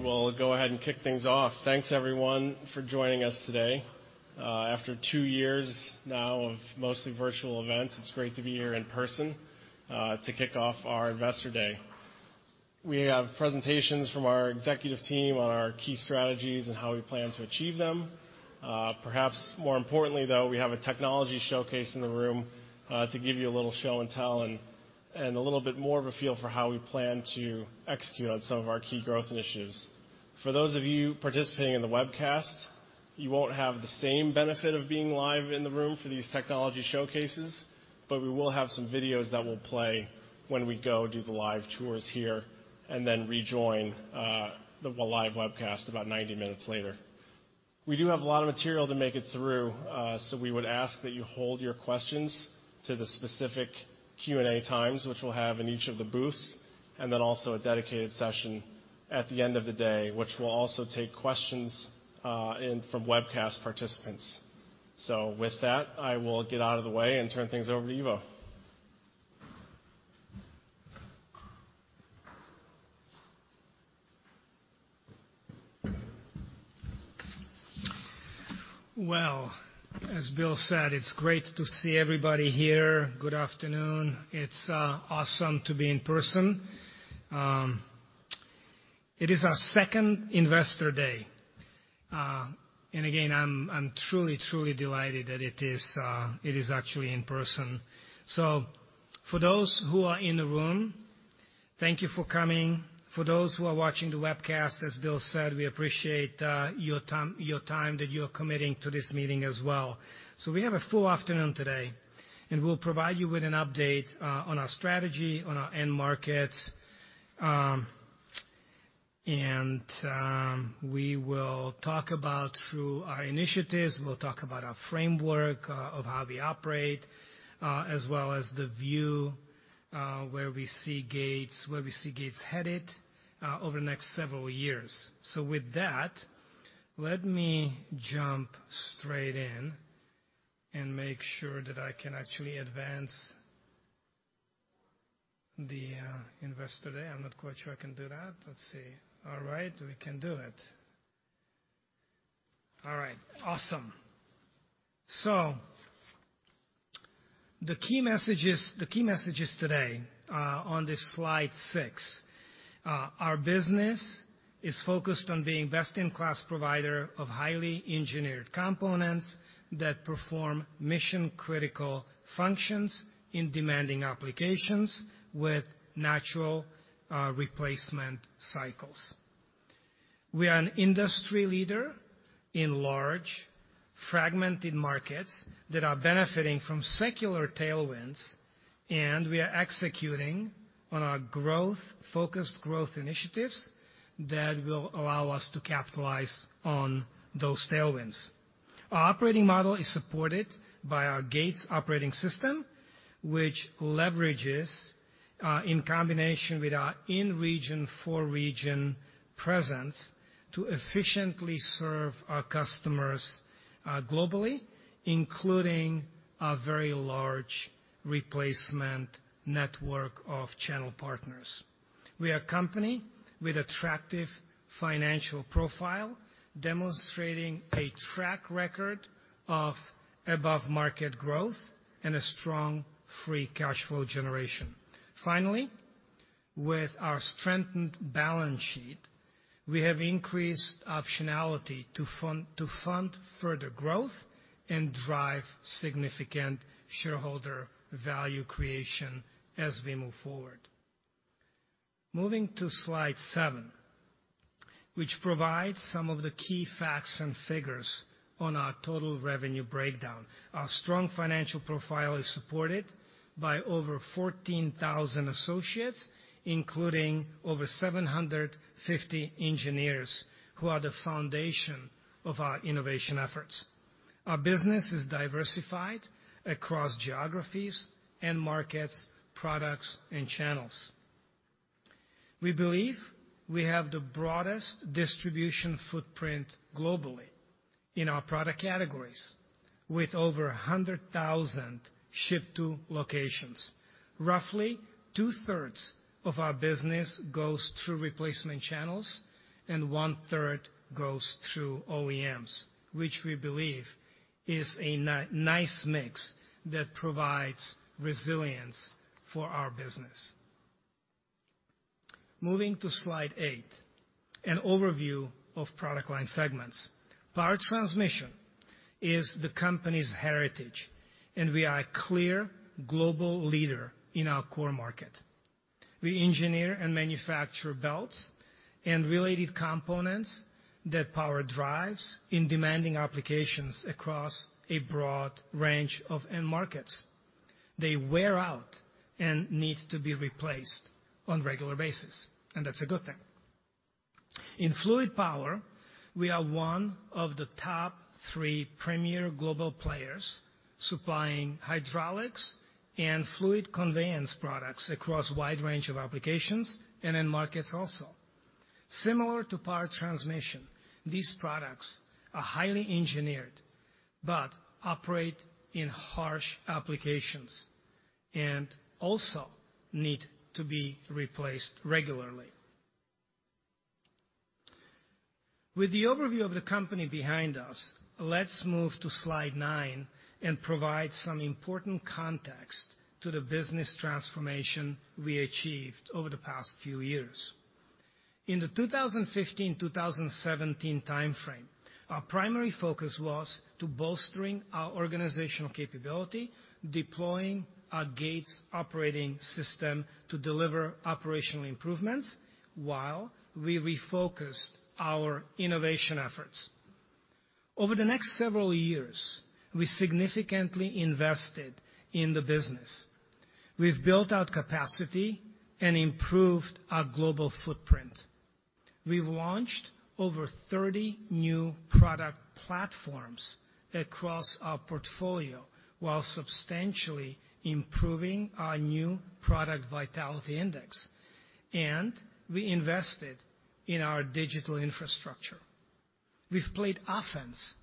We will go ahead and kick things off. Thanks everyone for joining us today. After two years now of mostly virtual events, it's great to be here in person, to kick off our Investor Day. We have presentations from our executive team on our key strategies and how we plan to achieve them. Perhaps more importantly though, we have a technology showcase in the room, to give you a little show and tell and a little bit more of a feel for how we plan to execute on some of our key growth initiatives. For those of you participating in the webcast, you won't have the same benefit of being live in the room for these technology showcases, but we will have some videos that will play when we go do the live tours here, and then rejoin the live webcast about 90 minutes later. We do have a lot of material to make it through, so we would ask that you hold your questions to the specific Q&A times which we'll have in each of the booths, and then also a dedicated session at the end of the day, which will also take questions in from webcast participants. With that, I will get out of the way and turn things over to Ivo. Well, as Bill said, it's great to see everybody here. Good afternoon. It's awesome to be in person. It is our second Investor Day. Again, I'm truly delighted that it is actually in person. For those who are in the room, thank you for coming. For those who are watching the webcast, as Bill said, we appreciate your time that you're committing to this meeting as well. We have a full afternoon today, and we'll provide you with an update on our strategy, on our end markets, and we will talk about through our initiatives. We'll talk about our framework of how we operate as well as the view where we see Gates headed over the next several years. With that, let me jump straight in and make sure that I can actually advance the Investor Day. I'm not quite sure I can do that. Let's see. All right, we can do it. All right. Awesome. The key messages today on this slide six, our business is focused on being best-in-class provider of highly engineered components that perform mission-critical functions in demanding applications with natural replacement cycles. We are an industry leader in large fragmented markets that are benefiting from secular tailwinds, and we are executing on our growth-focused growth initiatives that will allow us to capitalize on those tailwinds. Our operating model is supported by our Gates Operating System, which leverages in combination with our in-region, for-region presence to efficiently serve our customers globally, including a very large replacement network of channel partners. We are a company with attractive financial profile, demonstrating a track record of above market growth and a strong free cash flow generation. Finally, with our strengthened balance sheet, we have increased optionality to fund further growth and drive significant shareholder value creation as we move forward. Moving to slide seven, which provides some of the key facts and figures on our total revenue breakdown. Our strong financial profile is supported by over 14,000 associates, including over 750 engineers, who are the foundation of our innovation efforts. Our business is diversified across geographies and markets, products and channels. We believe we have the broadest distribution footprint globally in our product categories with over 100,000 ship to locations. Roughly two-thirds of our business goes through replacement channels, and one-third goes through OEMs, which we believe is a nice mix that provides resilience for our business. Moving to slide 8, an overview of product line segments. Power Transmission is the company's heritage, and we are a clear global leader in our core market. We engineer and manufacture belts and related components that power drives in demanding applications across a broad range of end markets. They wear out and need to be replaced on a regular basis, and that's a good thing. In Fluid Power, we are one of the top 3 premier global players supplying hydraulics and fluid conveyance products across a wide range of applications and end markets also. Similar to Power Transmission, these products are highly engineered but operate in harsh applications and also need to be replaced regularly. With the overview of the company behind us, let's move to slide 9 and provide some important context to the business transformation we achieved over the past few years. In the 2015, 2017 timeframe, our primary focus was to bolstering our organizational capability, deploying our Gates Operating System to deliver operational improvements while we refocused our innovation efforts. Over the next several years, we significantly invested in the business. We've built out capacity and improved our global footprint. We've launched over 30 new product platforms across our portfolio while substantially improving our new product vitality index, and we invested in our digital infrastructure. We've played offense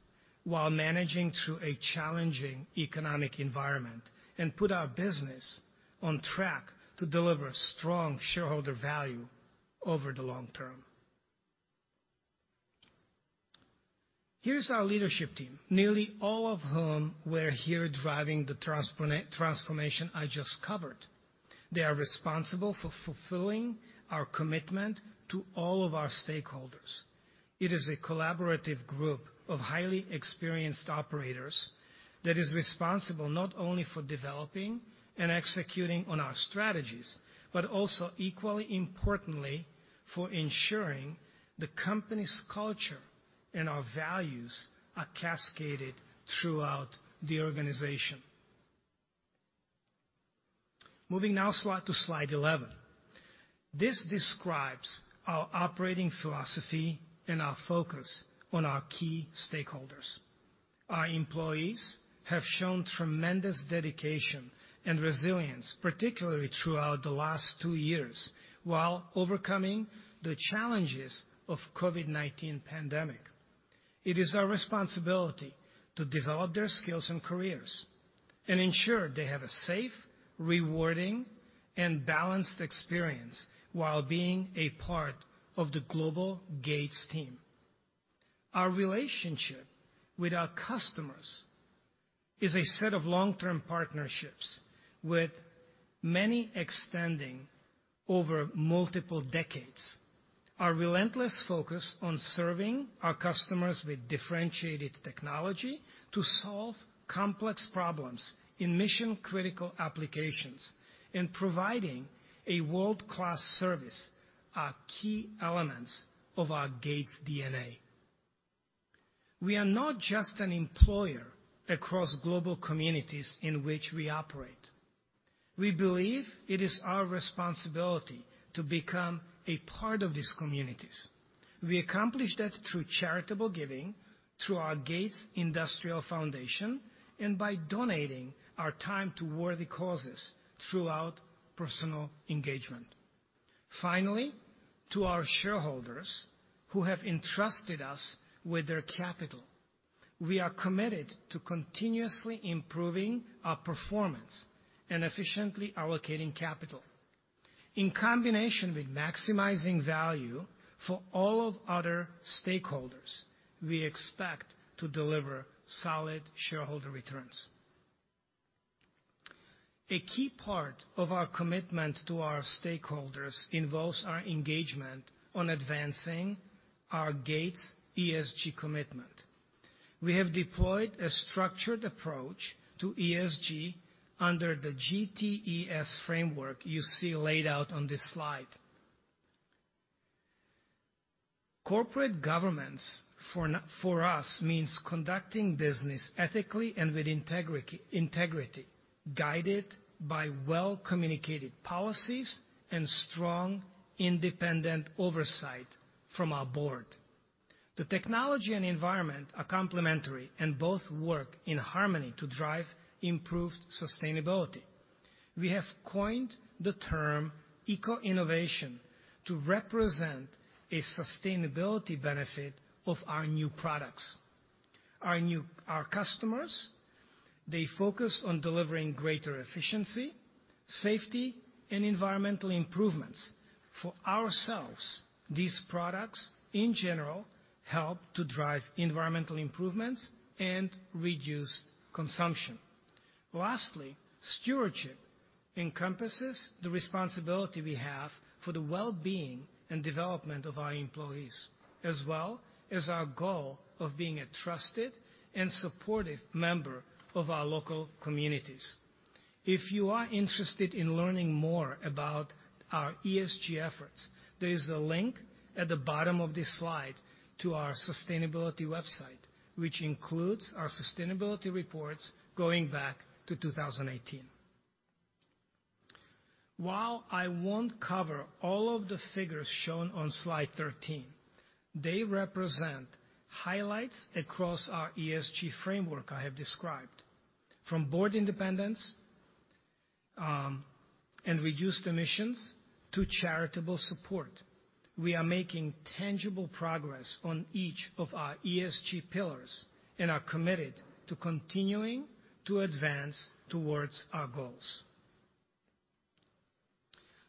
while managing through a challenging economic environment and put our business on track to deliver strong shareholder value over the long term. Here's our leadership team, nearly all of whom were here driving the transformation I just covered. They are responsible for fulfilling our commitment to all of our stakeholders. It is a collaborative group of highly experienced operators that is responsible not only for developing and executing on our strategies, but also equally importantly, for ensuring the company's culture and our values are cascaded throughout the organization. Moving now to slide 11. This describes our operating philosophy and our focus on our key stakeholders. Our employees have shown tremendous dedication and resilience, particularly throughout the last two years, while overcoming the challenges of COVID-19 pandemic. It is our responsibility to develop their skills and careers and ensure they have a safe, rewarding, and balanced experience while being a part of the global Gates team. Our relationship with our customers is a set of long-term partnerships with many extending over multiple decades. Our relentless focus on serving our customers with differentiated technology to solve complex problems in mission-critical applications and providing a world-class service are key elements of our Gates DNA. We are not just an employer across global communities in which we operate. We believe it is our responsibility to become a part of these communities. We accomplish that through charitable giving, through our Gates Industrial Corporation Foundation, and by donating our time to worthy causes through personal engagement. Finally, to our shareholders who have entrusted us with their capital, we are committed to continuously improving our performance and efficiently allocating capital. In combination with maximizing value for all other stakeholders, we expect to deliver solid shareholder returns. A key part of our commitment to our stakeholders involves our engagement on advancing our Gates ESG commitment. We have deployed a structured approach to ESG under the GTES framework you see laid out on this slide. Corporate governance for us means conducting business ethically and with integrity, guided by well-communicated policies and strong independent oversight from our board. The technology and environment are complementary and both work in harmony to drive improved sustainability. We have coined the term Eco-Innovation to represent a sustainability benefit of our new products. Our customers, they focus on delivering greater efficiency, safety, and environmental improvements. For ourselves, these products, in general, help to drive environmental improvements and reduced consumption. Lastly, stewardship encompasses the responsibility we have for the well-being and development of our employees, as well as our goal of being a trusted and supportive member of our local communities. If you are interested in learning more about our ESG efforts, there is a link at the bottom of this slide to our sustainability website, which includes our sustainability reports going back to 2018. While I won't cover all of the figures shown on slide 13, they represent highlights across our ESG framework I have described, from board independence, and reduced emissions to charitable support. We are making tangible progress on each of our ESG pillars, and are committed to continuing to advance towards our goals.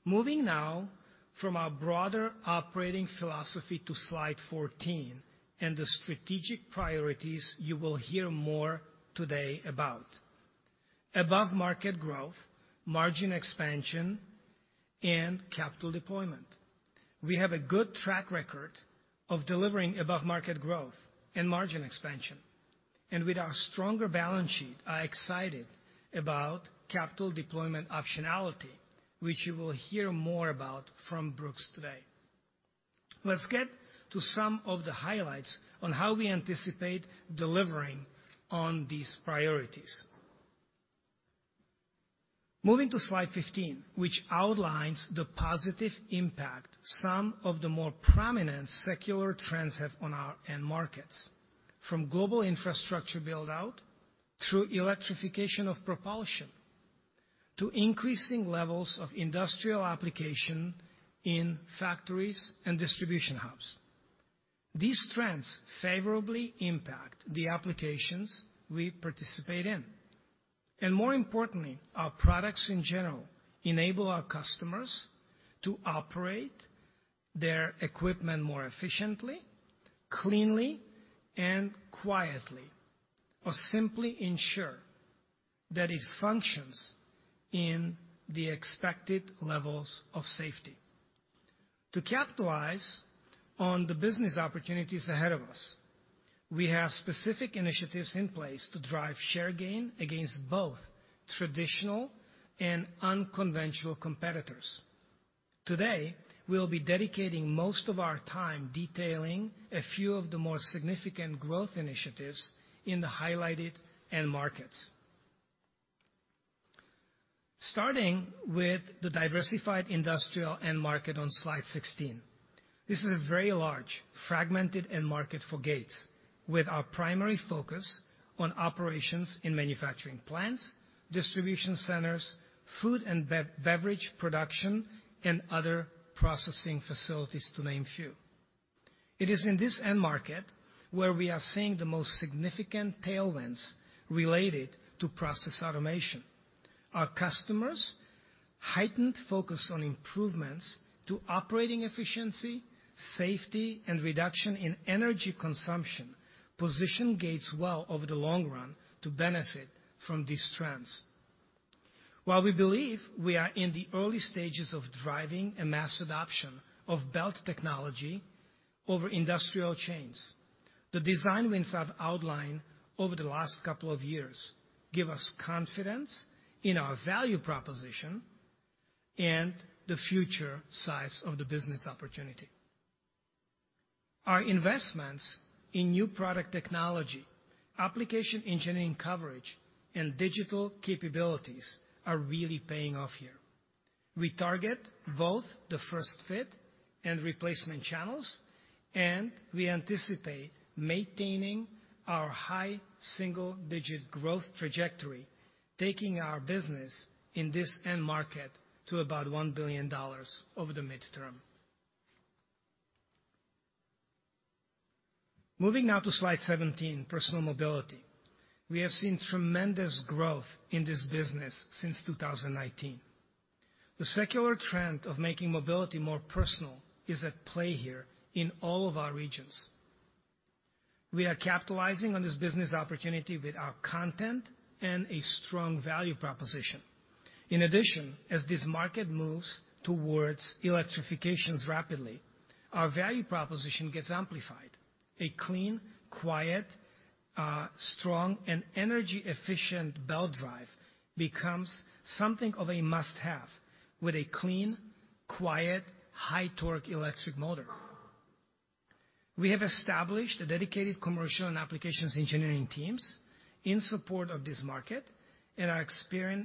Moving now from our broader operating philosophy to slide 14 and the strategic priorities you will hear more today about above-market growth, margin expansion, and capital deployment. We have a good track record of delivering above-market growth and margin expansion. With our stronger balance sheet, are excited about capital deployment optionality, which you will hear more about from Brooks today. Let's get to some of the highlights on how we anticipate delivering on these priorities. Moving to slide 15, which outlines the positive impact some of the more prominent secular trends have on our end markets, from global infrastructure build-out, through electrification of propulsion, to increasing levels of industrial application in factories and distribution hubs. These trends favorably impact the applications we participate in. More importantly, our products in general enable our customers to operate their equipment more efficiently, cleanly, and quietly, or simply ensure that it functions in the expected levels of safety. To capitalize on the business opportunities ahead of us, we have specific initiatives in place to drive share gain against both traditional and unconventional competitors. Today, we'll be dedicating most of our time detailing a few of the more significant growth initiatives in the highlighted end markets. Starting with the diversified industrial end market on slide 16. This is a very large, fragmented end market for Gates, with our primary focus on operations in manufacturing plants, distribution centers, food and beverage production, and other processing facilities, to name a few. It is in this end market where we are seeing the most significant tailwinds related to process automation. Our customers' heightened focus on improvements to operating efficiency, safety, and reduction in energy consumption position Gates well over the long run to benefit from these trends. While we believe we are in the early stages of driving a mass adoption of belt technology over industrial chains, the design wins I've outlined over the last couple of years give us confidence in our value proposition and the future size of the business opportunity. Our investments in new product technology, application engineering coverage, and digital capabilities are really paying off here. We target both the first fit and replacement channels, and we anticipate maintaining our high single-digit growth trajectory, taking our business in this end market to about $1 billion over the midterm. Moving now to slide 17, personal mobility. We have seen tremendous growth in this business since 2019. The secular trend of making mobility more personal is at play here in all of our regions. We are capitalizing on this business opportunity with our content and a strong value proposition. In addition, as this market moves towards electrification rapidly, our value proposition gets amplified. A clean, quiet, strong and energy-efficient belt drive becomes something of a must-have with a clean, quiet, high-torque electric motor. We have established dedicated commercial and applications engineering teams in support of this market, and are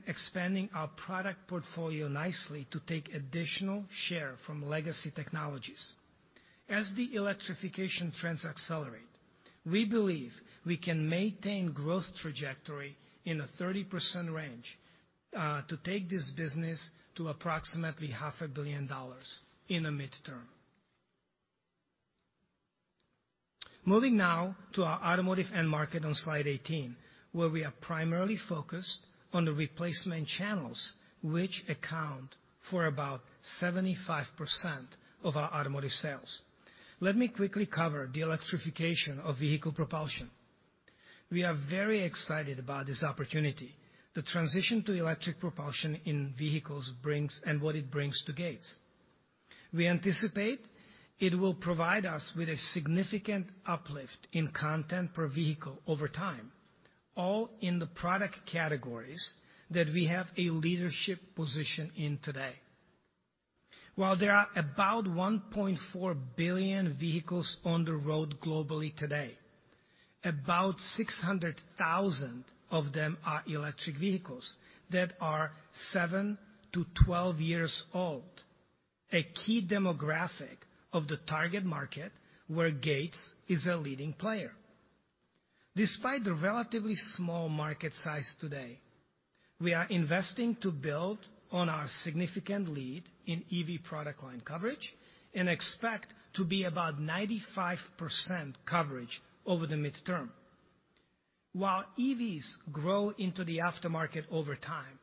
expanding our product portfolio nicely to take additional share from legacy technologies. As the electrification trends accelerate, we believe we can maintain growth trajectory in a 30% range to take this business to approximately half a billion dollars in the midterm. Moving now to our automotive end market on slide 18, where we are primarily focused on the replacement channels, which account for about 75% of our automotive sales. Let me quickly cover the electrification of vehicle propulsion. We are very excited about this opportunity. The transition to electric propulsion in vehicles and what it brings to Gates. We anticipate it will provide us with a significant uplift in content per vehicle over time, all in the product categories that we have a leadership position in today. While there are about 1.4 billion vehicles on the road globally today, about 600,000 of them are electric vehicles that are 7-12 years old, a key demographic of the target market where Gates is a leading player. Despite the relatively small market size today, we are investing to build on our significant lead in EV product line coverage and expect to be about 95% coverage over the midterm. While EVs grow into the aftermarket over time,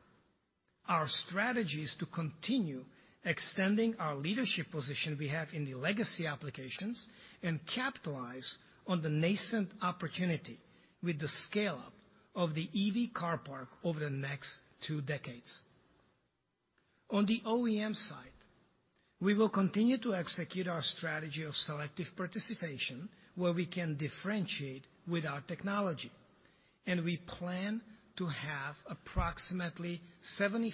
our strategy is to continue extending our leadership position we have in the legacy applications and capitalize on the nascent opportunity with the scale-up of the EV car park over the next two decades. On the OEM side, we will continue to execute our strategy of selective participation where we can differentiate with our technology. We plan to have approximately 75%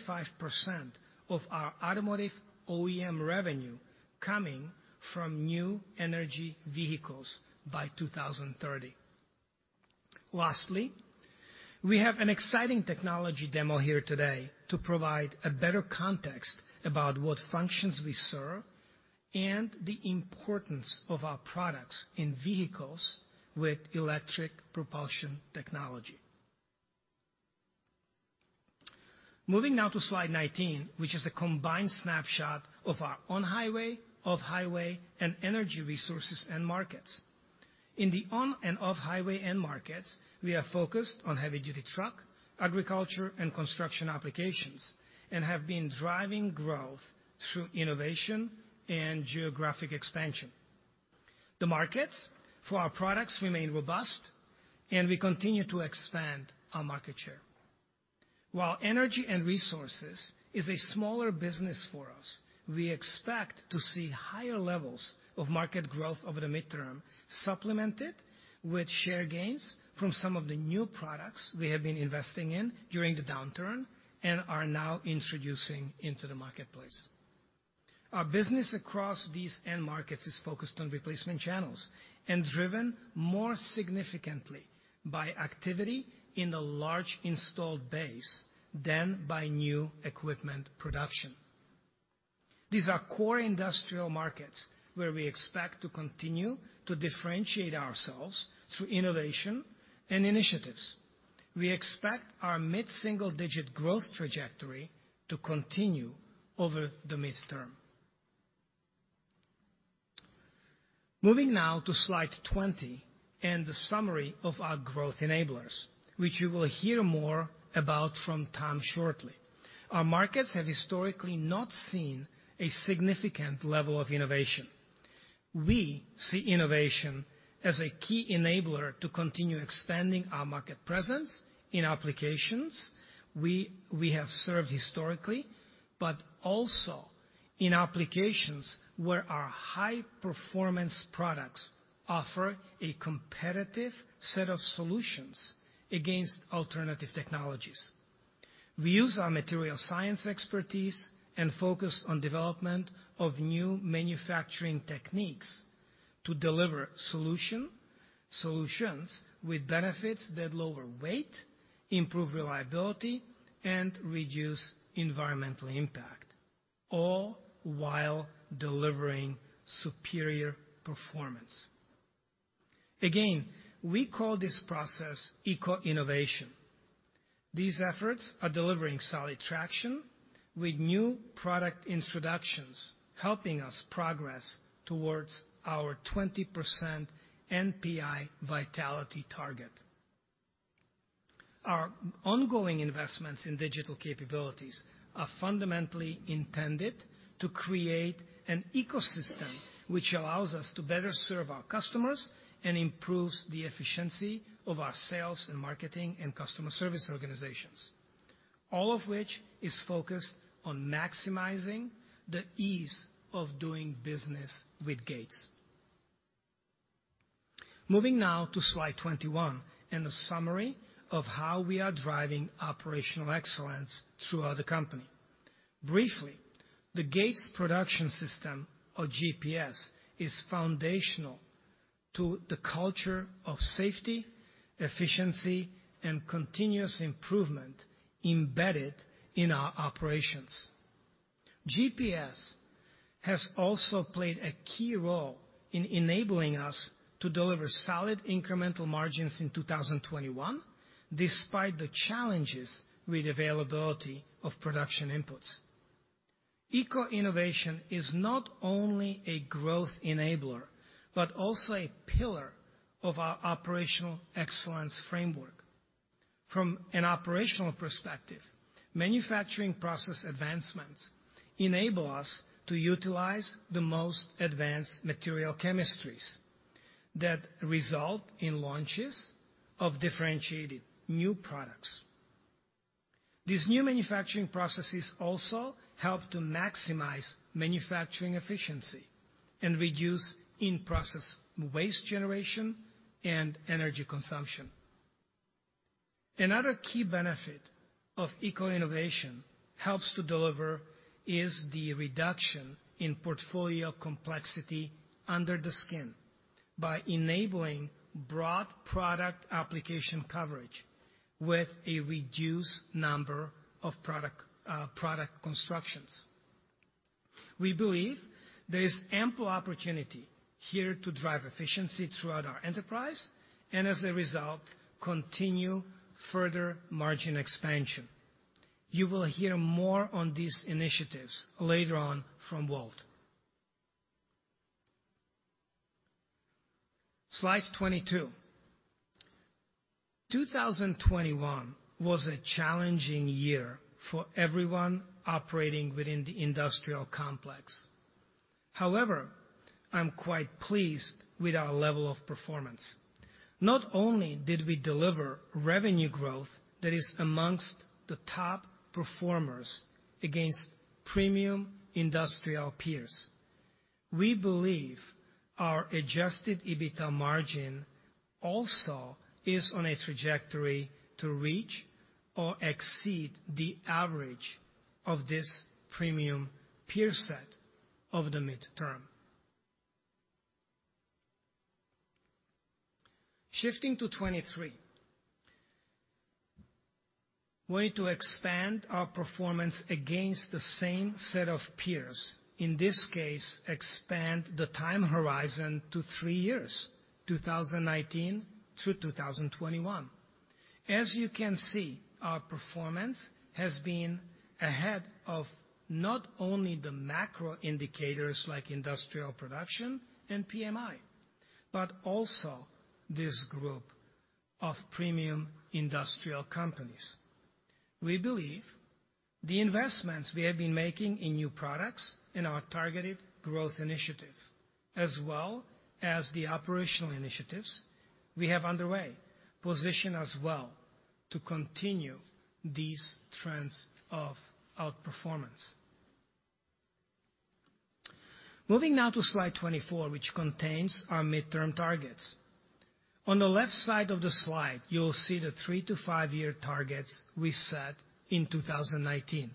of our automotive OEM revenue coming from new energy vehicles by 2030. Lastly, we have an exciting technology demo here today to provide a better context about what functions we serve and the importance of our products in vehicles with electric propulsion technology. Moving now to slide 19, which is a combined snapshot of our on-highway, off-highway, and energy resources end markets. In the on and off-highway end markets, we are focused on heavy-duty truck, agriculture, and construction applications and have been driving growth through innovation and geographic expansion. The markets for our products remain robust, and we continue to expand our market share. While energy and resources is a smaller business for us, we expect to see higher levels of market growth over the midterm, supplemented with share gains from some of the new products we have been investing in during the downturn and are now introducing into the marketplace. Our business across these end markets is focused on replacement channels and driven more significantly by activity in the large installed base than by new equipment production. These are core industrial markets where we expect to continue to differentiate ourselves through innovation and initiatives. We expect our mid-single-digit growth trajectory to continue over the midterm. Moving now to slide 20 and the summary of our growth enablers, which you will hear more about from Tom shortly. Our markets have historically not seen a significant level of innovation. We see innovation as a key enabler to continue expanding our market presence in applications we have served historically, but also in applications where our high-performance products offer a competitive set of solutions against alternative technologies. We use our material science expertise and focus on development of new manufacturing techniques to deliver solutions with benefits that lower weight, improve reliability, and reduce environmental impact, all while delivering superior performance. Again, we call this process Eco-Innovation. These efforts are delivering solid traction with new product introductions helping us progress towards our 20% NPI vitality target. Our ongoing investments in digital capabilities are fundamentally intended to create an ecosystem which allows us to better serve our customers and improves the efficiency of our sales and marketing and customer service organizations, all of which is focused on maximizing the ease of doing business with Gates. Moving now to slide 21 and a summary of how we are driving operational excellence throughout the company. Briefly, the Gates Production System, or GPS, is foundational to the culture of safety, efficiency, and continuous improvement embedded in our operations. GPS has also played a key role in enabling us to deliver solid incremental margins in 2021 despite the challenges with availability of production inputs. Eco-Innovation is not only a growth enabler but also a pillar of our operational excellence framework. From an operational perspective, manufacturing process advancements enable us to utilize the most advanced material chemistries that result in launches of differentiated new products. These new manufacturing processes also help to maximize manufacturing efficiency and reduce in-process waste generation and energy consumption. Another key benefit of Eco-Innovation helps to deliver is the reduction in portfolio complexity under the skin by enabling broad product application coverage with a reduced number of product constructions. We believe there is ample opportunity here to drive efficiency throughout our enterprise, and as a result, continue further margin expansion. You will hear more on these initiatives later on from Walt. Slide 22. 2021 was a challenging year for everyone operating within the industrial complex. However, I'm quite pleased with our level of performance. Not only did we deliver revenue growth that is among the top performers against premium industrial peers, we believe our adjusted EBITDA margin also is on a trajectory to reach or exceed the average of this premium peer set over the midterm. Shifting to 23. We're to expand our performance against the same set of peers, in this case, expand the time horizon to 3 years, 2019 to 2021. As you can see, our performance has been ahead of not only the macro indicators like industrial production and PMI, but also this group of premium industrial companies. We believe the investments we have been making in new products in our targeted growth initiative, as well as the operational initiatives we have underway, position us well to continue these trends of outperformance. Moving now to slide 24, which contains our midterm targets. On the left side of the slide, you will see the 3-5 year targets we set in 2019.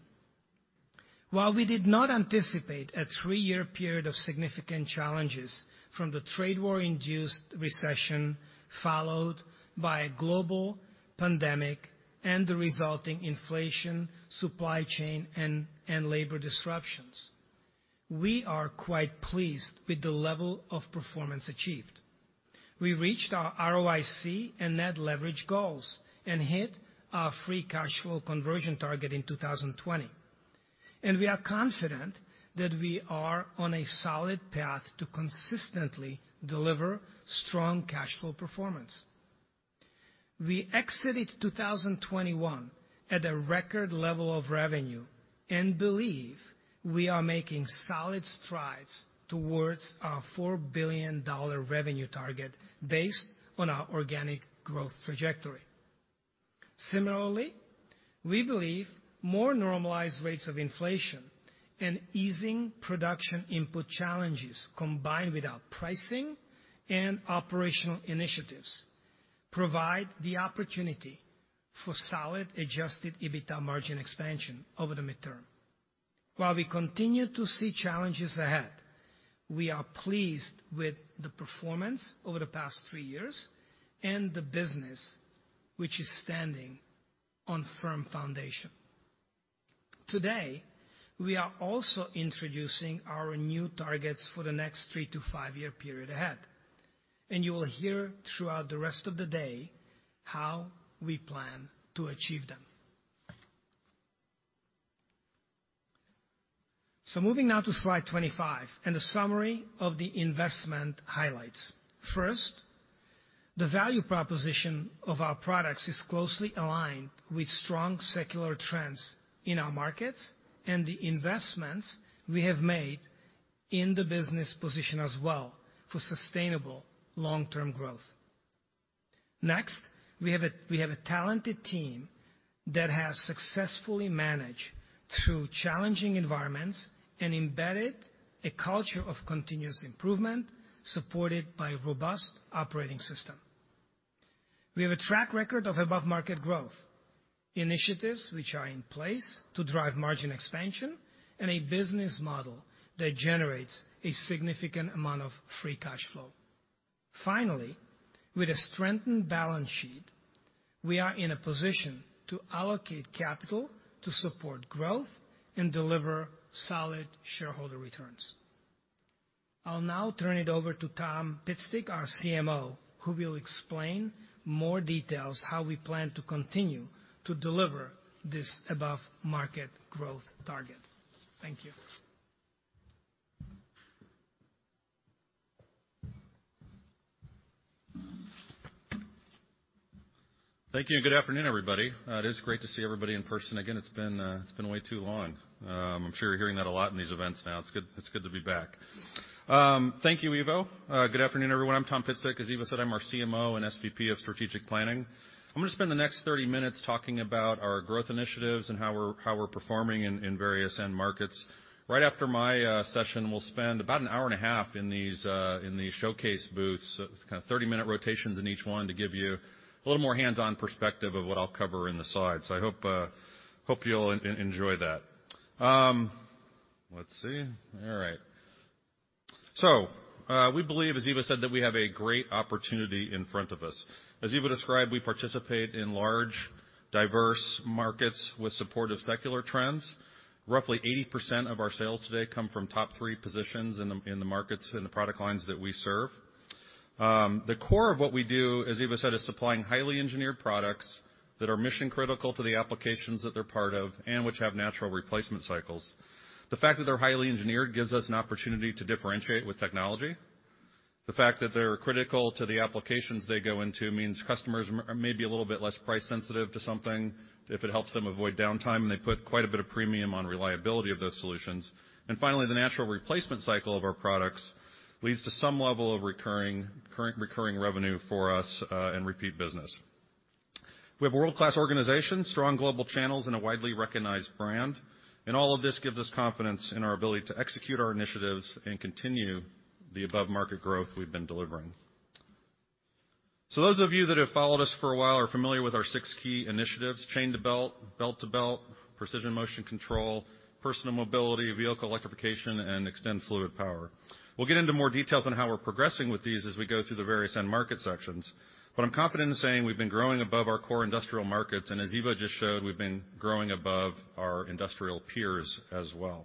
While we did not anticipate a 3-year period of significant challenges from the trade war-induced recession, followed by a global pandemic and the resulting inflation, supply chain, and labor disruptions, we are quite pleased with the level of performance achieved. We reached our ROIC and net leverage goals, and hit our free cash flow conversion target in 2020. We are confident that we are on a solid path to consistently deliver strong cash flow performance. We exited 2021 at a record level of revenue and believe we are making solid strides towards our $4 billion revenue target based on our organic growth trajectory. Similarly, we believe more normalized rates of inflation and easing production input challenges combined with our pricing and operational initiatives provide the opportunity for solid adjusted EBITDA margin expansion over the midterm. While we continue to see challenges ahead, we are pleased with the performance over the past three years and the business which is standing on firm foundation. Today, we are also introducing our new targets for the next 3-5-year period ahead, and you will hear throughout the rest of the day how we plan to achieve them. Moving now to slide 25 and a summary of the investment highlights. First, the value proposition of our products is closely aligned with strong secular trends in our markets and the investments we have made in the business position as well for sustainable long-term growth. Next, we have a talented team that has successfully managed through challenging environments and embedded a culture of continuous improvement, supported by robust operating system. We have a track record of above-market growth, initiatives which are in place to drive margin expansion, and a business model that generates a significant amount of free cash flow. Finally, with a strengthened balance sheet, we are in a position to allocate capital to support growth and deliver solid shareholder returns. I'll now turn it over to Tom Pitstick, our CMO, who will explain more details how we plan to continue to deliver this above-market growth target. Thank you. Thank you, and good afternoon, everybody. It is great to see everybody in person again. It's been way too long. I'm sure you're hearing that a lot in these events now. It's good to be back. Thank you, Ivo. Good afternoon, everyone. I'm Tom Pitstick. As Ivo said, I'm our CMO and SVP of Strategic Planning. I'm gonna spend the next 30 minutes talking about our growth initiatives and how we're performing in various end markets. Right after my session, we'll spend about an hour and a half in these showcase booths, kind of 30-minute rotations in each one to give you a little more hands-on perspective of what I'll cover in the slides. I hope you'll enjoy that. Let's see. We believe, as Ivo said, that we have a great opportunity in front of us. As Ivo described, we participate in large, diverse markets with supportive secular trends. Roughly 80% of our sales today come from top three positions in the markets and the product lines that we serve. The core of what we do, as Ivo said, is supplying highly engineered products that are mission-critical to the applications that they're part of, and which have natural replacement cycles. The fact that they're highly engineered gives us an opportunity to differentiate with technology. The fact that they're critical to the applications they go into means customers may be a little bit less price-sensitive to something if it helps them avoid downtime, and they put quite a bit of premium on reliability of those solutions. Finally, the natural replacement cycle of our products leads to some level of recurring, current recurring revenue for us, and repeat business. We have a world-class organization, strong global channels, and a widely recognized brand. All of this gives us confidence in our ability to execute our initiatives and continue the above-market growth we've been delivering. Those of you that have followed us for a while are familiar with our six key initiatives, Chain-to-Belt, Belt-to-Belt, Precision Motion Control, Personal Mobility, Vehicle Electrification, and Extend Fluid Power. We'll get into more details on how we're progressing with these as we go through the various end market sections. I'm confident in saying we've been growing above our core industrial markets, and as Ivo just showed, we've been growing above our industrial peers as well.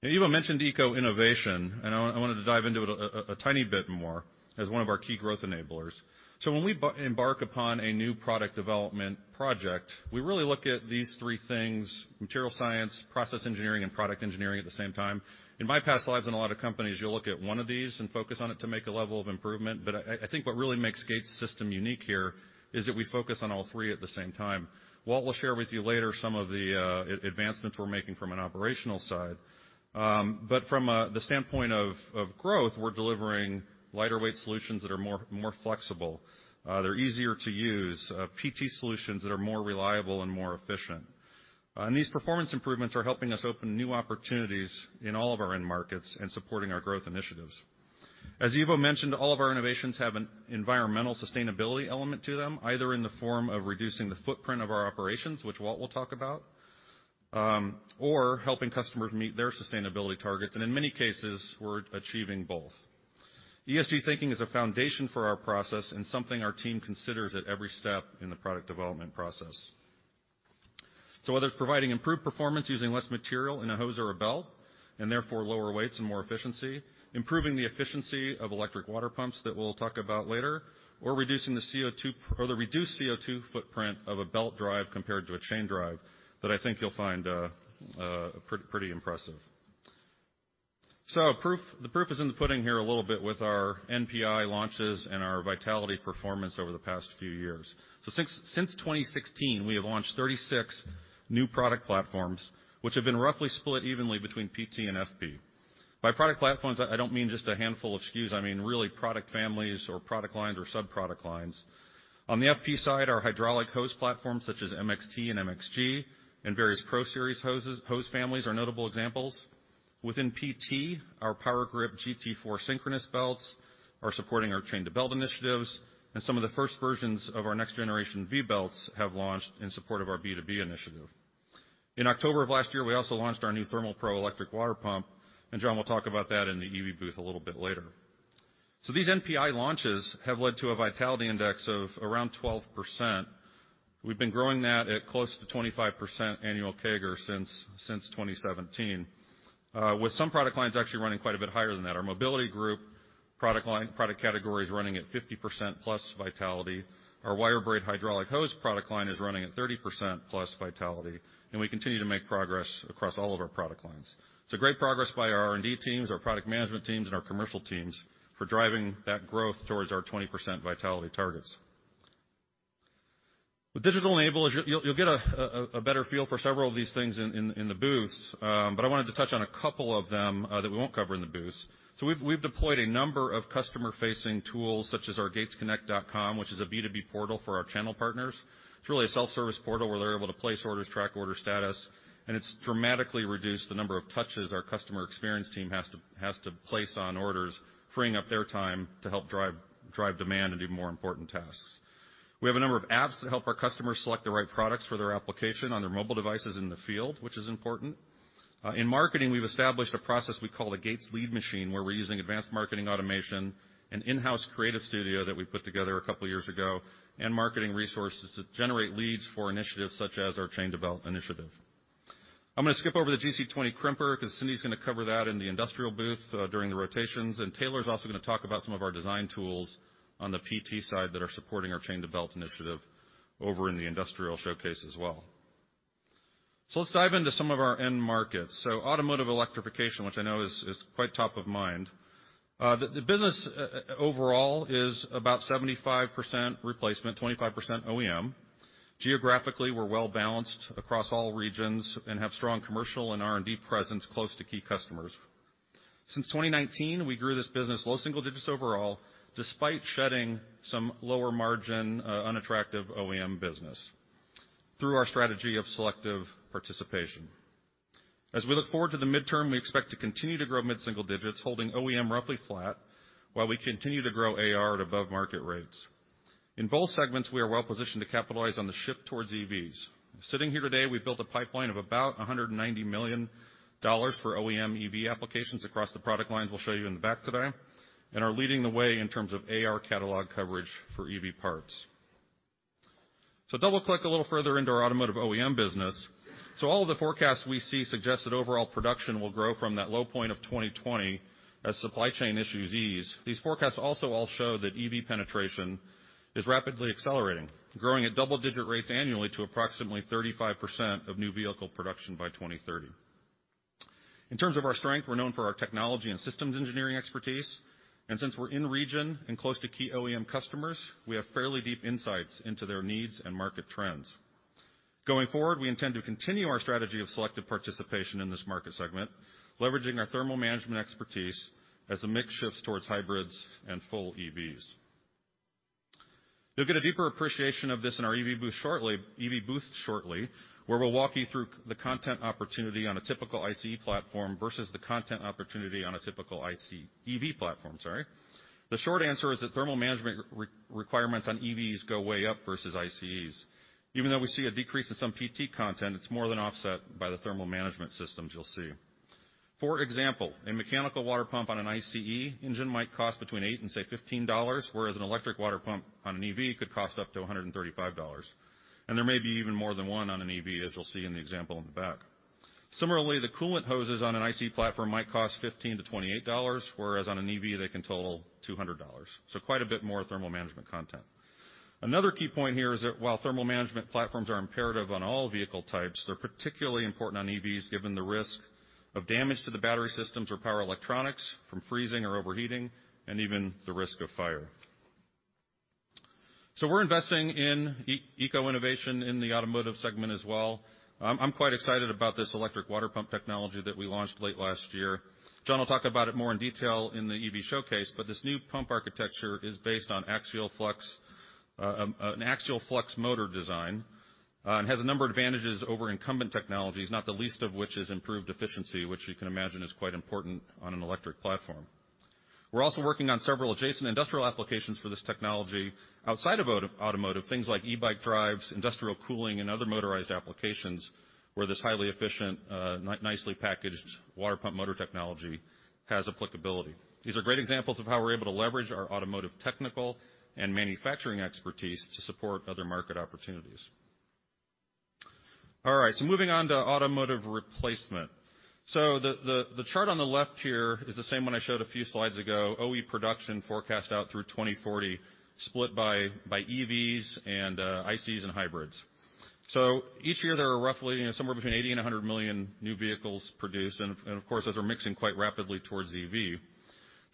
Now, Ivo mentioned Eco-Innovation, and I wanted to dive into it a tiny bit more as one of our key growth enablers. When we embark upon a new product development project, we really look at these three things, material science, process engineering, and product engineering at the same time. In my past lives in a lot of companies, you'll look at one of these and focus on it to make a level of improvement, but I think what really makes Gates system unique here is that we focus on all three at the same time. Walt will share with you later some of the advancements we're making from an operational side. From the standpoint of growth, we're delivering lighter-weight solutions that are more flexible. They're easier to use. PT solutions that are more reliable and more efficient. These performance improvements are helping us open new opportunities in all of our end markets and supporting our growth initiatives. As Ivo mentioned, all of our innovations have an environmental sustainability element to them, either in the form of reducing the footprint of our operations, which Walt will talk about, or helping customers meet their sustainability targets, and in many cases, we're achieving both. ESG thinking is a foundation for our process and something our team considers at every step in the product development process. Whether it's providing improved performance using less material in a hose or a belt, and therefore lower weights and more efficiency, improving the efficiency of electric water pumps that we'll talk about later, or the reduced CO2 footprint of a belt drive compared to a chain drive that I think you'll find pretty impressive. The proof is in the pudding here a little bit with our NPI launches and our vitality performance over the past few years. Since 2016, we have launched 36 new product platforms, which have been roughly split evenly between PT and FP. By product platforms, I don't mean just a handful of SKUs. I mean, really product families or product lines or sub-product lines. On the FP side, our hydraulic hose platforms such as MXT and MXG and various PRO Series hoses, hose families are notable examples. Within PT, our PowerGrip GT4 synchronous belts are supporting our Chain to Belt initiatives, and some of the first versions of our next-generation V-belts have launched in support of our B2B initiative. In October of last year, we also launched our new Thermal Pro electric water pump, and John will talk about that in the EV booth a little bit later. These NPI launches have led to a vitality index of around 12%. We've been growing that at close to 25% annual CAGR since 2017, with some product lines actually running quite a bit higher than that. Our mobility group product line, product category is running at 50%+ vitality. Our wire braid hydraulic hose product line is running at 30% plus vitality, and we continue to make progress across all of our product lines. It's a great progress by our R&D teams, our product management teams, and our commercial teams for driving that growth towards our 20% vitality targets. With digital enablement, you'll get a better feel for several of these things in the booths, but I wanted to touch on a couple of them, that we won't cover in the booths. We've deployed a number of customer-facing tools, such as our gatesconnect.com, which is a B2B portal for our channel partners. It's really a self-service portal where they're able to place orders, track order status, and it's dramatically reduced the number of touches our customer experience team has to place on orders, freeing up their time to help drive demand and do more important tasks. We have a number of apps that help our customers select the right products for their application on their mobile devices in the field, which is important. In marketing, we've established a process we call the Gates Lead Machine, where we're using advanced marketing automation and in-house creative studio that we put together a couple years ago and marketing resources to generate leads for initiatives such as our Chain to Belt initiative. I'm gonna skip over the GC20 crimper 'cause Cindy's gonna cover that in the industrial booth during the rotations, and Taylor's also gonna talk about some of our design tools on the PT side that are supporting our Chain to Belt initiative over in the industrial showcase as well. Let's dive into some of our end markets. Automotive electrification, which I know is quite top of mind. The business overall is about 75% replacement, 25% OEM. Geographically, we're well-balanced across all regions and have strong commercial and R&D presence close to key customers. Since 2019, we grew this business low single digits overall, despite shedding some lower margin unattractive OEM business through our strategy of selective participation. As we look forward to the midterm, we expect to continue to grow mid-single digits, holding OEM roughly flat while we continue to grow AR at above market rates. In both segments, we are well positioned to capitalize on the shift towards EVs. Sitting here today, we've built a pipeline of about $190 million for OEM EV applications across the product lines we'll show you in the back today, and are leading the way in terms of AR catalog coverage for EV parts. Double-click a little further into our automotive OEM business. All of the forecasts we see suggest that overall production will grow from that low point of 2020 as supply chain issues ease. These forecasts also all show that EV penetration is rapidly accelerating, growing at double-digit rates annually to approximately 35% of new vehicle production by 2030. In terms of our strength, we're known for our technology and systems engineering expertise, and since we're in region and close to key OEM customers, we have fairly deep insights into their needs and market trends. Going forward, we intend to continue our strategy of selective participation in this market segment, leveraging our thermal management expertise as the mix shifts towards hybrids and full EVs. You'll get a deeper appreciation of this in our EV booth shortly, where we'll walk you through the content opportunity on a typical ICE platform versus the content opportunity on a typical EV platform, sorry. The short answer is that thermal management requirements on EVs go way up versus ICEs. Even though we see a decrease in some PT content, it's more than offset by the thermal management systems you'll see. For example, a mechanical water pump on an ICE engine might cost between $8 and, say, $15, whereas an electric water pump on an EV could cost up to $135. There may be even more than one on an EV, as you'll see in the example in the back. Similarly, the coolant hoses on an ICE platform might cost $15-$28, whereas on an EV they can total $200. Quite a bit more thermal management content. Another key point here is that while thermal management platforms are imperative on all vehicle types, they're particularly important on EVs given the risk of damage to the battery systems or power electronics from freezing or overheating, and even the risk of fire. We're investing in Eco-Innovation in the automotive segment as well. I'm quite excited about this electric water pump technology that we launched late last year. John will talk about it more in detail in the EV showcase, but this new pump architecture is based on axial flux, an axial flux motor design, and has a number of advantages over incumbent technologies, not the least of which is improved efficiency, which you can imagine is quite important on an electric platform. We're also working on several adjacent industrial applications for this technology outside of automotive, things like e-bike drives, industrial cooling and other motorized applications where this highly efficient, nicely packaged water pump motor technology has applicability. These are great examples of how we're able to leverage our automotive technical and manufacturing expertise to support other market opportunities. All right, moving on to automotive replacement. The chart on the left here is the same one I showed a few slides ago, OE production forecast out through 2040, split by EVs and ICEs and hybrids. Each year there are roughly somewhere between 80 and 100 million new vehicles produced and of course, those are mixing quite rapidly towards EV.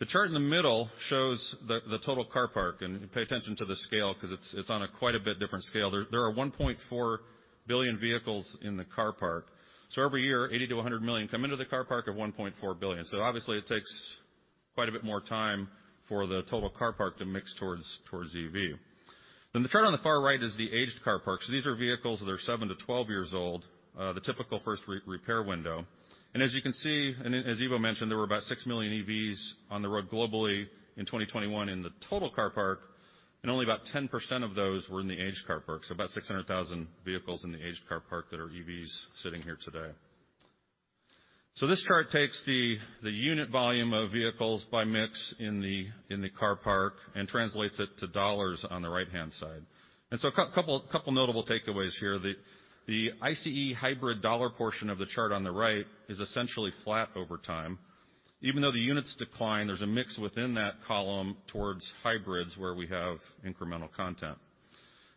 The chart in the middle shows the total car park, and pay attention to the scale 'cause it's on a quite a bit different scale. There are 1.4 billion vehicles in the car park. Every year, 80-100 million come into the car park of 1.4 billion. Obviously it takes quite a bit more time for the total car park to mix towards EV. The chart on the far right is the aged car park. These are vehicles that are 7-12 years old, the typical first repair window. As you can see, and as Ivo mentioned, there were about 6 million EVs on the road globally in 2021 in the total car park, and only about 10% of those were in the aged car park. About 600,000 vehicles in the aged car park that are EVs sitting here today. This chart takes the unit volume of vehicles by mix in the car park and translates it to dollars on the right-hand side. A couple notable takeaways here. The ICE hybrid dollar portion of the chart on the right is essentially flat over time. Even though the units decline, there's a mix within that column towards hybrids where we have incremental content.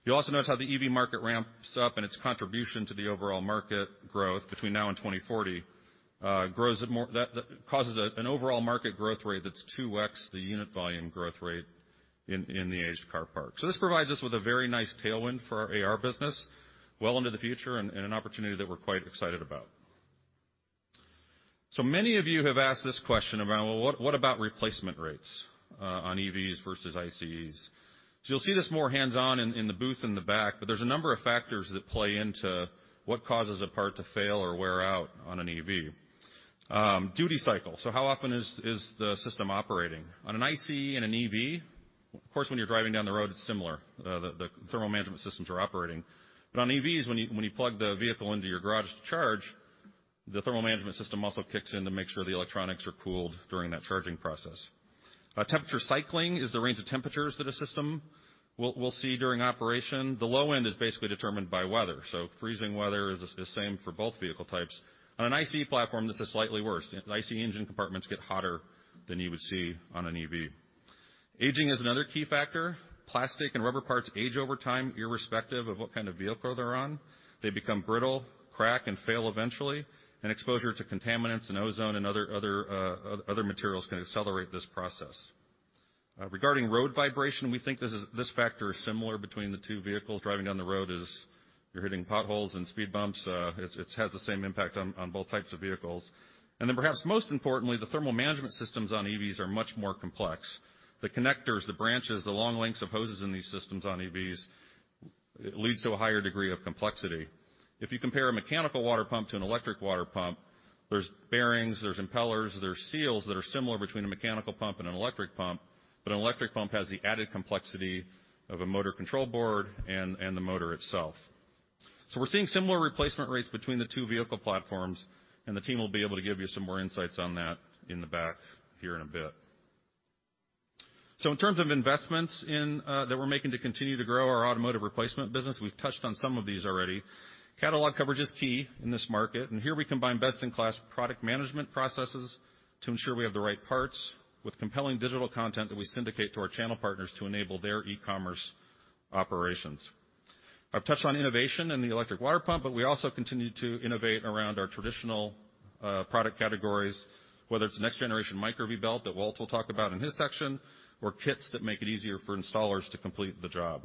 You'll also notice how the EV market ramps up and its contribution to the overall market growth between now and 2040 grows at more. That causes an overall market growth rate that's 2x the unit volume growth rate in the aged car park. This provides us with a very nice tailwind for our AR business well into the future and an opportunity that we're quite excited about. Many of you have asked this question around what about replacement rates on EVs versus ICEs. You'll see this more hands-on in the booth in the back, but there's a number of factors that play into what causes a part to fail or wear out on an EV. Duty cycle. How often is the system operating? On an ICE and an EV, of course, when you're driving down the road it's similar. The thermal management systems are operating. But on EVs, when you plug the vehicle into your garage to charge, the thermal management system also kicks in to make sure the electronics are cooled during that charging process. Temperature cycling is the range of temperatures that a system will see during operation. The low end is basically determined by weather, so freezing weather is the same for both vehicle types. On an ICE platform, this is slightly worse. ICE engine compartments get hotter than you would see on an EV. Aging is another key factor. Plastic and rubber parts age over time, irrespective of what kind of vehicle they're on. They become brittle, crack, and fail eventually, and exposure to contaminants and ozone and other materials can accelerate this process. Regarding road vibration, we think this factor is similar between the two vehicles. Driving down the road, you're hitting potholes and speed bumps, it has the same impact on both types of vehicles. Perhaps most importantly, the thermal management systems on EVs are much more complex. The connectors, the branches, the long lengths of hoses in these systems on EVs. It leads to a higher degree of complexity. If you compare a mechanical water pump to an electric water pump, there's bearings, there's impellers, there's seals that are similar between a mechanical pump and an electric pump, but an electric pump has the added complexity of a motor control board and the motor itself. We're seeing similar replacement rates between the two vehicle platforms, and the team will be able to give you some more insights on that in the back here in a bit. In terms of investments in that we're making to continue to grow our automotive replacement business, we've touched on some of these already. Catalog coverage is key in this market, and here we combine best-in-class product management processes to ensure we have the right parts with compelling digital content that we syndicate to our channel partners to enable their e-commerce operations. I've touched on innovation in the electric water pump, but we also continue to innovate around our traditional product categories, whether it's next generation Micro-V belt that Walt will talk about in his section or kits that make it easier for installers to complete the job.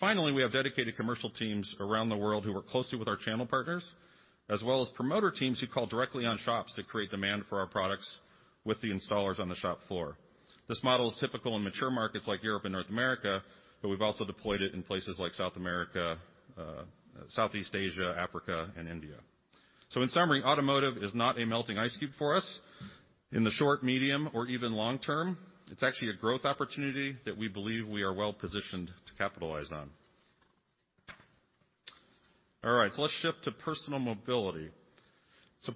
Finally, we have dedicated commercial teams around the world who work closely with our channel partners, as well as promoter teams who call directly on shops that create demand for our products with the installers on the shop floor. This model is typical in mature markets like Europe and North America, but we've also deployed it in places like South America, Southeast Asia, Africa and India. In summary, automotive is not a melting ice cube for us in the short, medium or even long term. It's actually a growth opportunity that we believe we are well-positioned to capitalize on. All right, let's shift to personal mobility.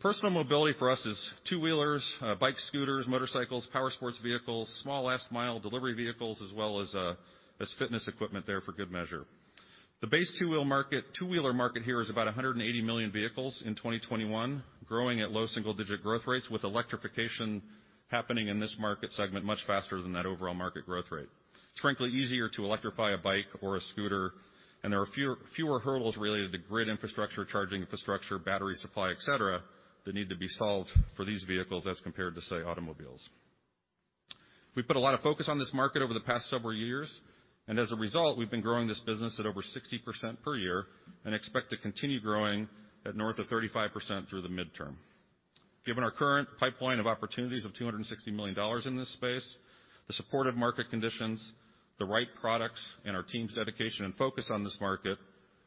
Personal mobility for us is two-wheelers, bikes, scooters, motorcycles, power sports vehicles, small last mile delivery vehicles, as well as fitness equipment there for good measure. The two-wheeler market here is about 180 million vehicles in 2021, growing at low single-digit growth rates with electrification happening in this market segment much faster than that overall market growth rate. It's frankly easier to electrify a bike or a scooter, and there are fewer hurdles related to grid infrastructure, charging infrastructure, battery supply, et cetera, that need to be solved for these vehicles as compared to, say, automobiles. We've put a lot of focus on this market over the past several years, and as a result, we've been growing this business at over 60% per year and expect to continue growing at north of 35% through the midterm. Given our current pipeline of opportunities of $260 million in this space, the supportive market conditions, the right products, and our team's dedication and focus on this market,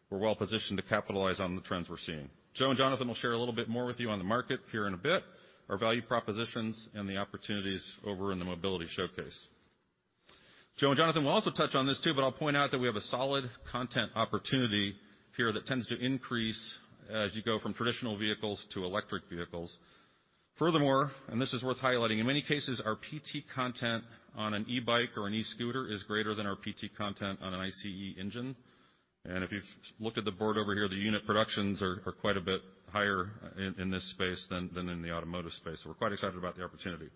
we're well positioned to capitalize on the trends we're seeing. Joe and Jonathan will share a little bit more with you on the market here in a bit, our value propositions, and the opportunities over in the mobility showcase. Joe and Jonathan will also touch on this too, but I'll point out that we have a solid content opportunity here that tends to increase as you go from traditional vehicles to electric vehicles. Furthermore, and this is worth highlighting, in many cases, our PT content on an e-bike or an e-scooter is greater than our PT content on an ICE engine. If you've looked at the board over here, the unit productions are quite a bit higher in this space than in the automotive space. We're quite excited about the opportunity.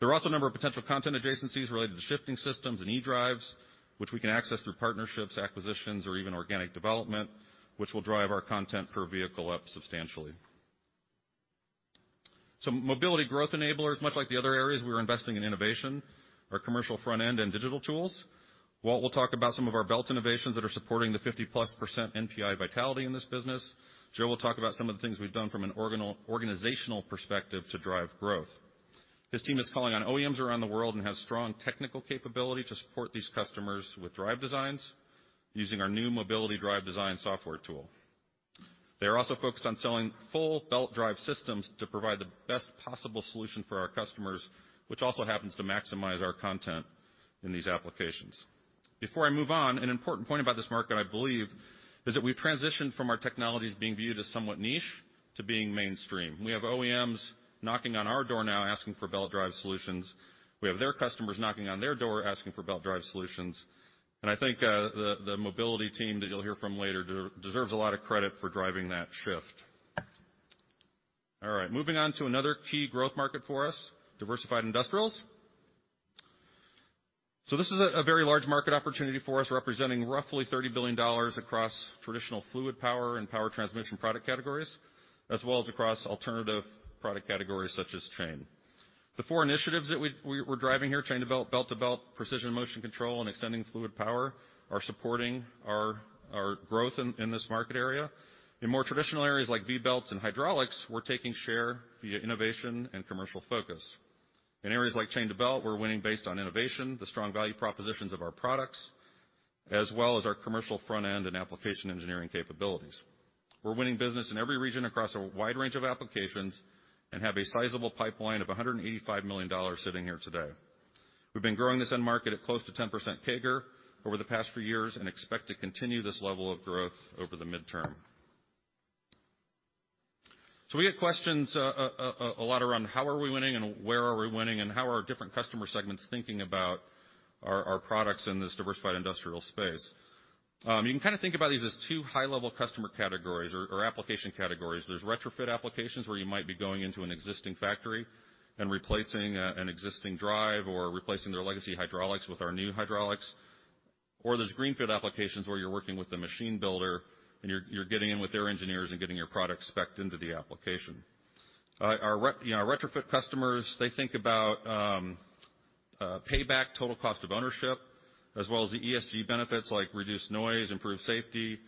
There are also a number of potential content adjacencies related to shifting systems and e-drives, which we can access through partnerships, acquisitions or even organic development, which will drive our content per vehicle up substantially. Mobility growth enablers, much like the other areas, we're investing in innovation, our commercial front end and digital tools. Walt will talk about some of our belt innovations that are supporting the 50%+ NPI vitality in this business. Joe will talk about some of the things we've done from an organizational perspective to drive growth. His team is calling on OEMs around the world and has strong technical capability to support these customers with drive designs using our new mobility drive design software tool. They are also focused on selling full belt drive systems to provide the best possible solution for our customers, which also happens to maximize our content in these applications. Before I move on, an important point about this market, I believe, is that we transitioned from our technologies being viewed as somewhat niche to being mainstream. We have OEMs knocking on our door now asking for belt drive solutions. We have their customers knocking on their door asking for belt drive solutions, and I think, the mobility team that you'll hear from later deserves a lot of credit for driving that shift. All right, moving on to another key growth market for us, diversified industrials. This is a very large market opportunity for us, representing roughly $30 billion across traditional fluid power and power transmission product categories, as well as across alternative product categories such as chain. The four initiatives that we're driving here, Chain-to-Belt, Belt-to-Belt, Precision Motion Control, and Extending Fluid Power, are supporting our growth in this market area. In more traditional areas like V-belts and hydraulics, we're taking share via innovation and commercial focus. In areas like Chain to Belt, we're winning based on innovation, the strong value propositions of our products, as well as our commercial front end and application engineering capabilities. We're winning business in every region across a wide range of applications and have a sizable pipeline of $185 million sitting here today. We've been growing this end market at close to 10% CAGR over the past few years and expect to continue this level of growth over the midterm. We get questions a lot around how are we winning and where are we winning and how are different customer segments thinking about our products in this diversified industrial space. You can kind of think about these as two high-level customer categories or application categories. There's retrofit applications where you might be going into an existing factory and replacing an existing drive or replacing their legacy hydraulics with our new hydraulics. There's greenfield applications where you're working with a machine builder and you're getting in with their engineers and getting your product specced into the application. You know, our retrofit customers think about payback, total cost of ownership, as well as the ESG benefits like reduced noise, improved safety,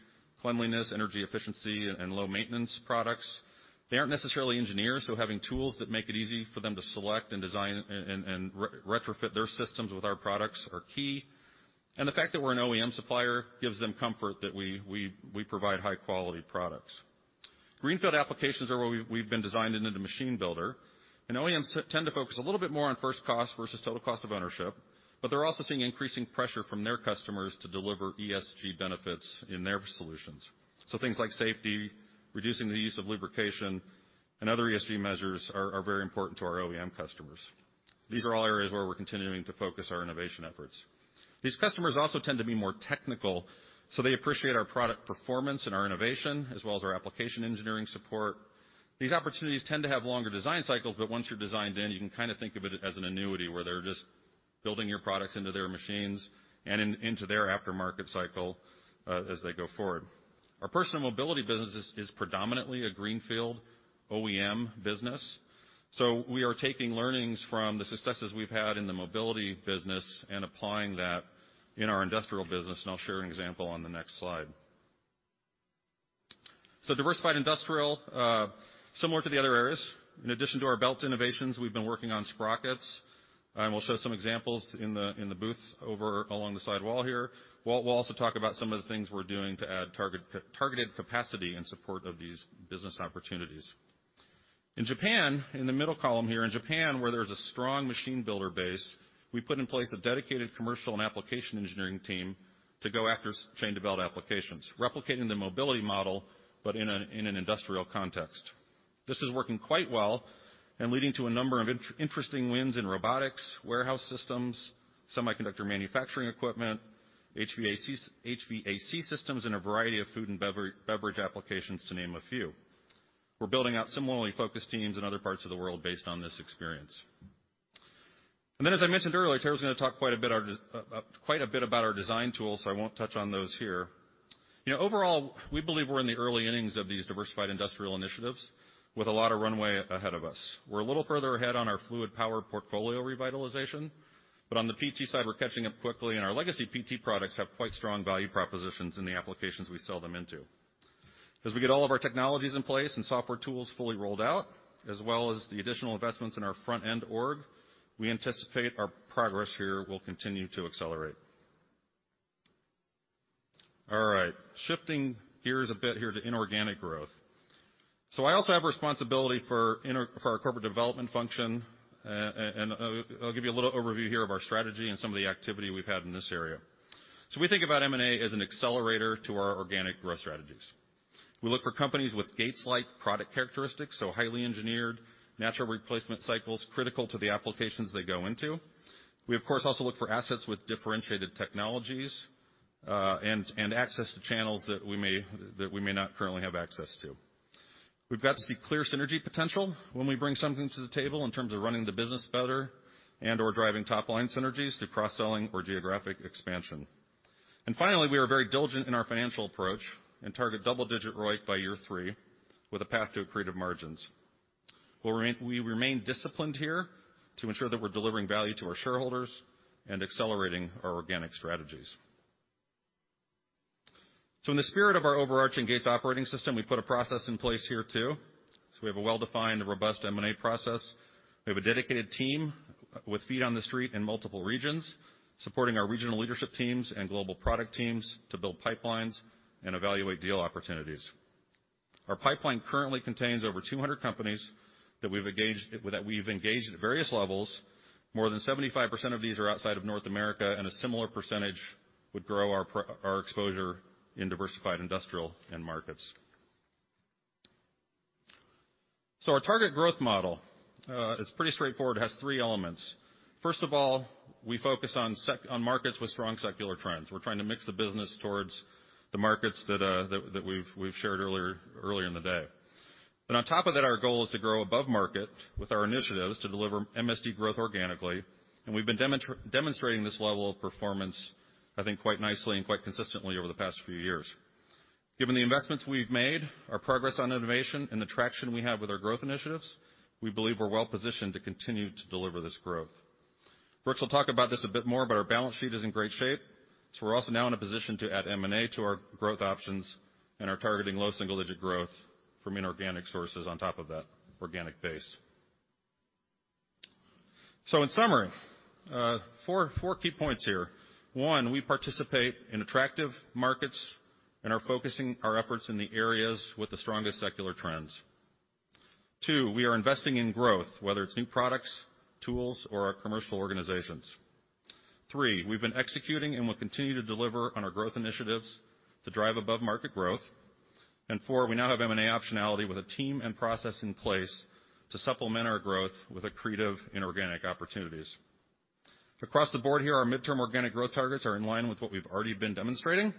cleanliness, energy efficiency and low maintenance products. They aren't necessarily engineers, so having tools that make it easy for them to select and design and retrofit their systems with our products are key. The fact that we're an OEM supplier gives them comfort that we provide high-quality products. Greenfield applications are where we've been designed into the machine builder, and OEMs tend to focus a little bit more on first cost versus total cost of ownership, but they're also seeing increasing pressure from their customers to deliver ESG benefits in their solutions. Things like safety, reducing the use of lubrication, and other ESG measures are very important to our OEM customers. These are all areas where we're continuing to focus our innovation efforts. These customers also tend to be more technical, so they appreciate our product performance and our innovation, as well as our application engineering support. These opportunities tend to have longer design cycles, but once you're designed in, you can kinda think of it as an annuity, where they're just building your products into their machines and into their aftermarket cycle, as they go forward. Our personal mobility business is predominantly a greenfield OEM business, so we are taking learnings from the successes we've had in the mobility business and applying that in our industrial business, and I'll share an example on the next slide. Diversified industrial, similar to the other areas. In addition to our belt innovations, we've been working on sprockets, and we'll show some examples in the booth over along the sidewall here. We'll also talk about some of the things we're doing to add targeted capacity in support of these business opportunities. In Japan, in the middle column here, where there's a strong machine builder base, we put in place a dedicated commercial and application engineering team to go after Chain to Belt applications, replicating the mobility model, but in an industrial context. This is working quite well and leading to a number of interesting wins in robotics, warehouse systems, semiconductor manufacturing equipment, HVAC systems, and a variety of food and beverage applications, to name a few. We're building out similarly focused teams in other parts of the world based on this experience. As I mentioned earlier, Taylor's gonna talk quite a bit about our design tools, so I won't touch on those here. You know, overall we believe we're in the early innings of these diversified industrial initiatives with a lot of runway ahead of us. We're a little further ahead on our fluid power portfolio revitalization, but on the PT side, we're catching up quickly, and our legacy PT products have quite strong value propositions in the applications we sell them into. As we get all of our technologies in place and software tools fully rolled out, as well as the additional investments in our front-end org, we anticipate our progress here will continue to accelerate. All right. Shifting gears a bit here to inorganic growth. I also have responsibility for our corporate development function, and I'll give you a little overview here of our strategy and some of the activity we've had in this area. We think about M&A as an accelerator to our organic growth strategies. We look for companies with Gates-like product characteristics, so highly engineered, natural replacement cycles critical to the applications they go into. We, of course, also look for assets with differentiated technologies, and access to channels that we may not currently have access to. We've got to see clear synergy potential when we bring something to the table in terms of running the business better and/or driving top-line synergies through cross-selling or geographic expansion. Finally, we are very diligent in our financial approach and target double-digit ROIC by year three with a path to accretive margins. We remain disciplined here to ensure that we're delivering value to our shareholders and accelerating our organic strategies. In the spirit of our overarching Gates Operating System, we put a process in place here too. We have a well-defined and robust M&A process. We have a dedicated team with feet on the street in multiple regions, supporting our regional leadership teams and global product teams to build pipelines and evaluate deal opportunities. Our pipeline currently contains over 200 companies that we've engaged at various levels. More than 75% of these are outside of North America, and a similar percentage would grow our exposure in diversified industrial end markets. Our target growth model is pretty straightforward. It has three elements. First of all, we focus on markets with strong secular trends. We're trying to mix the business towards the markets that we've shared earlier in the day. On top of that, our goal is to grow above market with our initiatives to deliver MSD growth organically, and we've been demonstrating this level of performance, I think, quite nicely and quite consistently over the past few years. Given the investments we've made, our progress on innovation, and the traction we have with our growth initiatives, we believe we're well positioned to continue to deliver this growth. Brooks will talk about this a bit more, but our balance sheet is in great shape, so we're also now in a position to add M&A to our growth options and are targeting low single-digit growth from inorganic sources on top of that organic base. In summary, four key points here. One, we participate in attractive markets and are focusing our efforts in the areas with the strongest secular trends. Two, we are investing in growth, whether it's new products, tools, or our commercial organizations. Three, we've been executing and will continue to deliver on our growth initiatives to drive above-market growth. Four, we now have M&A optionality with a team and process in place to supplement our growth with accretive inorganic opportunities. Across the board here, our midterm organic growth targets are in line with what we've already been demonstrating.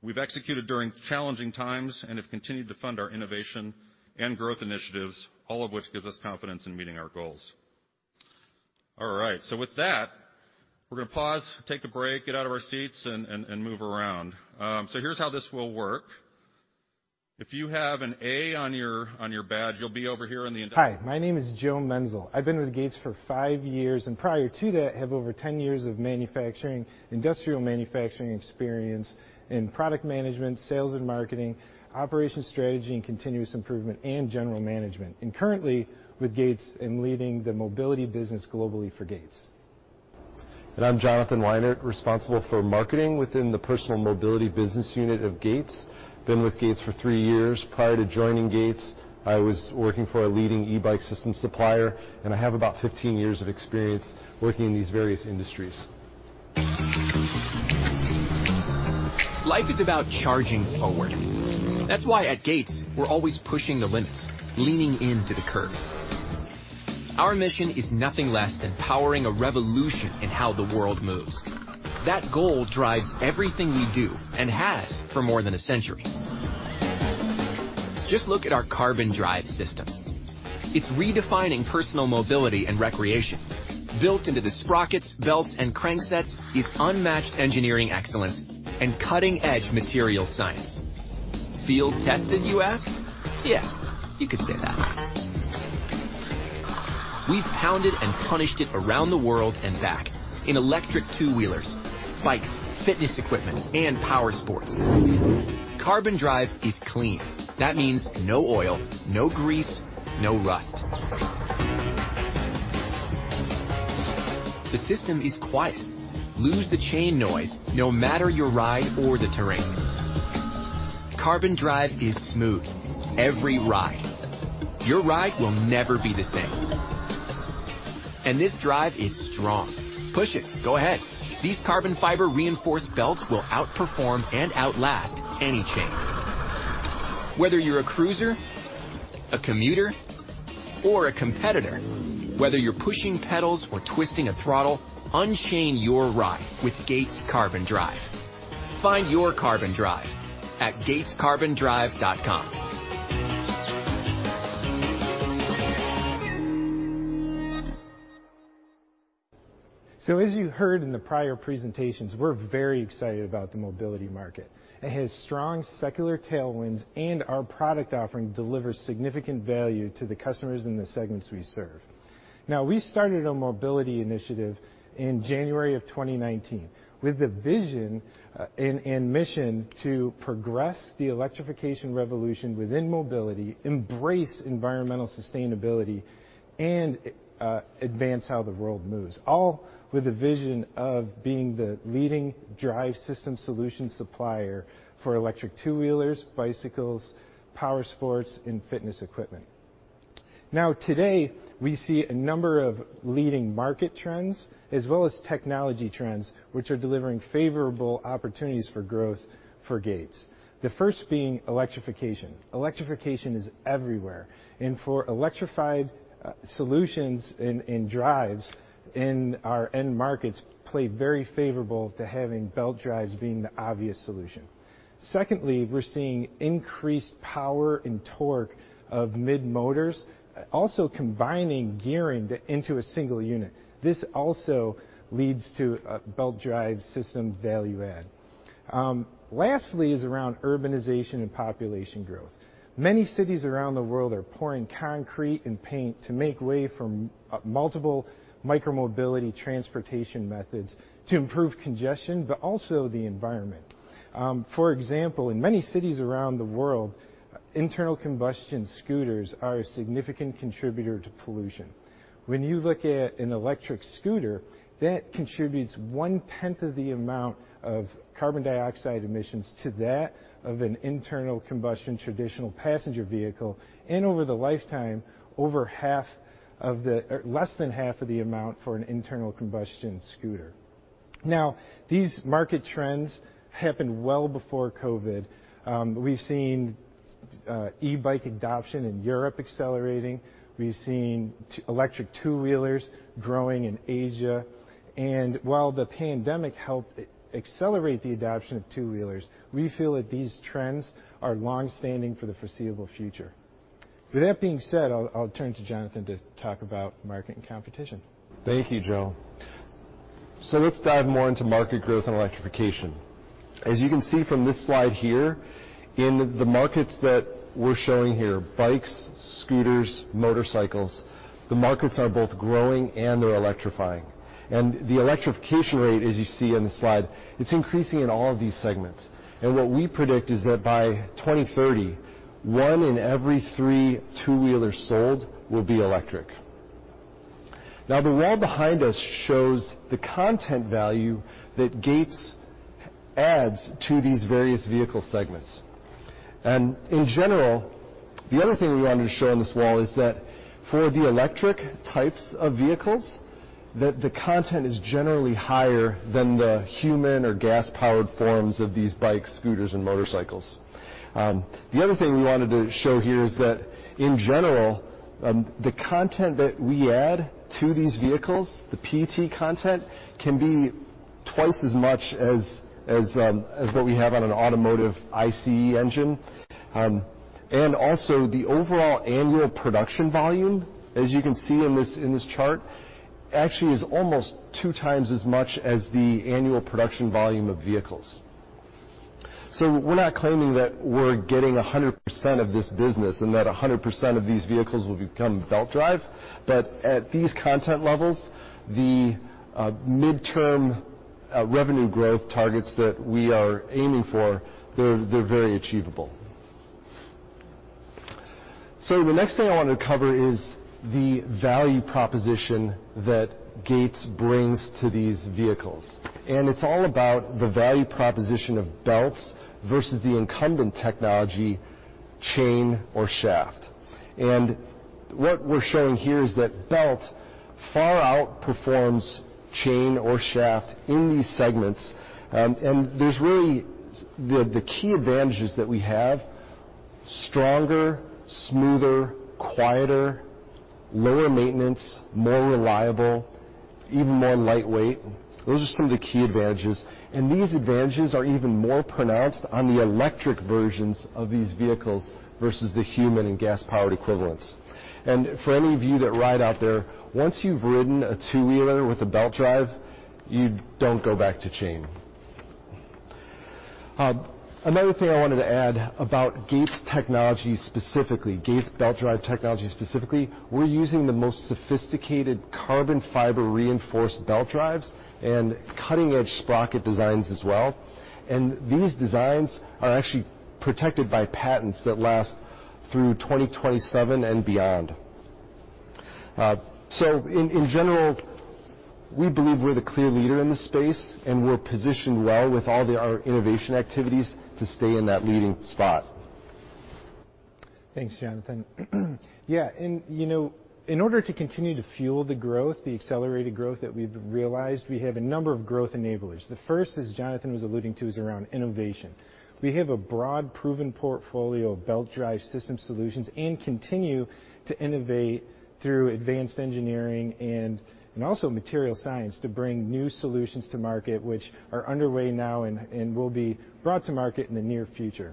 We've executed during challenging times and have continued to fund our innovation and growth initiatives, all of which gives us confidence in meeting our goals. All right, so with that, we're gonna pause, take a break, get out of our seats, and move around. Here's how this will work. Hi, my name is Joe Menzel. I've been with Gates for five years, and prior to that, I have over 10 years of manufacturing, industrial manufacturing experience in product management, sales and marketing, operations strategy and continuous improvement, and general management, and currently with Gates in leading the mobility business globally for Gates. I'm Jonathan Weinert, responsible for marketing within the Personal Mobility Business Unit of Gates. Been with Gates for three years. Prior to joining Gates, I was working for a leading e-bike system supplier, and I have about 15 years of experience working in these various industries. Life is about charging forward. That's why at Gates, we're always pushing the limits, leaning into the curves. Our mission is nothing less than powering a revolution in how the world moves. That goal drives everything we do and has for more than a century. Just look at our Carbon Drive system. It's redefining personal mobility and recreation. Built into the sprockets, belts, and cranksets is unmatched engineering excellence and cutting-edge material science. Field-tested, you ask? Yeah, you could say that. We've pounded and punished it around the world and back in electric two-wheelers, bikes, fitness equipment, and power sports. Carbon Drive is clean. That means no oil, no grease, no rust. The system is quiet. Lose the chain noise, no matter your ride or the terrain. Carbon Drive is smooth, every ride. Your ride will never be the same. This drive is strong. Push it. Go ahead. These carbon fiber-reinforced belts will outperform and outlast any chain. Whether you're a cruiser, a commuter, or a competitor, whether you're pushing pedals or twisting a throttle, unchain your ride with Gates Carbon Drive. Find your Carbon Drive at gatescarbondrive.com. As you heard in the prior presentations, we're very excited about the mobility market. It has strong secular tailwinds, and our product offering delivers significant value to the customers in the segments we serve. We started a mobility initiative in January 2019 with the vision and mission to progress the electrification revolution within mobility, embrace environmental sustainability, and advance how the world moves, all with the vision of being the leading drive system solution supplier for electric two-wheelers, bicycles, power sports, and fitness equipment. Today, we see a number of leading market trends as well as technology trends, which are delivering favorable opportunities for growth for Gates. The first being electrification. Electrification is everywhere. For electrified solutions in drives in our end markets play very favorable to having belt drives being the obvious solution. Secondly, we're seeing increased power and torque of mid-motors, also combining gearing into a single unit. This also leads to a belt drive system value add. Lastly is around urbanization and population growth. Many cities around the world are pouring concrete and paint to make way for multiple micro-mobility transportation methods to improve congestion but also the environment. For example, in many cities around the world, internal combustion scooters are a significant contributor to pollution. When you look at an electric scooter, that contributes one-tenth of the amount of carbon dioxide emissions to that of an internal combustion traditional passenger vehicle, and over the lifetime, less than half of the amount for an internal combustion scooter. Now, these market trends happened well before COVID. We've seen e-bike adoption in Europe accelerating. We've seen electric two-wheelers growing in Asia. While the pandemic helped accelerate the adoption of two-wheelers, we feel that these trends are long-standing for the foreseeable future. With that being said, I'll turn to Jonathan to talk about market and competition. Thank you, Joe. Let's dive more into market growth and electrification. As you can see from this slide here, in the markets that we're showing here, bikes, scooters, motorcycles, the markets are both growing, and they're electrifying. The electrification rate, as you see on the slide, it's increasing in all of these segments. What we predict is that by 2030, one in every three two-wheelers sold will be electric. Now, the wall behind us shows the content value that Gates adds to these various vehicle segments. In general, the other thing we wanted to show on this wall is that for the electric types of vehicles, the content is generally higher than the human or gas-powered forms of these bikes, scooters, and motorcycles. The other thing we wanted to show here is that, in general, the content that we add to these vehicles, the PT content, can be twice as much as what we have on an automotive ICE engine. Also the overall annual production volume, as you can see in this chart, actually is almost 2 times as much as the annual production volume of vehicles. We're not claiming that we're getting 100% of this business and that 100% of these vehicles will become belt drive. At these content levels, the midterm revenue growth targets that we are aiming for, they're very achievable. The next thing I wanna cover is the value proposition that Gates brings to these vehicles. It's all about the value proposition of belts versus the incumbent technology, chain or shaft. What we're showing here is that belt far outperforms chain or shaft in these segments. There's really the key advantages that we have, stronger, smoother, quieter, lower maintenance, more reliable, even more lightweight. Those are some of the key advantages, and these advantages are even more pronounced on the electric versions of these vehicles versus the human and gas-powered equivalents. For any of you that ride out there, once you've ridden a two-wheeler with a belt drive, you don't go back to chain. Another thing I wanted to add about Gates technology specifically, Gates belt drive technology specifically, we're using the most sophisticated carbon fiber reinforced belt drives and cutting-edge sprocket designs as well. These designs are actually protected by patents that last through 2027 and beyond. So in general, we believe we're the clear leader in the space, and we're positioned well with all our innovation activities to stay in that leading spot. Thanks, Jonathan. Yeah, you know, in order to continue to fuel the growth, the accelerated growth that we've realized, we have a number of growth enablers. The first, as Jonathan was alluding to, is around innovation. We have a broad proven portfolio of belt drive system solutions and continue to innovate through advanced engineering and also material science to bring new solutions to market, which are underway now and will be brought to market in the near future.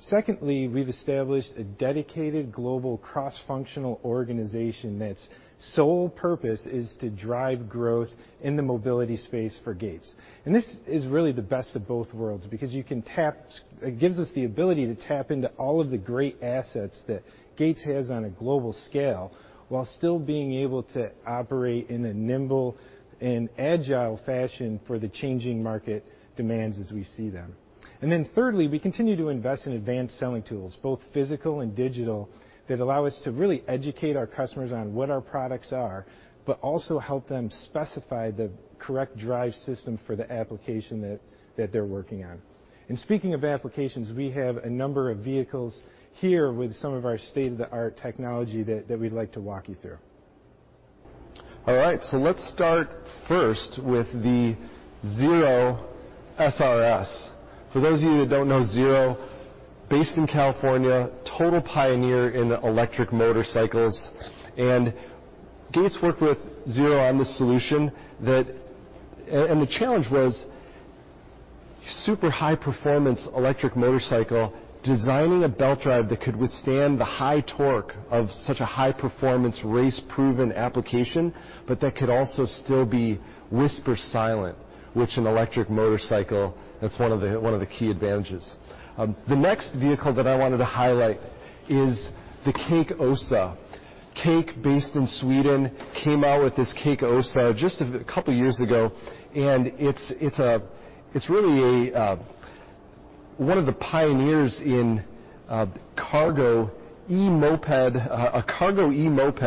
Secondly, we've established a dedicated global cross-functional organization that's sole purpose is to drive growth in the mobility space for Gates. This is really the best of both worlds because it gives us the ability to tap into all of the great assets that Gates has on a global scale, while still being able to operate in a nimble and agile fashion for the changing market demands as we see them. Then thirdly, we continue to invest in advanced selling tools, both physical and digital, that allow us to really educate our customers on what our products are, but also help them specify the correct drive system for the application that they're working on. Speaking of applications, we have a number of vehicles here with some of our state-of-the-art technology that we'd like to walk you through. All right, let's start first with the Zero SR/S. For those of you that don't know Zero, based in California, total pioneer in electric motorcycles. Gates worked with Zero on this solution that the challenge was super high performance electric motorcycle, designing a belt drive that could withstand the high torque of such a high performance race proven application, but that could also still be whisper silent, which an electric motorcycle, that's one of the key advantages. The next vehicle that I wanted to highlight is the CAKE Ösa. CAKE, based in Sweden, came out with this CAKE Ösa just a couple years ago, and it's really a one of the pioneers in cargo e-moped, a cargo e-moped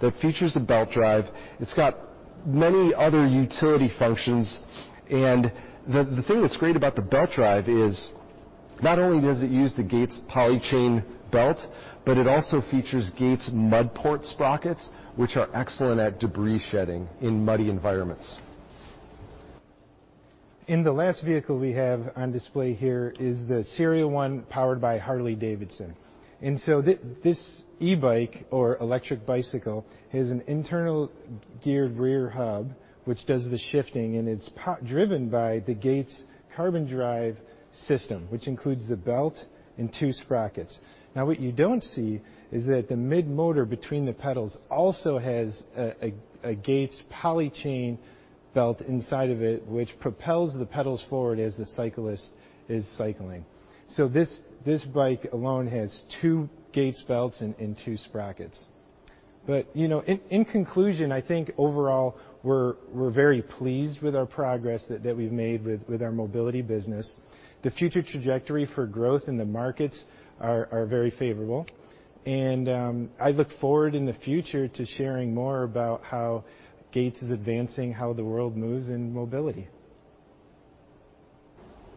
that features a belt drive. It's got many other utility functions, and the thing that's great about the belt drive is not only does it use the Gates Poly Chain belt, but it also features Gates MudPort sprockets, which are excellent at debris shedding in muddy environments. The last vehicle we have on display here is the Serial 1 powered by Harley-Davidson. This e-bike or electric bicycle has an internal geared rear hub, which does the shifting, and it's driven by the Gates Carbon Drive system, which includes the belt and two sprockets. Now, what you don't see is that the mid-motor between the pedals also has a Gates Poly Chain belt inside of it, which propels the pedals forward as the cyclist is cycling. This bike alone has two Gates belts and two sprockets. You know, in conclusion, I think overall we're very pleased with our progress that we've made with our mobility business. The future trajectory for growth in the markets are very favorable, and I look forward in the future to sharing more about how Gates is advancing how the world moves in mobility.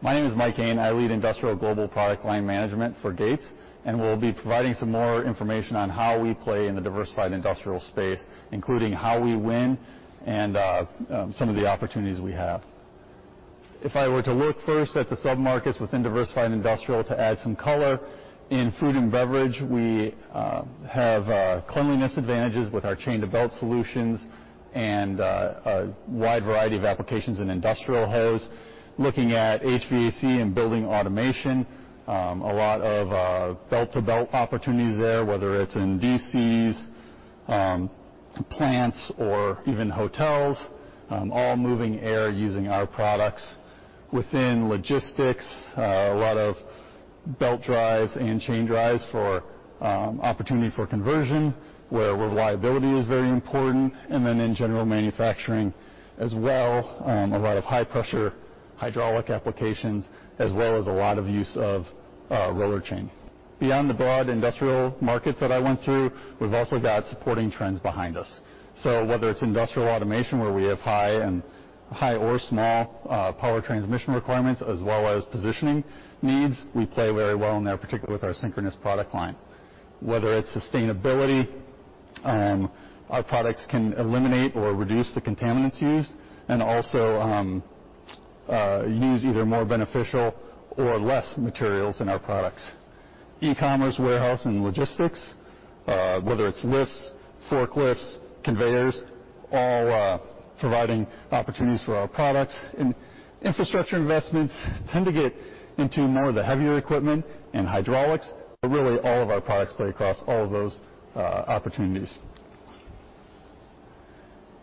My name is Mike Haen. I lead Industrial Global Product Line Management for Gates, and will be providing some more information on how we play in the diversified industrial space, including how we win and some of the opportunities we have. If I were to look first at the sub-markets within diversified industrial to add some color, in food and beverage, we have cleanliness advantages with our chain-to-belt solutions and a wide variety of applications in industrial hose. Looking at HVAC and building automation, a lot of belt-to-belt opportunities there, whether it's in DCs, plants or even hotels, all moving air using our products. Within logistics, a lot of belt drives and chain drives for opportunity for conversion where reliability is very important. In general manufacturing as well, a lot of high pressure hydraulic applications as well as a lot of use of roller chain. Beyond the broad industrial markets that I went through, we've also got supporting trends behind us. Whether it's industrial automation where we have high or small power transmission requirements as well as positioning needs, we play very well in there, particularly with our synchronous product line. Whether it's sustainability, our products can eliminate or reduce the contaminants used and also use either more beneficial or less materials in our products. E-commerce, warehouse and logistics, whether it's lifts, forklifts, conveyors, all providing opportunities for our products. Infrastructure investments tend to get into more of the heavier equipment and hydraulics. Really, all of our products play across all of those opportunities.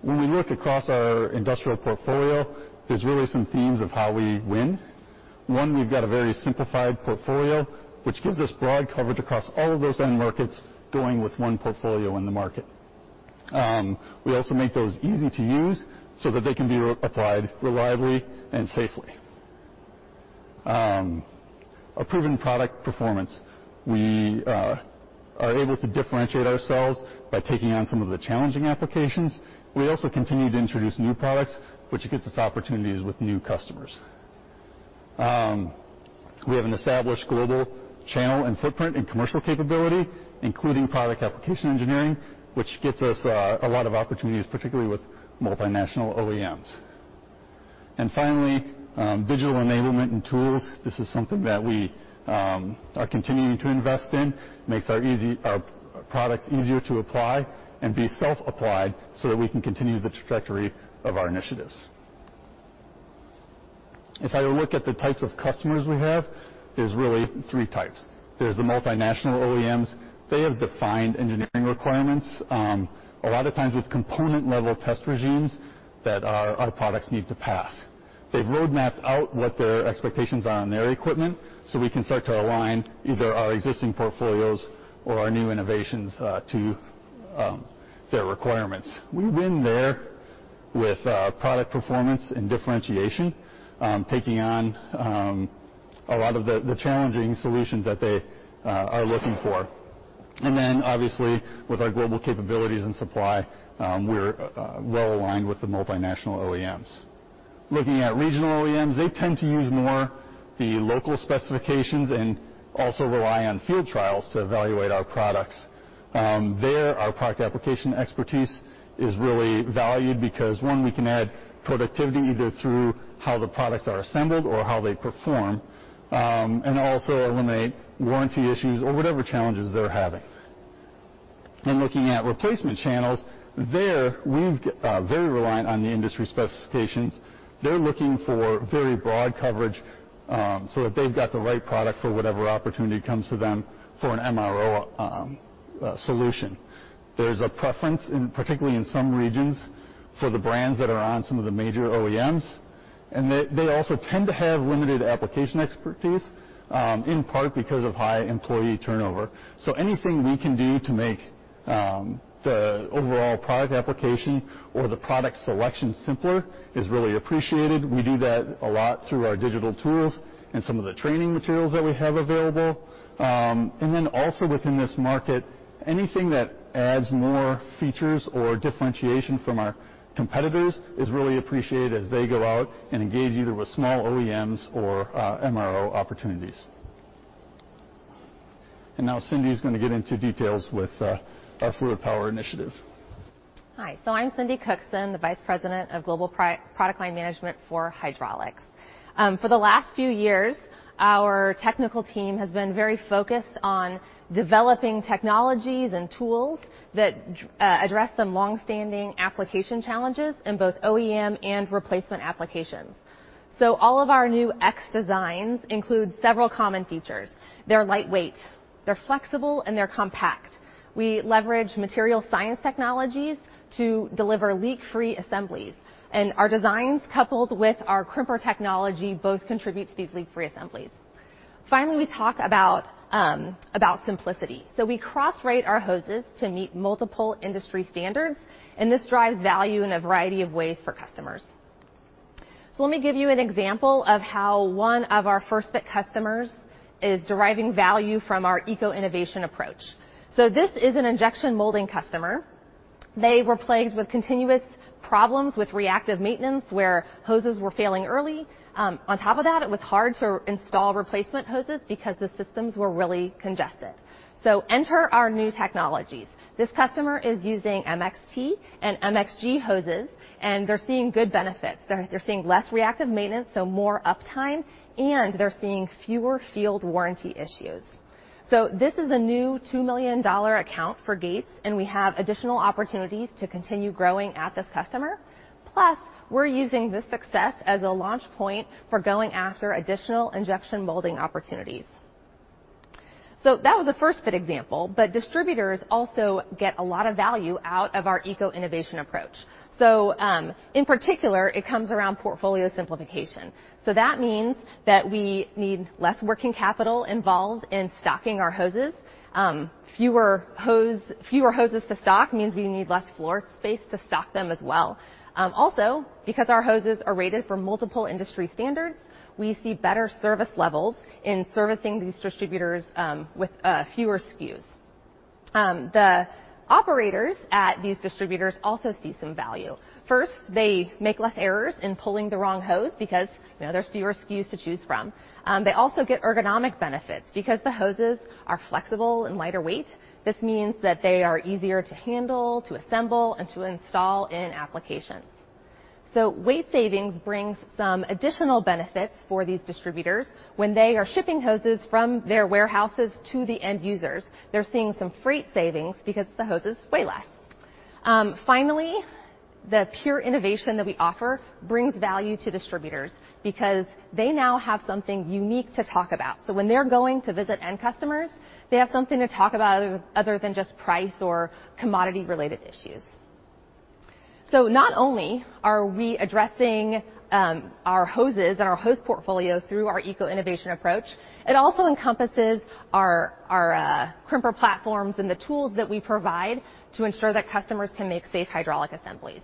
When we look across our industrial portfolio, there's really some themes of how we win. One, we've got a very simplified portfolio, which gives us broad coverage across all of those end markets, going with one portfolio in the market. We also make those easy to use so that they can be applied reliably and safely. We have a proven product performance. We are able to differentiate ourselves by taking on some of the challenging applications. We also continue to introduce new products, which gets us opportunities with new customers. We have an established global channel and footprint in commercial capability, including product application engineering, which gets us a lot of opportunities, particularly with multinational OEMs. Finally, digital enablement and tools. This is something that we are continuing to invest in, makes our products easier to apply and be self-applied so that we can continue the trajectory of our initiatives. If I look at the types of customers we have, there's really three types. There's the multinational OEMs. They have defined engineering requirements, a lot of times with component level test regimes that our products need to pass. They've roadmapped out what their expectations are on their equipment, so we can start to align either our existing portfolios or our new innovations to their requirements. We win there with product performance and differentiation, taking on a lot of the challenging solutions that they are looking for. Obviously, with our global capabilities and supply, we're well aligned with the multinational OEMs. Looking at regional OEMs, they tend to use more the local specifications and also rely on field trials to evaluate our products. There, our product application expertise is really valued because, one, we can add productivity either through how the products are assembled or how they perform, and also eliminate warranty issues or whatever challenges they're having. In looking at replacement channels, there we're very reliant on the industry specifications. They're looking for very broad coverage, so that they've got the right product for whatever opportunity comes to them for an MRO solution. There's a preference in, particularly in some regions, for the brands that are on some of the major OEMs, and they also tend to have limited application expertise, in part because of high employee turnover. Anything we can do to make the overall product application or the product selection simpler is really appreciated. We do that a lot through our digital tools and some of the training materials that we have available. Then also within this market, anything that adds more features or differentiation from our competitors is really appreciated as they go out and engage, either with small OEMs or MRO opportunities. Now Cindy is gonna get into details with our fluid power initiative. Hi, I'm Cindy Cookson, the Vice President of Global Product Line Management for Hydraulics. For the last few years, our technical team has been very focused on developing technologies and tools that address some long-standing application challenges in both OEM and replacement applications. All of our new MX designs include several common features. They're lightweight, they're flexible, and they're compact. We leverage material science technologies to deliver leak-free assemblies, and our designs, coupled with our crimper technology, both contribute to these leak-free assemblies. Finally, we talk about simplicity. We cross-rate our hoses to meet multiple industry standards, and this drives value in a variety of ways for customers. Let me give you an example of how one of our first fit customers is deriving value from our Eco-Innovation approach. This is an injection molding customer. They were plagued with continuous problems with reactive maintenance where hoses were failing early. On top of that, it was hard to install replacement hoses because the systems were really congested. Enter our new technologies. This customer is using MXT and MXG hoses, and they're seeing good benefits. They're seeing less reactive maintenance, so more uptime, and they're seeing fewer field warranty issues. This is a new $2 million account for Gates, and we have additional opportunities to continue growing at this customer. Plus, we're using this success as a launch point for going after additional injection molding opportunities. That was the first fit example, but distributors also get a lot of value out of our Eco-Innovation approach. In particular, it comes around portfolio simplification. That means that we need less working capital involved in stocking our hoses. Fewer hoses to stock means we need less floor space to stock them as well. Also because our hoses are rated for multiple industry standards, we see better service levels in servicing these distributors with fewer SKUs. The operators at these distributors also see some value. First, they make less errors in pulling the wrong hose because, you know, there's fewer SKUs to choose from. They also get ergonomic benefits. Because the hoses are flexible and lighter weight, this means that they are easier to handle, to assemble, and to install in applications. Weight savings brings some additional benefits for these distributors when they are shipping hoses from their warehouses to the end users. They're seeing some freight savings because the hoses weigh less. Finally, the pure innovation that we offer brings value to distributors because they now have something unique to talk about. When they're going to visit end customers, they have something to talk about other than just price or commodity-related issues. Not only are we addressing our hoses and our hose portfolio through our Eco-Innovation approach, it also encompasses our crimper platforms and the tools that we provide to ensure that customers can make safe hydraulic assemblies.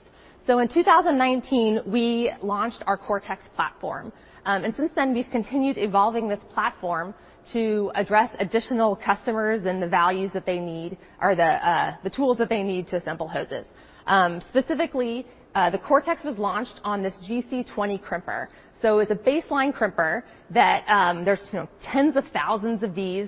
In 2019, we launched our Cortex platform. Since then, we've continued evolving this platform to address additional customers and the values that they need or the tools that they need to assemble hoses. Specifically, the Cortex was launched on this GC20 crimper. It's a baseline crimper that there's tens of thousands of these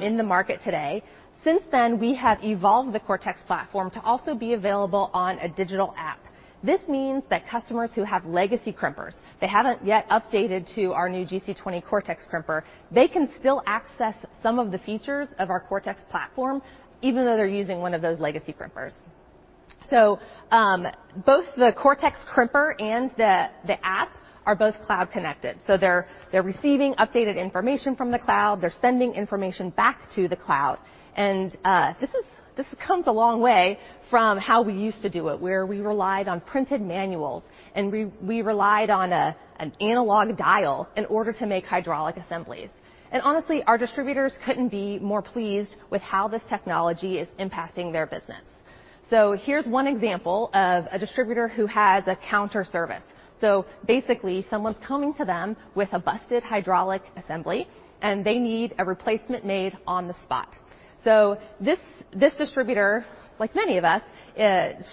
in the market today. Since then, we have evolved the Cortex platform to also be available on a digital app. This means that customers who have legacy crimpers, they haven't yet updated to our new GC20 Cortex crimper, they can still access some of the features of our Cortex platform, even though they're using one of those legacy crimpers. Both the Cortex crimper and the app are both cloud connected, so they're receiving updated information from the cloud. They're sending information back to the cloud. This comes a long way from how we used to do it, where we relied on printed manuals, and we relied on an analog dial in order to make hydraulic assemblies. Honestly, our distributors couldn't be more pleased with how this technology is impacting their business. Here's one example of a distributor who has a counter service. Basically, someone's coming to them with a busted hydraulic assembly, and they need a replacement made on the spot. This distributor, like many of us,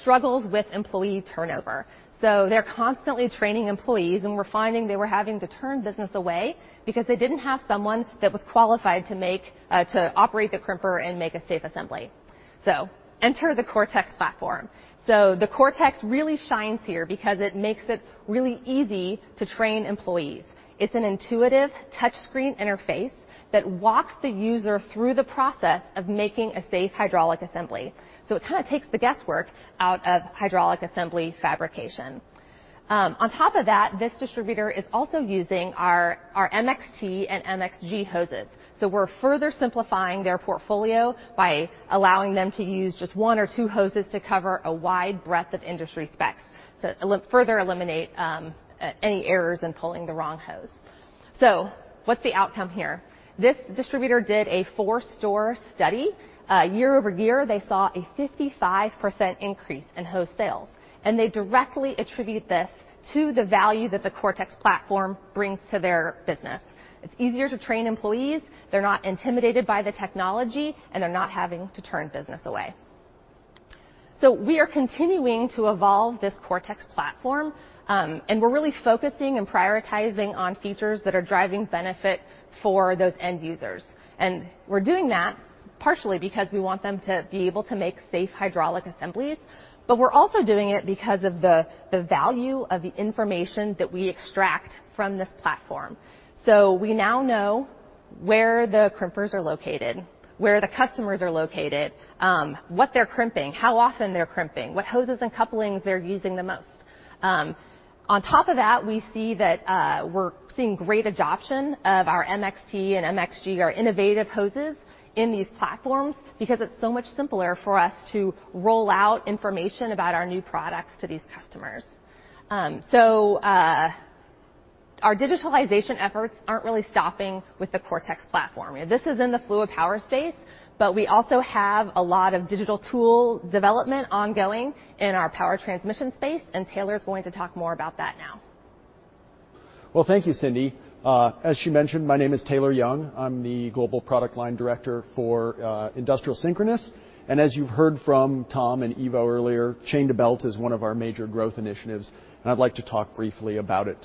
struggles with employee turnover, so they're constantly training employees and we're finding they were having to turn business away because they didn't have someone that was qualified to operate the crimper and make a safe assembly. Enter the Cortex platform. The Cortex really shines here because it makes it really easy to train employees. It's an intuitive touchscreen interface that walks the user through the process of making a safe hydraulic assembly, so it kinda takes the guesswork out of hydraulic assembly fabrication. On top of that, this distributor is also using our MXT and MXG hoses. We're further simplifying their portfolio by allowing them to use just one or two hoses to cover a wide breadth of industry specs to further eliminate any errors in pulling the wrong hose. What's the outcome here? This distributor did a four-store study. Year-over-year, they saw a 55% increase in hose sales, and they directly attribute this to the value that the Cortex platform brings to their business. It's easier to train employees. They're not intimidated by the technology, and they're not having to turn business away. We are continuing to evolve this Cortex platform, and we're really focusing and prioritizing on features that are driving benefit for those end users. We're doing that partially because we want them to be able to make safe hydraulic assemblies, but we're also doing it because of the value of the information that we extract from this platform. We now know where the crimpers are located, where the customers are located, what they're crimping, how often they're crimping, what hoses and couplings they're using the most. On top of that, we see that we're seeing great adoption of our MXT and MXG, our innovative hoses, in these platforms because it's so much simpler for us to roll out information about our new products to these customers. Our digitalization efforts aren't really stopping with the Cortex platform. This is in the Fluid Power space, but we also have a lot of digital tool development ongoing in our Power Transmission space, and Taylor's going to talk more about that now. Well, thank you, Cindy. As she mentioned, my name is Taylor Jung. I'm the global product line director for industrial synchronous. As you've heard from Tom and Ivo earlier, Chain to Belt is one of our major growth initiatives, and I'd like to talk briefly about it,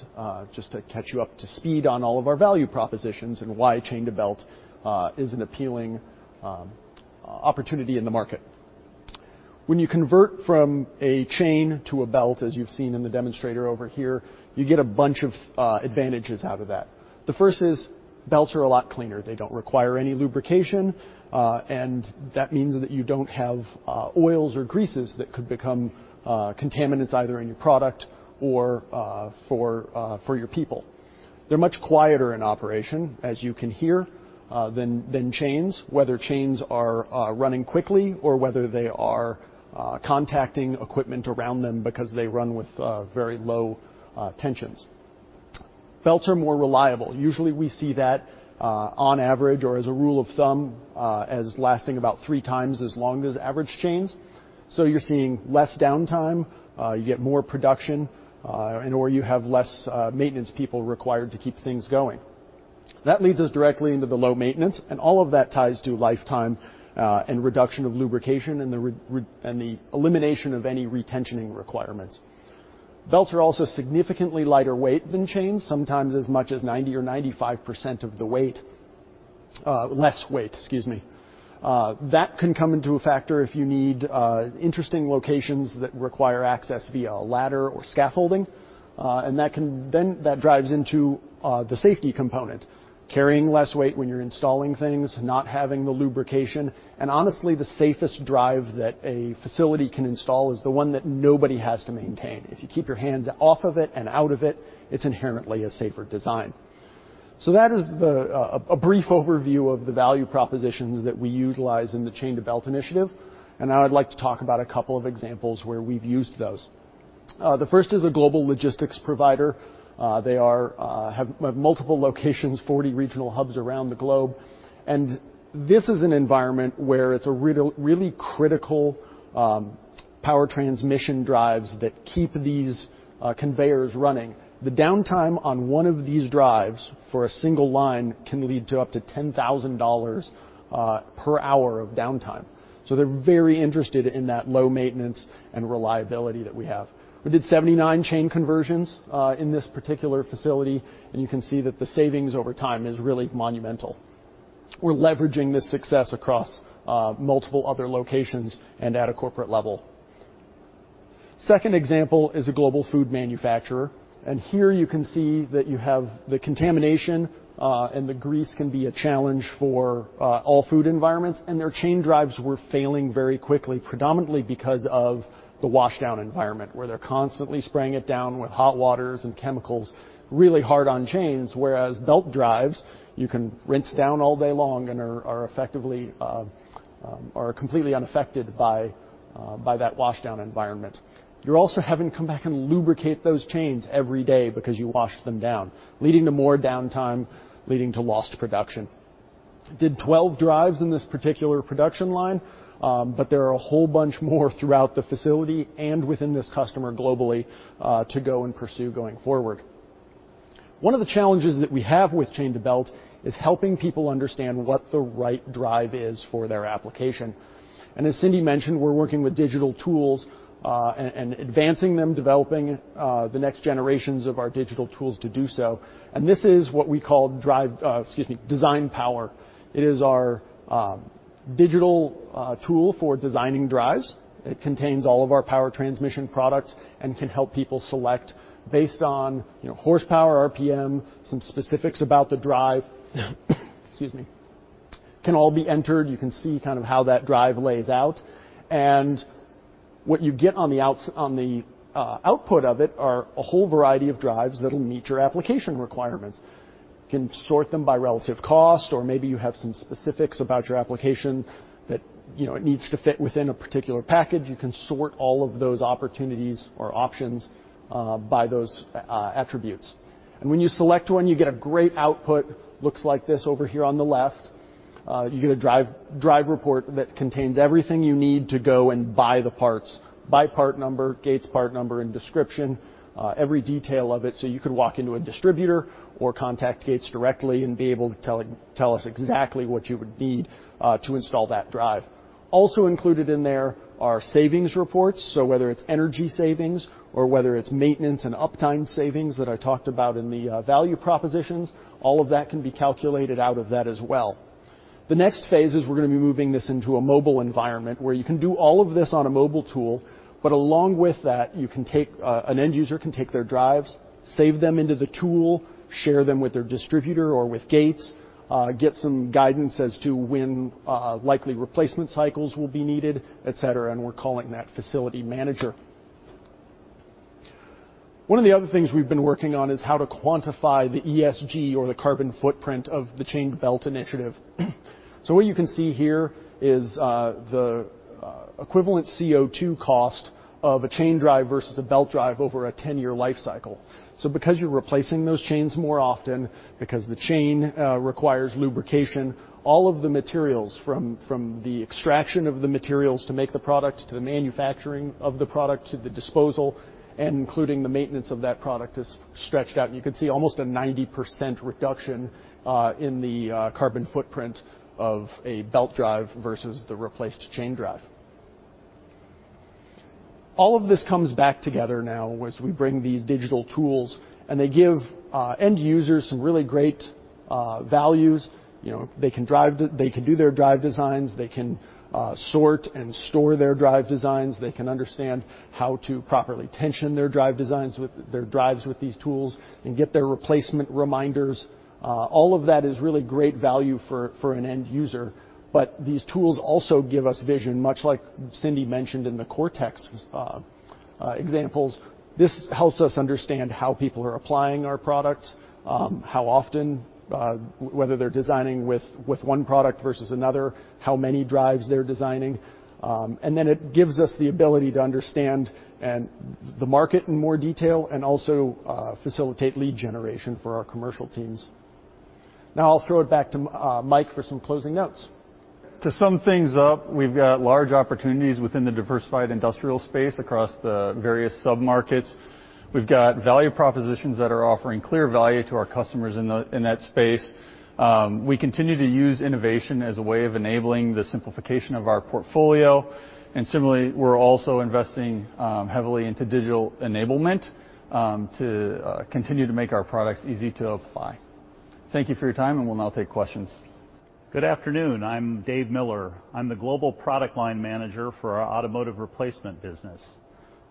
just to catch you up to speed on all of our value propositions and why Chain to Belt is an appealing opportunity in the market. When you convert from a chain to a belt, as you've seen in the demonstrator over here, you get a bunch of advantages out of that. The first is belts are a lot cleaner. They don't require any lubrication. That means that you don't have oils or greases that could become contaminants either in your product or for your people. They're much quieter in operation, as you can hear, than chains, whether chains are running quickly or whether they are contacting equipment around them because they run with very low tensions. Belts are more reliable. Usually we see that on average or as a rule of thumb as lasting about three times as long as average chains. You're seeing less downtime, you get more production, and or you have less maintenance people required to keep things going. That leads us directly into the low maintenance and all of that ties to lifetime and reduction of lubrication and the elimination of any retensioning requirements. Belts are also significantly lighter weight than chains, sometimes as much as 90% or 95% of the weight. Less weight, excuse me. That can come into a factor if you need interesting locations that require access via a ladder or scaffolding. That drives into the safety component, carrying less weight when you're installing things, not having the lubrication. Honestly, the safest drive that a facility can install is the one that nobody has to maintain. If you keep your hands off of it and out of it's inherently a safer design. That is a brief overview of the value propositions that we utilize in the Chain to Belt initiative. Now I'd like to talk about a couple of examples where we've used those. The first is a global logistics provider. They have multiple locations, 40 regional hubs around the globe. This is an environment where it's a really critical power transmission drives that keep these conveyors running. The downtime on one of these drives for a single line can lead to up to $10,000 per hour of downtime. They're very interested in that low maintenance and reliability that we have. We did 79 chain conversions in this particular facility. You can see that the savings over time is really monumental. We're leveraging this success across multiple other locations and at a corporate level. Second example is a global food manufacturer. Here you can see that you have the contamination and the grease can be a challenge for all food environments. Their chain drives were failing very quickly, predominantly because of the washdown environment where they're constantly spraying it down with hot waters and chemicals really hard on chains. Whereas belt drives, you can rinse down all day long and are effectively completely unaffected by that washdown environment. You're also having to come back and lubricate those chains every day because you washed them down, leading to more downtime, leading to lost production. did 12 drives in this particular production line, but there are a whole bunch more throughout the facility and within this customer globally to go and pursue going forward. One of the challenges that we have with Chain to Belt is helping people understand what the right drive is for their application. As Cindy mentioned, we're working with digital tools and advancing them, developing the next generations of our digital tools to do so. This is what we call Design Power. It is our digital tool for designing drives. It contains all of our power transmission products and can help people select based on horsepower, RPM, some specifics about the drive can all be entered. You can see kind of how that drive lays out. What you get on the output of it are a whole variety of drives that will meet your application requirements. You can sort them by relative cost, or maybe you have some specifics about your application that it needs to fit within a particular package. You can sort all of those opportunities or options by those attributes. When you select one, you get a great output. Looks like this over here on the left. You get a drive report that contains everything you need to go and buy the parts by part number, Gates part number and description, every detail of it. You could walk into a distributor or contact Gates directly and be able to tell us exactly what you would need to install that drive. Also included in there are savings reports. Whether it's energy savings or whether it's maintenance and uptime savings that I talked about in the value propositions, all of that can be calculated out of that as well. The next phase is we're going to be moving this into a mobile environment where you can do all of this on a mobile tool. Along with that, an end user can take their drives, save them into the tool, share them with their distributor or with Gates, get some guidance as to when likely replacement cycles will be needed, et cetera. We're calling that Facility Management. One of the other things we've been working on is how to quantify the ESG or the carbon footprint of the Chain to Belt initiative. What you can see here is the equivalent CO2 cost of a chain drive versus a belt drive over a 10-year life cycle. Because you're replacing those chains more often, because the chain requires lubrication, all of the materials from the extraction of the materials to make the product to the manufacturing of the product to the disposal and including the maintenance of that product is stretched out. You can see almost a 90% reduction in the carbon footprint of a belt drive versus the replaced chain drive. All of this comes back together now as we bring these digital tools and they give end users some really great values. You know, they can do their drive designs, they can sort and store their drive designs, they can understand how to properly tension their drive designs with their drives with these tools and get their replacement reminders. All of that is really great value for an end user. These tools also give us vision, much like Cindy mentioned in the Cortex examples. This helps us understand how people are applying our products, how often, whether they're designing with one product versus another, how many drives they're designing. Then it gives us the ability to understand the market in more detail and also facilitate lead generation for our commercial teams. Now, I'll throw it back to Mike for some closing notes. To sum things up, we've got large opportunities within the diversified industrial space across the various sub-markets. We've got value propositions that are offering clear value to our customers in that space. We continue to use innovation as a way of enabling the simplification of our portfolio. Similarly, we're also investing heavily into digital enablement to continue to make our products easy to apply. Thank you for your time, and we'll now take questions. Good afternoon. I'm Dave Miller. I'm the Global Product Line Manager for our automotive replacement business.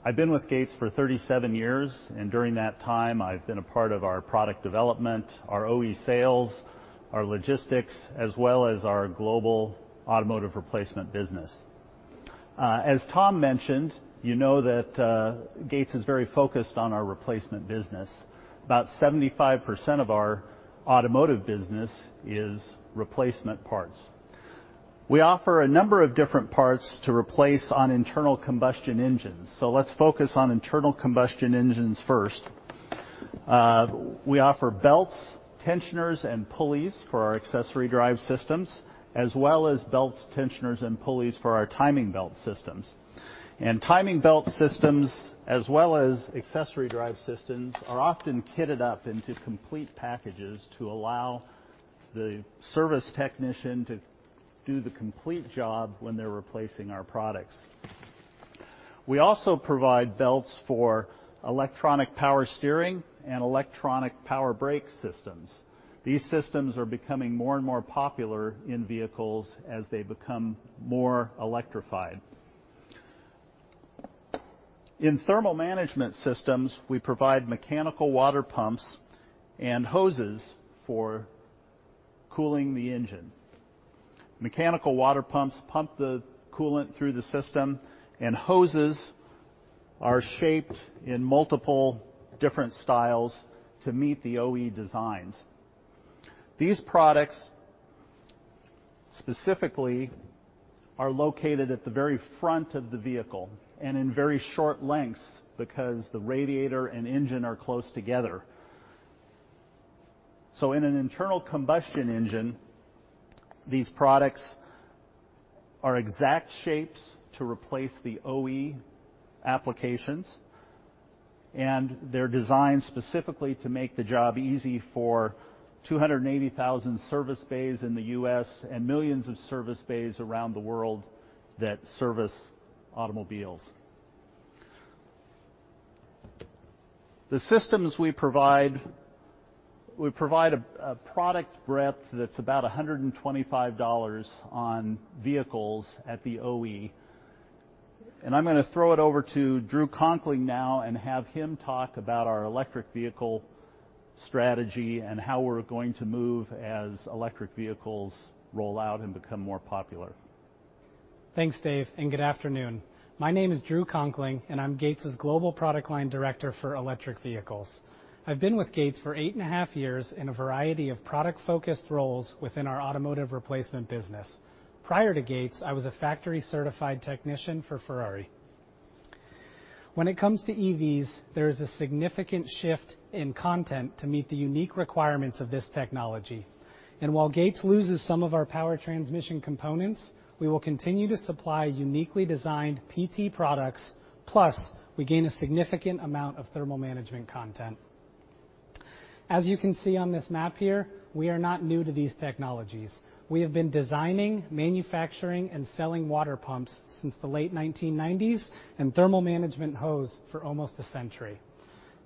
I've been with Gates for 37 years, and during that time I've been a part of our product development, our OE sales, our logistics, as well as our global automotive replacement business. As Tom mentioned, you know that Gates is very focused on our replacement business. About 75% of our automotive business is replacement parts. We offer a number of different parts to replace on internal combustion engines, so let's focus on internal combustion engines first. We offer belts, tensioners, and pulleys for our accessory drive systems, as well as belts, tensioners, and pulleys for our timing belt systems. Timing belt systems, as well as accessory drive systems, are often kitted up into complete packages to allow the service technician to do the complete job when they're replacing our products. We also provide belts for electronic power steering and electronic power brake systems. These systems are becoming more and more popular in vehicles as they become more electrified. In thermal management systems, we provide mechanical water pumps and hoses for cooling the engine. Mechanical water pumps pump the coolant through the system, and hoses are shaped in multiple different styles to meet the OE designs. These products, specifically, are located at the very front of the vehicle and in very short lengths because the radiator and engine are close together. In an internal combustion engine, these products are exact shapes to replace the OE applications, and they're designed specifically to make the job easy for 280,000 service bays in the U.S. and millions of service bays around the world that service automobiles. The systems we provide a product breadth that's about $125 on vehicles at the OE. I'm gonna throw it over to Drew Conkling now and have him talk about our electric vehicle strategy and how we're going to move as electric vehicles roll out and become more popular. Thanks, Dave, and good afternoon. My name is Drew Conkling, and I'm Gates' Global Product Line Director for Electric Vehicles. I've been with Gates for 8.5 years in a variety of product-focused roles within our automotive replacement business. Prior to Gates, I was a factory-certified technician for Ferrari. When it comes to EVs, there is a significant shift in content to meet the unique requirements of this technology. While Gates loses some of our power transmission components, we will continue to supply uniquely designed PT products, plus we gain a significant amount of thermal management content. As you can see on this map here, we are not new to these technologies. We have been designing, manufacturing, and selling water pumps since the late 1990s and thermal management hose for almost a century.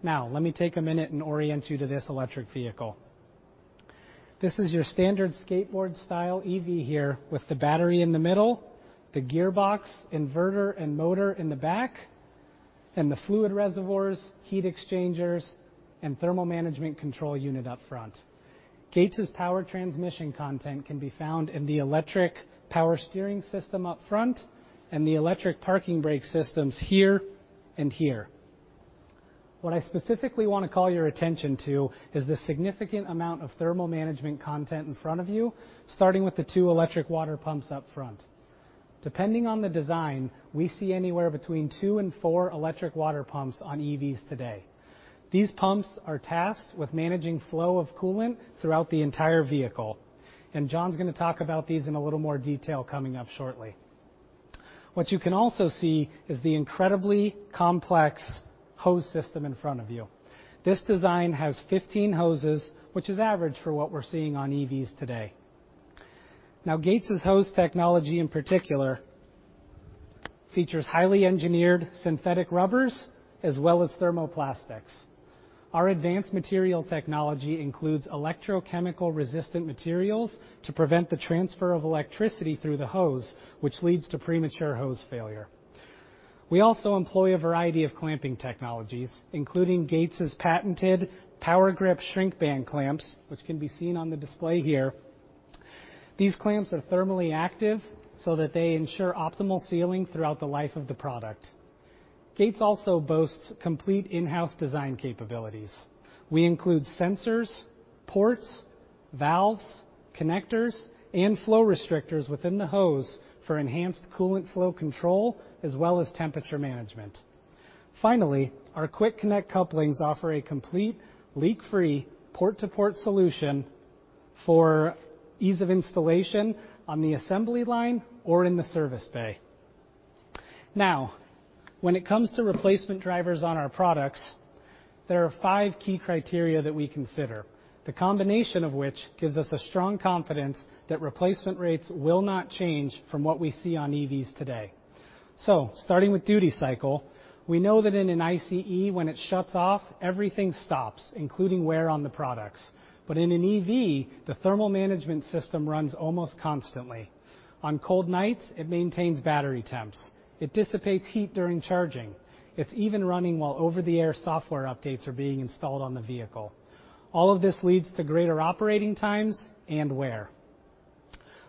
Now, let me take a minute and orient you to this electric vehicle. This is your standard skateboard style EV here with the battery in the middle, the gearbox, inverter, and motor in the back, and the fluid reservoirs, heat exchangers, and thermal management control unit up front. Gates' power transmission content can be found in the electric power steering system up front and the electric parking brake systems here and here. What I specifically wanna call your attention to is the significant amount of thermal management content in front of you, starting with the 2 electric water pumps up front. Depending on the design, we see anywhere between 2 and 4 electric water pumps on EVs today. These pumps are tasked with managing flow of coolant throughout the entire vehicle, and John's gonna talk about these in a little more detail coming up shortly. What you can also see is the incredibly complex hose system in front of you. This design has 15 hoses, which is average for what we're seeing on EVs today. Now Gates' hose technology in particular features highly engineered synthetic rubbers as well as thermoplastics. Our advanced material technology includes electrically resistant materials to prevent the transfer of electricity through the hose, which leads to premature hose failure. We also employ a variety of clamping technologies, including Gates' patented PowerGrip shrink band clamps, which can be seen on the display here. These clamps are thermally active so that they ensure optimal sealing throughout the life of the product. Gates also boasts complete in-house design capabilities. We include sensors, ports, valves, connectors, and flow restrictors within the hose for enhanced coolant flow control as well as temperature management. Finally, our quick connect couplings offer a complete leak-free port-to-port solution for ease of installation on the assembly line or in the service bay. Now, when it comes to replacement drivers on our products, there are five key criteria that we consider, the combination of which gives us a strong confidence that replacement rates will not change from what we see on EVs today. Starting with duty cycle, we know that in an ICE, when it shuts off, everything stops, including wear on the products. In an EV, the thermal management system runs almost constantly. On cold nights, it maintains battery temps. It dissipates heat during charging. It's even running while over-the-air software updates are being installed on the vehicle. All of this leads to greater operating times and wear.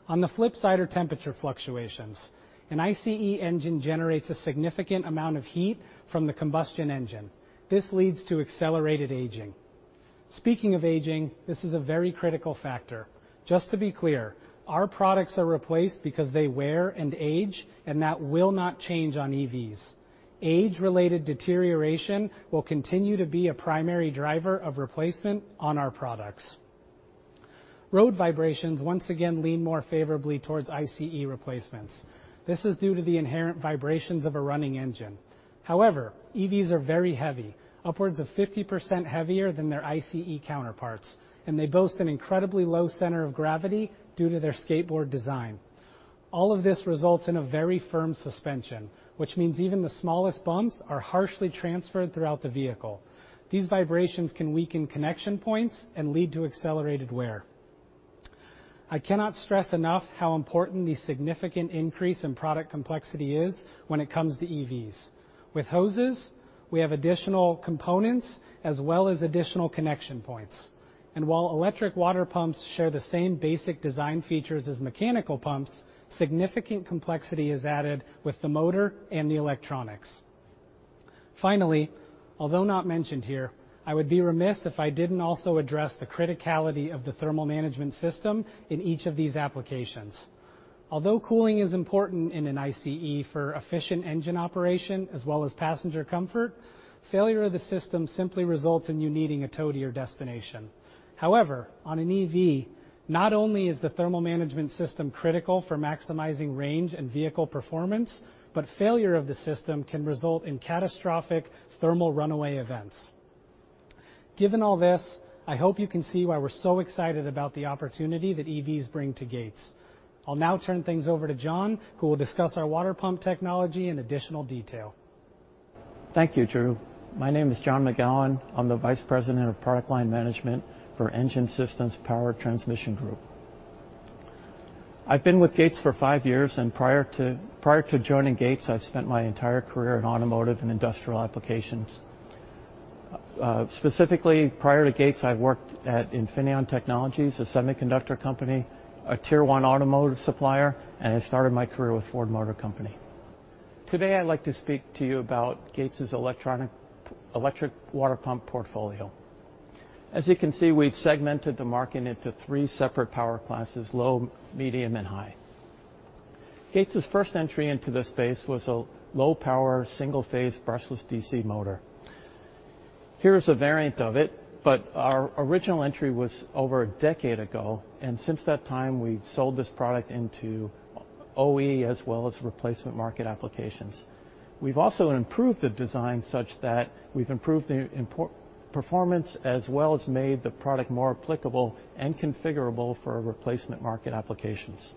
On the flip side are temperature fluctuations. An ICE engine generates a significant amount of heat from the combustion engine. This leads to accelerated aging. Speaking of aging, this is a very critical factor. Just to be clear, our products are replaced because they wear and age, and that will not change on EVs. Age-related deterioration will continue to be a primary driver of replacement on our products. Road vibrations once again lean more favorably towards ICE replacements. This is due to the inherent vibrations of a running engine. However, EVs are very heavy, upwards of 50% heavier than their ICE counterparts, and they boast an incredibly low center of gravity due to their skateboard design. All of this results in a very firm suspension, which means even the smallest bumps are harshly transferred throughout the vehicle. These vibrations can weaken connection points and lead to accelerated wear. I cannot stress enough how important the significant increase in product complexity is when it comes to EVs. With hoses, we have additional components as well as additional connection points. While electric water pumps share the same basic design features as mechanical pumps, significant complexity is added with the motor and the electronics. Finally, although not mentioned here, I would be remiss if I didn't also address the criticality of the thermal management system in each of these applications. Although cooling is important in an ICE for efficient engine operation as well as passenger comfort, failure of the system simply results in you needing a tow to your destination. However, on an EV, not only is the thermal management system critical for maximizing range and vehicle performance, but failure of the system can result in catastrophic thermal runaway events. Given all this, I hope you can see why we're so excited about the opportunity that EVs bring to Gates. I'll now turn things over to John, who will discuss our water pump technology in additional detail. Thank you, Drew. My name is John McGowan. I'm the Vice President of Product Line Management for Engine Systems Power Transmission Group. I've been with Gates for five years, and prior to joining Gates, I've spent my entire career in automotive and industrial applications. Specifically prior to Gates, I worked at Infineon Technologies, a semiconductor company, a tier one automotive supplier, and I started my career with Ford Motor Company. Today, I'd like to speak to you about Gates' electric water pump portfolio. As you can see, we've segmented the market into three separate power classes: low, medium, and high. Gates' first entry into this space was a low-power single-phase brushless DC motor. Here's a variant of it, but our original entry was over a decade ago, and since that time, we've sold this product into OE as well as replacement market applications. We've also improved the design such that we've improved the important performance as well as made the product more applicable and configurable for replacement market applications.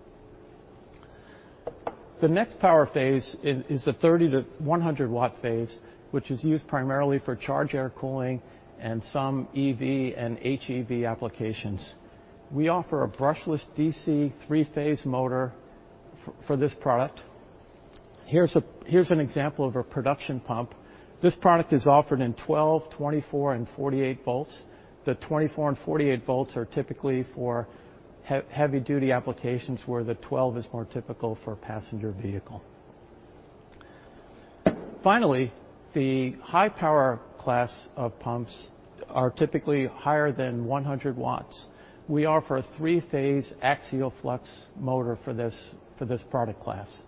The next power phase is the 30-100 watt phase, which is used primarily for charge air cooling and some EV and HEV applications. We offer a brushless DC three-phase motor for this product. Here's an example of a production pump. This product is offered in 12, 24, and 48 volts. The 24 and 48 volts are typically for heavy duty applications, where the 12 is more typical for a passenger vehicle. Finally, the high power class of pumps are typically higher than 100 watts. We offer a three-phase axial flux motor for this product class.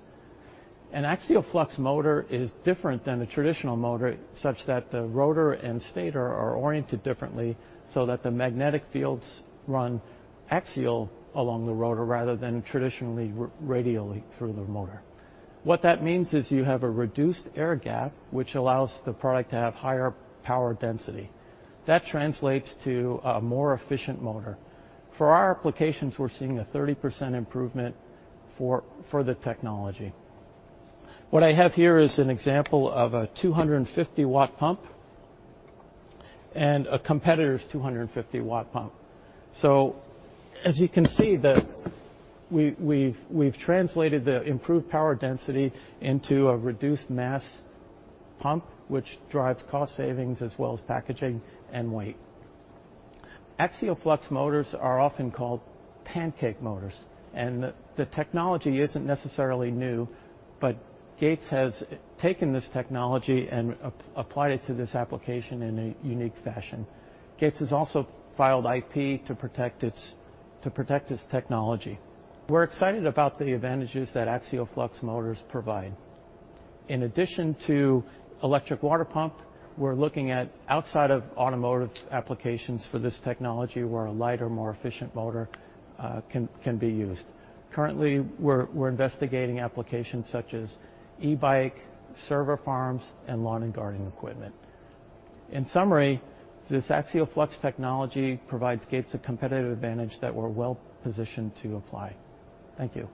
An axial flux motor is different than a traditional motor such that the rotor and stator are oriented differently, so that the magnetic fields run axial along the rotor rather than traditionally radially through the motor. What that means is you have a reduced air gap, which allows the product to have higher power density. That translates to a more efficient motor. For our applications, we're seeing a 30% improvement for the technology. What I have here is an example of a 250-watt pump and a competitor's 250-watt pump. As you can see, we've translated the improved power density into a reduced mass pump, which drives cost savings as well as packaging and weight. Axial flux motors are often called pancake motors, and the technology isn't necessarily new, but Gates has taken this technology and applied it to this application in a unique fashion. Gates has also filed IP to protect its technology. We're excited about the advantages that axial flux motors provide. In addition to electric water pump, we're looking at outside of automotive applications for this technology where a lighter, more efficient motor can be used. Currently, we're investigating applications such as e-bike, server farms, and lawn and garden equipment. In summary, this axial flux technology provides Gates a competitive advantage that we're well-positioned to apply. Thank you.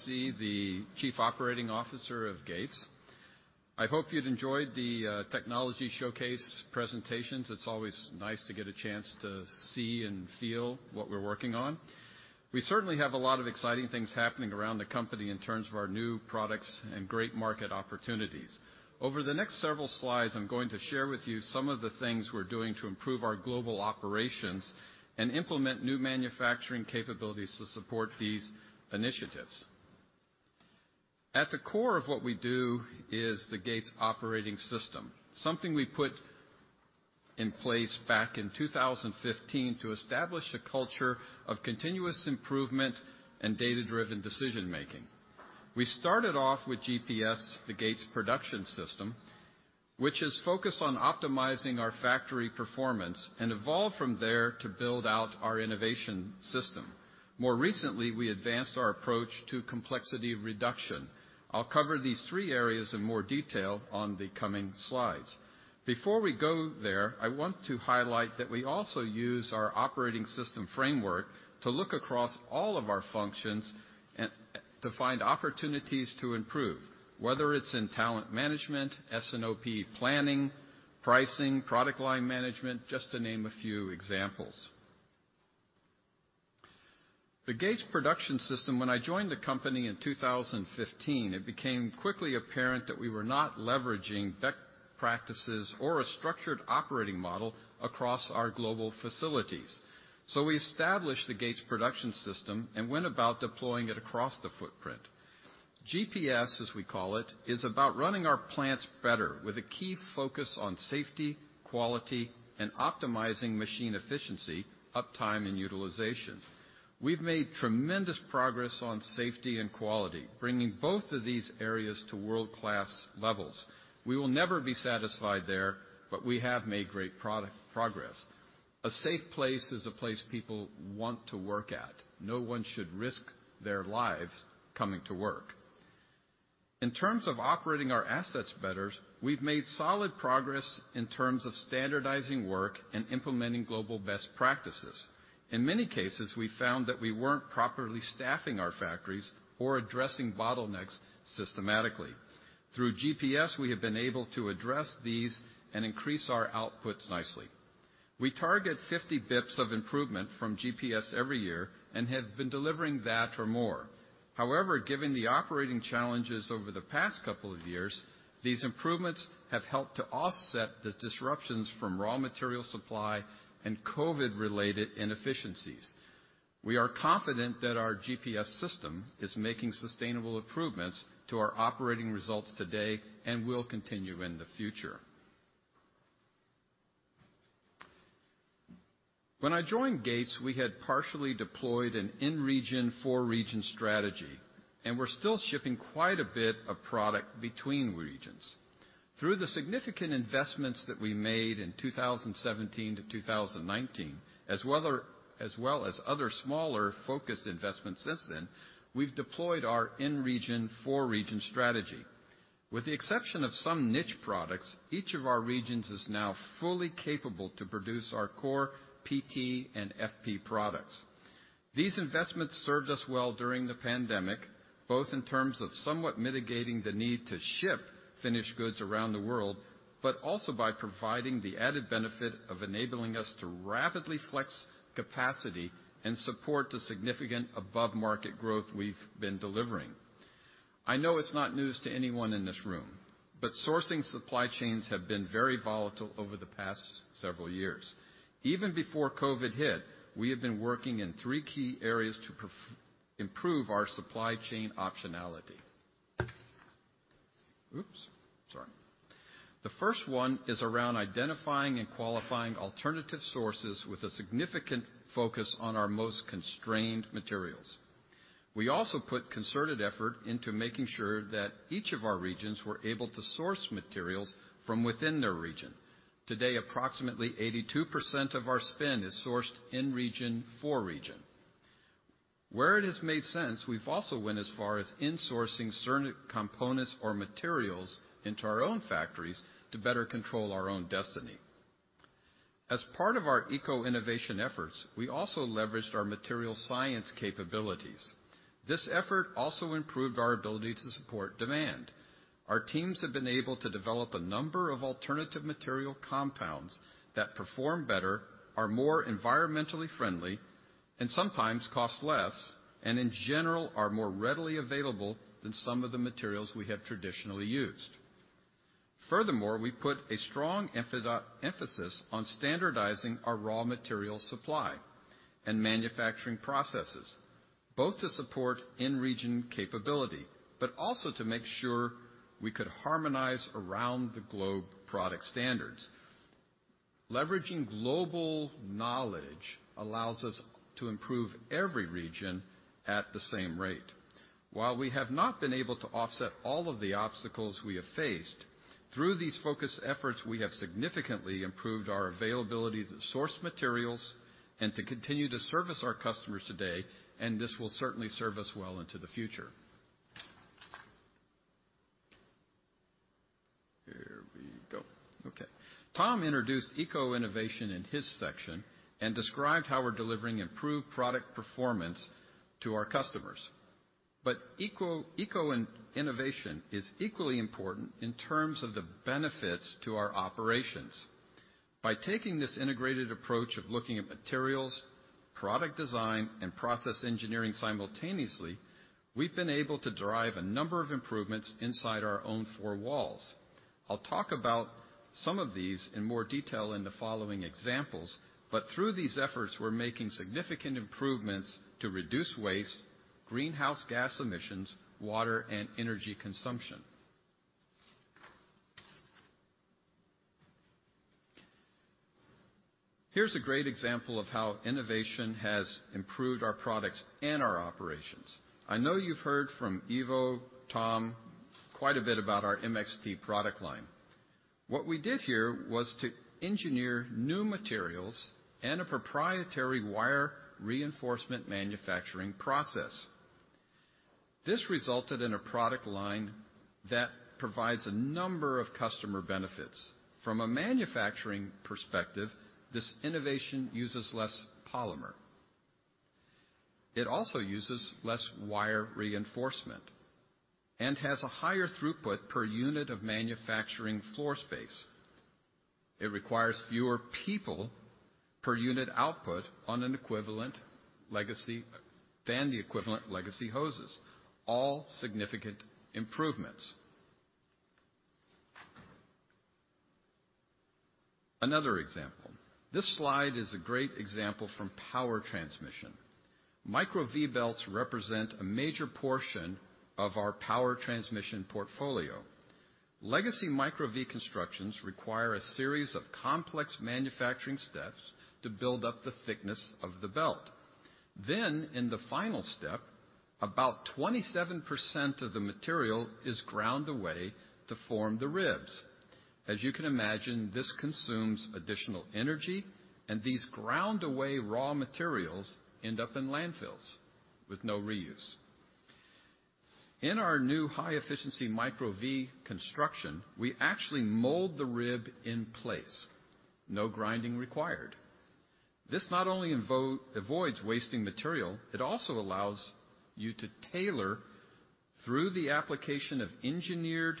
Good noon. I'm Walter Lifsey, the Chief Operating Officer of Gates. I hope you'd enjoyed the technology showcase presentations. It's always nice to get a chance to see and feel what we're working on. We certainly have a lot of exciting things happening around the company in terms of our new products and great market opportunities. Over the next several slides, I'm going to share with you some of the things we're doing to improve our global operations and implement new manufacturing capabilities to support these initiatives. At the core of what we do is the Gates Operating System, something we put in place back in 2015 to establish a culture of continuous improvement and data-driven decision-making. We started off with GPS, the Gates Production System, which is focused on optimizing our factory performance, and evolved from there to build out our innovation system. More recently, we advanced our approach to complexity reduction. I'll cover these three areas in more detail on the coming slides. Before we go there, I want to highlight that we also use our operating system framework to look across all of our functions and to find opportunities to improve, whether it's in talent management, S&OP planning, pricing, product line management, just to name a few examples. The Gates Production System, when I joined the company in 2015, it became quickly apparent that we were not leveraging best practices or a structured operating model across our global facilities. We established the Gates Production System and went about deploying it across the footprint. GPS, as we call it, is about running our plants better with a key focus on safety, quality, and optimizing machine efficiency, uptime, and utilization. We've made tremendous progress on safety and quality, bringing both of these areas to world-class levels. We will never be satisfied there, but we have made great product progress. A safe place is a place people want to work at. No one should risk their lives coming to work. In terms of operating our assets better, we've made solid progress in terms of standardizing work and implementing global best practices. In many cases, we found that we weren't properly staffing our factories or addressing bottlenecks systematically. Through GPS, we have been able to address these and increase our outputs nicely. We target 50 basis points of improvement from GPS every year and have been delivering that or more. However, given the operating challenges over the past couple of years, these improvements have helped to offset the disruptions from raw material supply and COVID-19-related inefficiencies. We are confident that our GPS system is making sustainable improvements to our operating results today and will continue in the future. When I joined Gates, we had partially deployed an in-region, for-region strategy, and we're still shipping quite a bit of product between regions. Through the significant investments that we made in 2017 to 2019, as well as other smaller focused investments since then, we've deployed our in-region, for-region strategy. With the exception of some niche products, each of our regions is now fully capable to produce our core PT and FP products. These investments served us well during the pandemic, both in terms of somewhat mitigating the need to ship finished goods around the world, but also by providing the added benefit of enabling us to rapidly flex capacity and support the significant above market growth we've been delivering. I know it's not news to anyone in this room, but sourcing supply chains have been very volatile over the past several years. Even before COVID-19 hit, we have been working in three key areas to improve our supply chain optionality. Oops, sorry. The first one is around identifying and qualifying alternative sources with a significant focus on our most constrained materials. We also put concerted effort into making sure that each of our regions were able to source materials from within their region. Today, approximately 82% of our spend is sourced in region for region. Where it has made sense, we've also went as far as insourcing certain components or materials into our own factories to better control our own destiny. As part of our Eco-Innovation efforts, we also leveraged our material science capabilities. This effort also improved our ability to support demand. Our teams have been able to develop a number of alternative material compounds that perform better, are more environmentally friendly, and sometimes cost less, and in general are more readily available than some of the materials we have traditionally used. Furthermore, we put a strong emphasis on standardizing our raw material supply and manufacturing processes, both to support in-region capability, but also to make sure we could harmonize around the globe product standards. Leveraging global knowledge allows us to improve every region at the same rate. While we have not been able to offset all of the obstacles we have faced, through these focused efforts, we have significantly improved our availability to source materials and to continue to service our customers today, and this will certainly serve us well into the future. Here we go. Okay. Tom introduced Eco-Innovation in his section and described how we're delivering improved product performance to our customers. Eco-Innovation is equally important in terms of the benefits to our operations. By taking this integrated approach of looking at materials, product design, and process engineering simultaneously, we've been able to derive a number of improvements inside our own four walls. I'll talk about some of these in more detail in the following examples, but through these efforts, we're making significant improvements to reduce waste, greenhouse gas emissions, water, and energy consumption. Here's a great example of how innovation has improved our products and our operations. I know you've heard from Ivo, Tom, quite a bit about our MXT product line. What we did here was to engineer new materials and a proprietary wire reinforcement manufacturing process. This resulted in a product line that provides a number of customer benefits. From a manufacturing perspective, this innovation uses less polymer. It also uses less wire reinforcement and has a higher throughput per unit of manufacturing floor space. It requires fewer people per unit output on an equivalent legacy than the equivalent legacy hoses. All significant improvements. Another example. This slide is a great example from power transmission. Micro-V belts represent a major portion of our power transmission portfolio. Legacy Micro-V constructions require a series of complex manufacturing steps to build up the thickness of the belt. Then, in the final step, about 27% of the material is ground away to form the ribs. As you can imagine, this consumes additional energy, and these ground away raw materials end up in landfills with no reuse. In our new high-efficiency Micro-V construction, we actually mold the rib in place. No grinding required. This not only avoids wasting material, it also allows you to tailor, through the application of engineered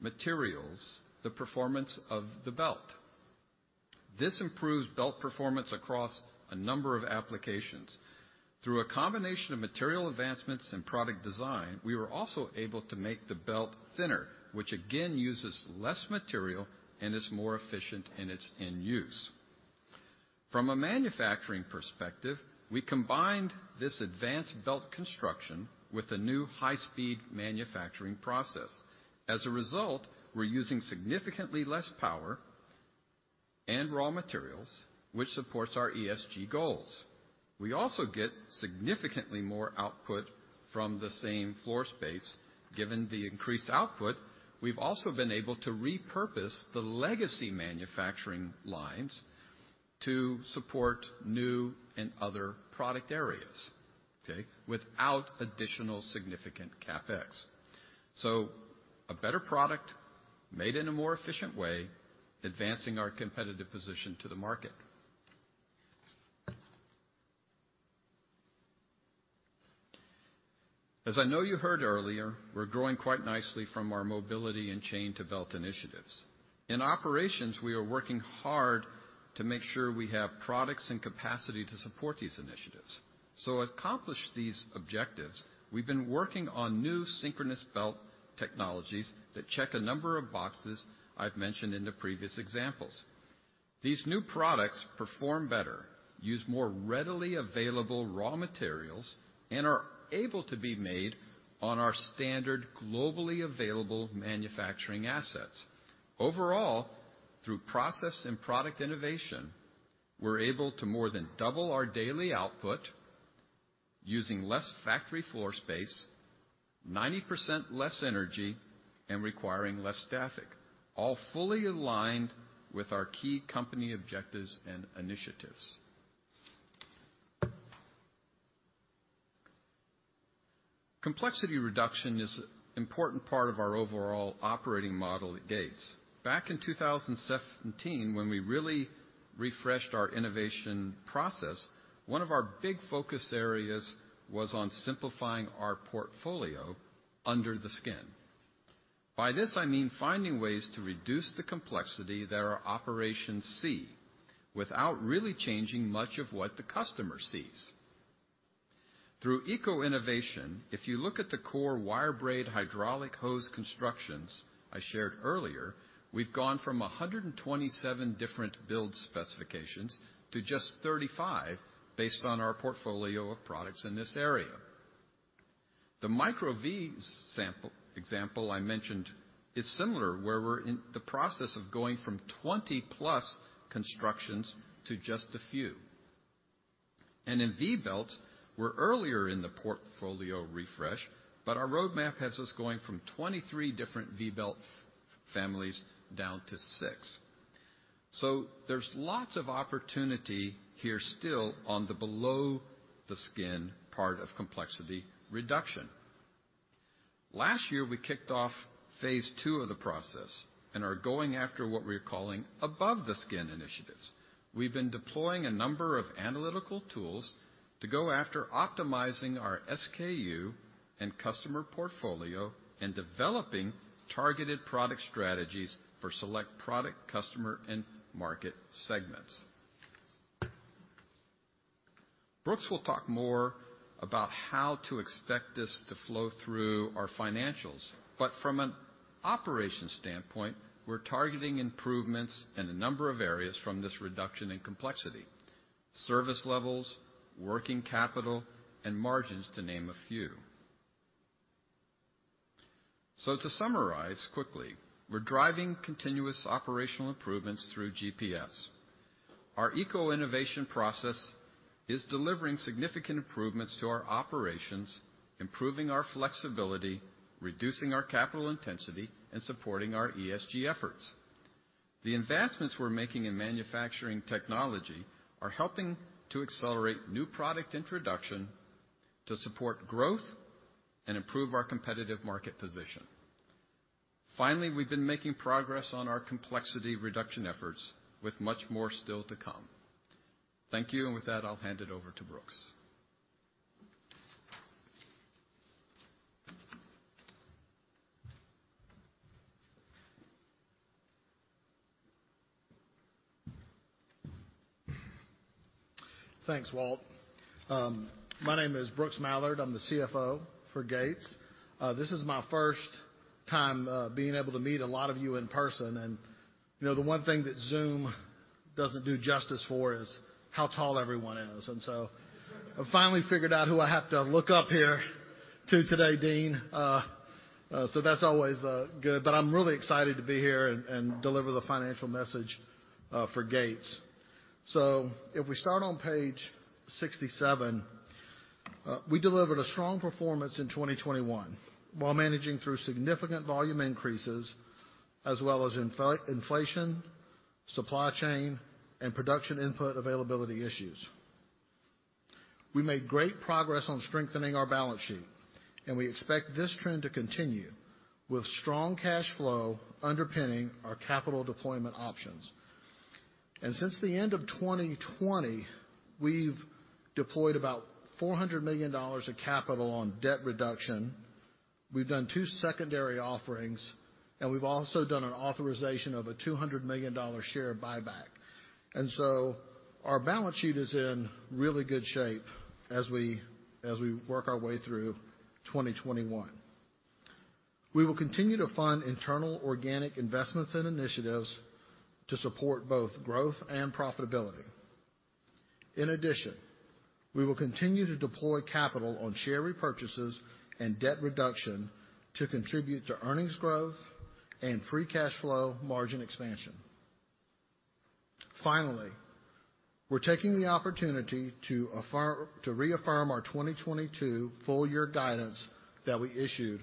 materials, the performance of the belt. This improves belt performance across a number of applications. Through a combination of material advancements and product design, we were also able to make the belt thinner, which again uses less material and is more efficient in its end use. From a manufacturing perspective, we combined this advanced belt construction with a new high-speed manufacturing process. As a result, we're using significantly less power and raw materials, which supports our ESG goals. We also get significantly more output from the same floor space. Given the increased output, we've also been able to repurpose the legacy manufacturing lines to support new and other product areas, okay, without additional significant CapEx. A better product made in a more efficient way, advancing our competitive position to the market. As I know you heard earlier, we're growing quite nicely from our mobility and Chain to Belt initiatives. In operations, we are working hard to make sure we have products and capacity to support these initiatives. To accomplish these objectives, we've been working on new synchronous belt technologies that check a number of boxes I've mentioned in the previous examples. These new products perform better, use more readily available raw materials, and are able to be made on our standard globally available manufacturing assets. Overall, through process and product innovation, we're able to more than double our daily output using less factory floor space, 90% less energy, and requiring less staffing, all fully aligned with our key company objectives and initiatives. Complexity reduction is important part of our overall operating model at Gates. Back in 2017, when we really refreshed our innovation process, one of our big focus areas was on simplifying our portfolio under the skin. By this I mean finding ways to reduce the complexity that our operations see without really changing much of what the customer sees. Through Eco-Innovation, if you look at the core wire-braid hydraulic hose constructions I shared earlier, we've gone from 127 different build specifications to just 35 based on our portfolio of products in this area. The Micro-V's example I mentioned is similar where we're in the process of going from 20+ constructions to just a few. In V-belts, we're earlier in the portfolio refresh, but our roadmap has us going from 23 different V-belt families down to six. There's lots of opportunity here still on the below the skin part of complexity reduction. Last year, we kicked off phase two of the process and are going after what we're calling above the skin initiatives. We've been deploying a number of analytical tools to go after optimizing our SKU and customer portfolio and developing targeted product strategies for select product, customer, and market segments. Brooks will talk more about how to expect this to flow through our financials. From an operation standpoint, we're targeting improvements in a number of areas from this reduction in complexity, service levels, working capital, and margins, to name a few. To summarize quickly, we're driving continuous operational improvements through GPS. Our Eco-Innovation process is delivering significant improvements to our operations, improving our flexibility, reducing our capital intensity, and supporting our ESG efforts. The investments we're making in manufacturing technology are helping to accelerate new product introduction to support growth and improve our competitive market position. Finally, we've been making progress on our complexity reduction efforts with much more still to come. Thank you. With that, I'll hand it over to Brooks. Thanks, Walt. My name is Brooks Mallard. I'm the CFO for Gates. This is my first time being able to meet a lot of you in person. You know, the one thing that Zoom doesn't do justice for is how tall everyone is. I finally figured out who I have to look up to today, Deane. That's always good. I'm really excited to be here and deliver the financial message for Gates. If we start on page 67, we delivered a strong performance in 2021 while managing through significant volume increases as well as inflation, supply chain, and production input availability issues. We made great progress on strengthening our balance sheet, and we expect this trend to continue with strong cash flow underpinning our capital deployment options. Since the end of 2020, we've deployed about $400 million of capital on debt reduction. We've done two secondary offerings, and we've also done an authorization of a $200 million share buyback. Our balance sheet is in really good shape as we work our way through 2021. We will continue to fund internal organic investments and initiatives to support both growth and profitability. In addition, we will continue to deploy capital on share repurchases and debt reduction to contribute to earnings growth and free cash flow margin expansion. Finally, we're taking the opportunity to reaffirm our 2022 full year guidance that we issued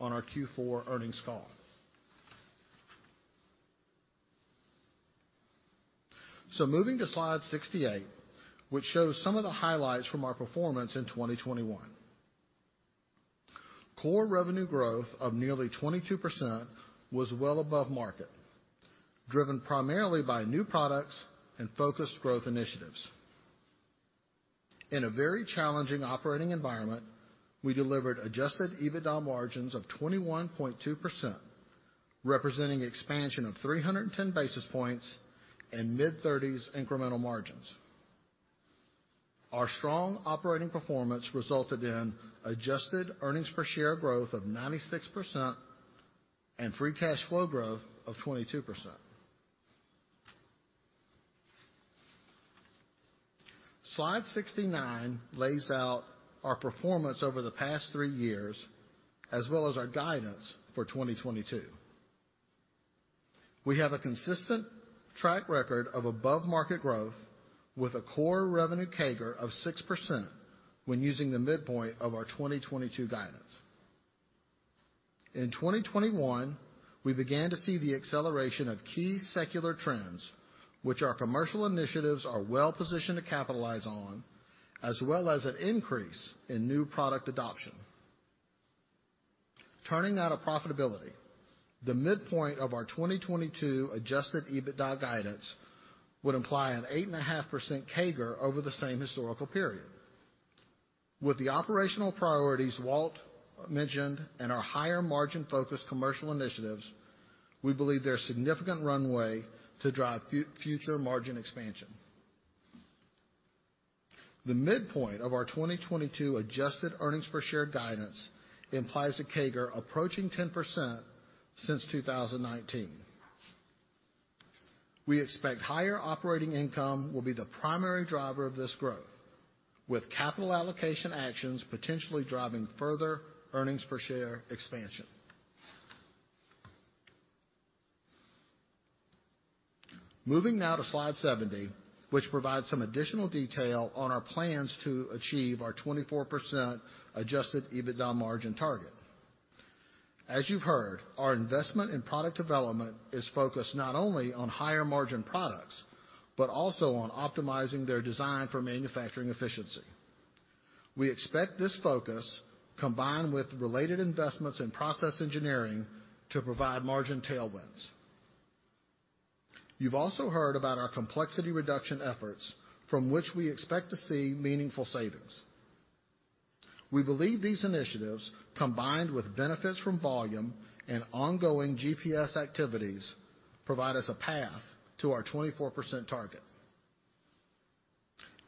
on our Q4 earnings call. Moving to slide 68, which shows some of the highlights from our performance in 2021. Core revenue growth of nearly 22% was well above market, driven primarily by new products and focused growth initiatives. In a very challenging operating environment, we delivered adjusted EBITDA margins of 21.2%, representing expansion of 310 basis points and mid-thirties incremental margins. Our strong operating performance resulted in adjusted earnings per share growth of 96% and free cash flow growth of 22%. Slide 69 lays out our performance over the past 3 years as well as our guidance for 2022. We have a consistent track record of above-market growth with a core revenue CAGR of 6% when using the midpoint of our 2022 guidance. In 2021, we began to see the acceleration of key secular trends, which our commercial initiatives are well-positioned to capitalize on, as well as an increase in new product adoption. Turning now to profitability, the midpoint of our 2022 adjusted EBITDA guidance would imply an 8.5% CAGR over the same historical period. With the operational priorities Walt mentioned and our higher margin-focused commercial initiatives, we believe there's significant runway to drive future margin expansion. The midpoint of our 2022 adjusted earnings per share guidance implies a CAGR approaching 10% since 2019. We expect higher operating income will be the primary driver of this growth, with capital allocation actions potentially driving further earnings per share expansion. Moving now to slide 70, which provides some additional detail on our plans to achieve our 24% adjusted EBITDA margin target. As you've heard, our investment in product development is focused not only on higher margin products but also on optimizing their design for manufacturing efficiency. We expect this focus, combined with related investments in process engineering, to provide margin tailwinds. You've also heard about our complexity reduction efforts, from which we expect to see meaningful savings. We believe these initiatives, combined with benefits from volume and ongoing GPS activities, provide us a path to our 24% target.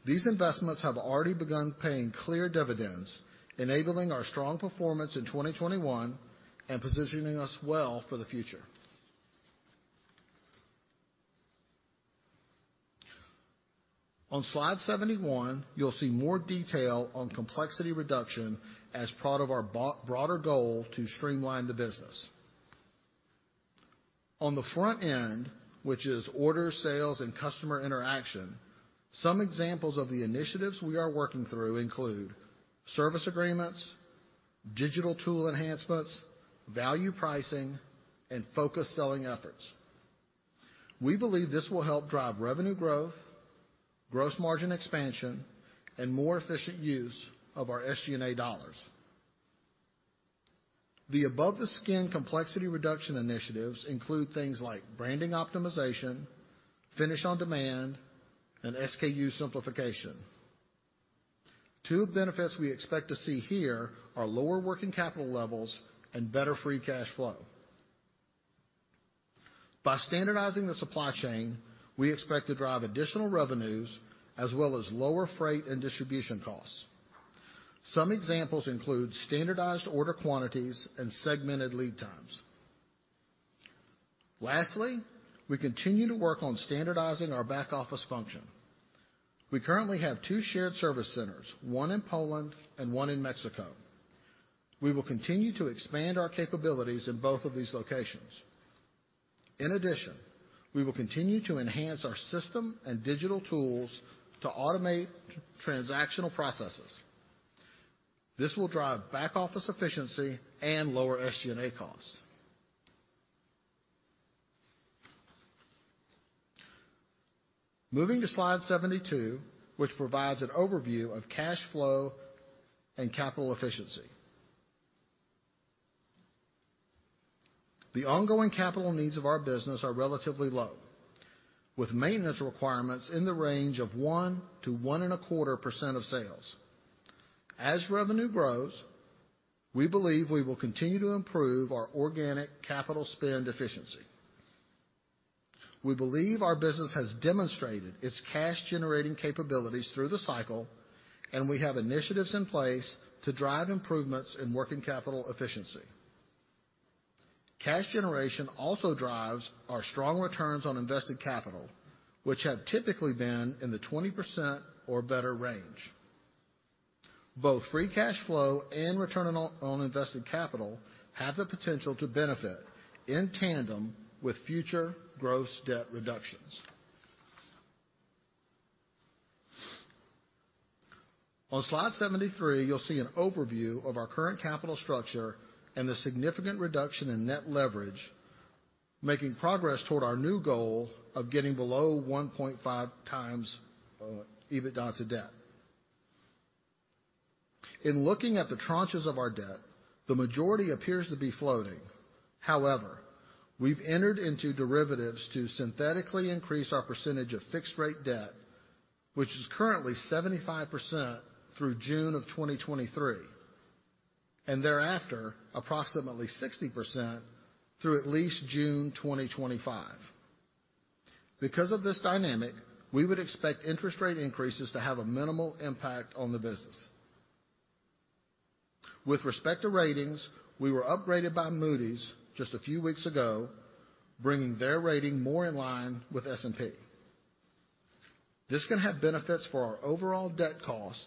These investments have already begun paying clear dividends, enabling our strong performance in 2021 and positioning us well for the future. On slide 71, you'll see more detail on complexity reduction as part of our broader goal to streamline the business. On the front end, which is order, sales, and customer interaction, some examples of the initiatives we are working through include service agreements, digital tool enhancements, value pricing, and focused selling efforts. We believe this will help drive revenue growth, gross margin expansion, and more efficient use of our SG&A dollars. The above-the-skin complexity reduction initiatives include things like branding optimization, finish on demand, and SKU simplification. Two benefits we expect to see here are lower working capital levels and better free cash flow. By standardizing the supply chain, we expect to drive additional revenues as well as lower freight and distribution costs. Some examples include standardized order quantities and segmented lead times. Lastly, we continue to work on standardizing our back-office function. We currently have two shared service centers, one in Poland and one in Mexico. We will continue to expand our capabilities in both of these locations. In addition, we will continue to enhance our system and digital tools to automate transactional processes. This will drive back-office efficiency and lower SG&A costs. Moving to slide 72, which provides an overview of cash flow and capital efficiency. The ongoing capital needs of our business are relatively low, with maintenance requirements in the range of 1%-1.25% of sales. As revenue grows, we believe we will continue to improve our organic capital spend efficiency. We believe our business has demonstrated its cash-generating capabilities through the cycle, and we have initiatives in place to drive improvements in working capital efficiency. Cash generation also drives our strong returns on invested capital, which have typically been in the 20% or better range. Both free cash flow and return on invested capital have the potential to benefit in tandem with future gross debt reductions. On slide 73, you'll see an overview of our current capital structure and the significant reduction in net leverage, making progress toward our new goal of getting below 1.5x EBITDA to debt. In looking at the tranches of our debt, the majority appears to be floating. However, we've entered into derivatives to synthetically increase our percentage of fixed rate debt, which is currently 75% through June 2023. Thereafter, approximately 60% through at least June 2025. Because of this dynamic, we would expect interest rate increases to have a minimal impact on the business. With respect to ratings, we were upgraded by Moody's just a few weeks ago, bringing their rating more in line with S&P. This can have benefits for our overall debt cost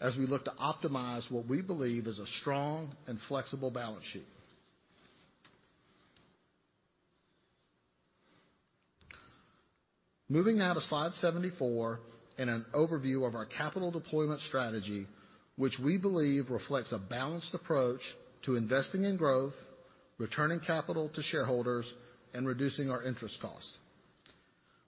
as we look to optimize what we believe is a strong and flexible balance sheet. Moving now to slide 74 and an overview of our capital deployment strategy, which we believe reflects a balanced approach to investing in growth, returning capital to shareholders, and reducing our interest costs.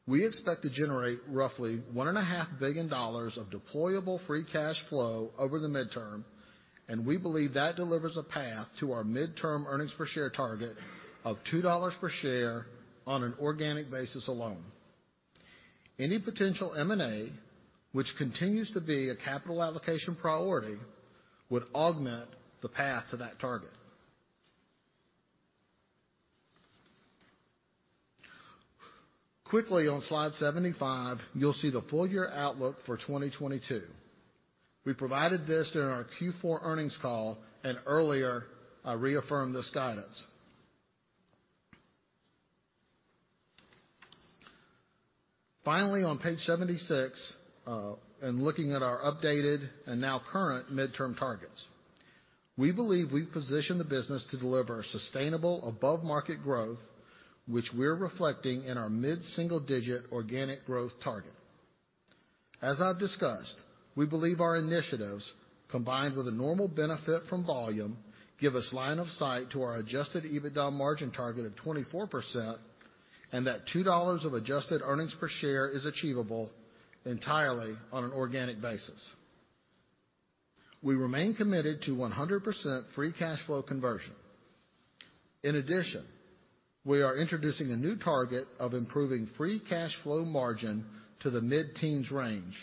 We expect to generate roughly one and a half billion dollars of deployable free cash flow over the midterm, and we believe that delivers a path to our midterm earnings per share target of $2 per share on an organic basis alone. Any potential M&A, which continues to be a capital allocation priority, would augment the path to that target. Quickly on slide 75, you'll see the full year outlook for 2022. We provided this during our Q4 earnings call, and earlier, I reaffirmed this guidance. Finally, on page 76, in looking at our updated and now current midterm targets. We believe we've positioned the business to deliver sustainable above market growth, which we're reflecting in our mid-single digit organic growth target. As I've discussed, we believe our initiatives, combined with a normal benefit from volume, give us line of sight to our adjusted EBITDA margin target of 24%, and that $2 of adjusted earnings per share is achievable entirely on an organic basis. We remain committed to 100% free cash flow conversion. In addition, we are introducing a new target of improving free cash flow margin to the mid-teens range,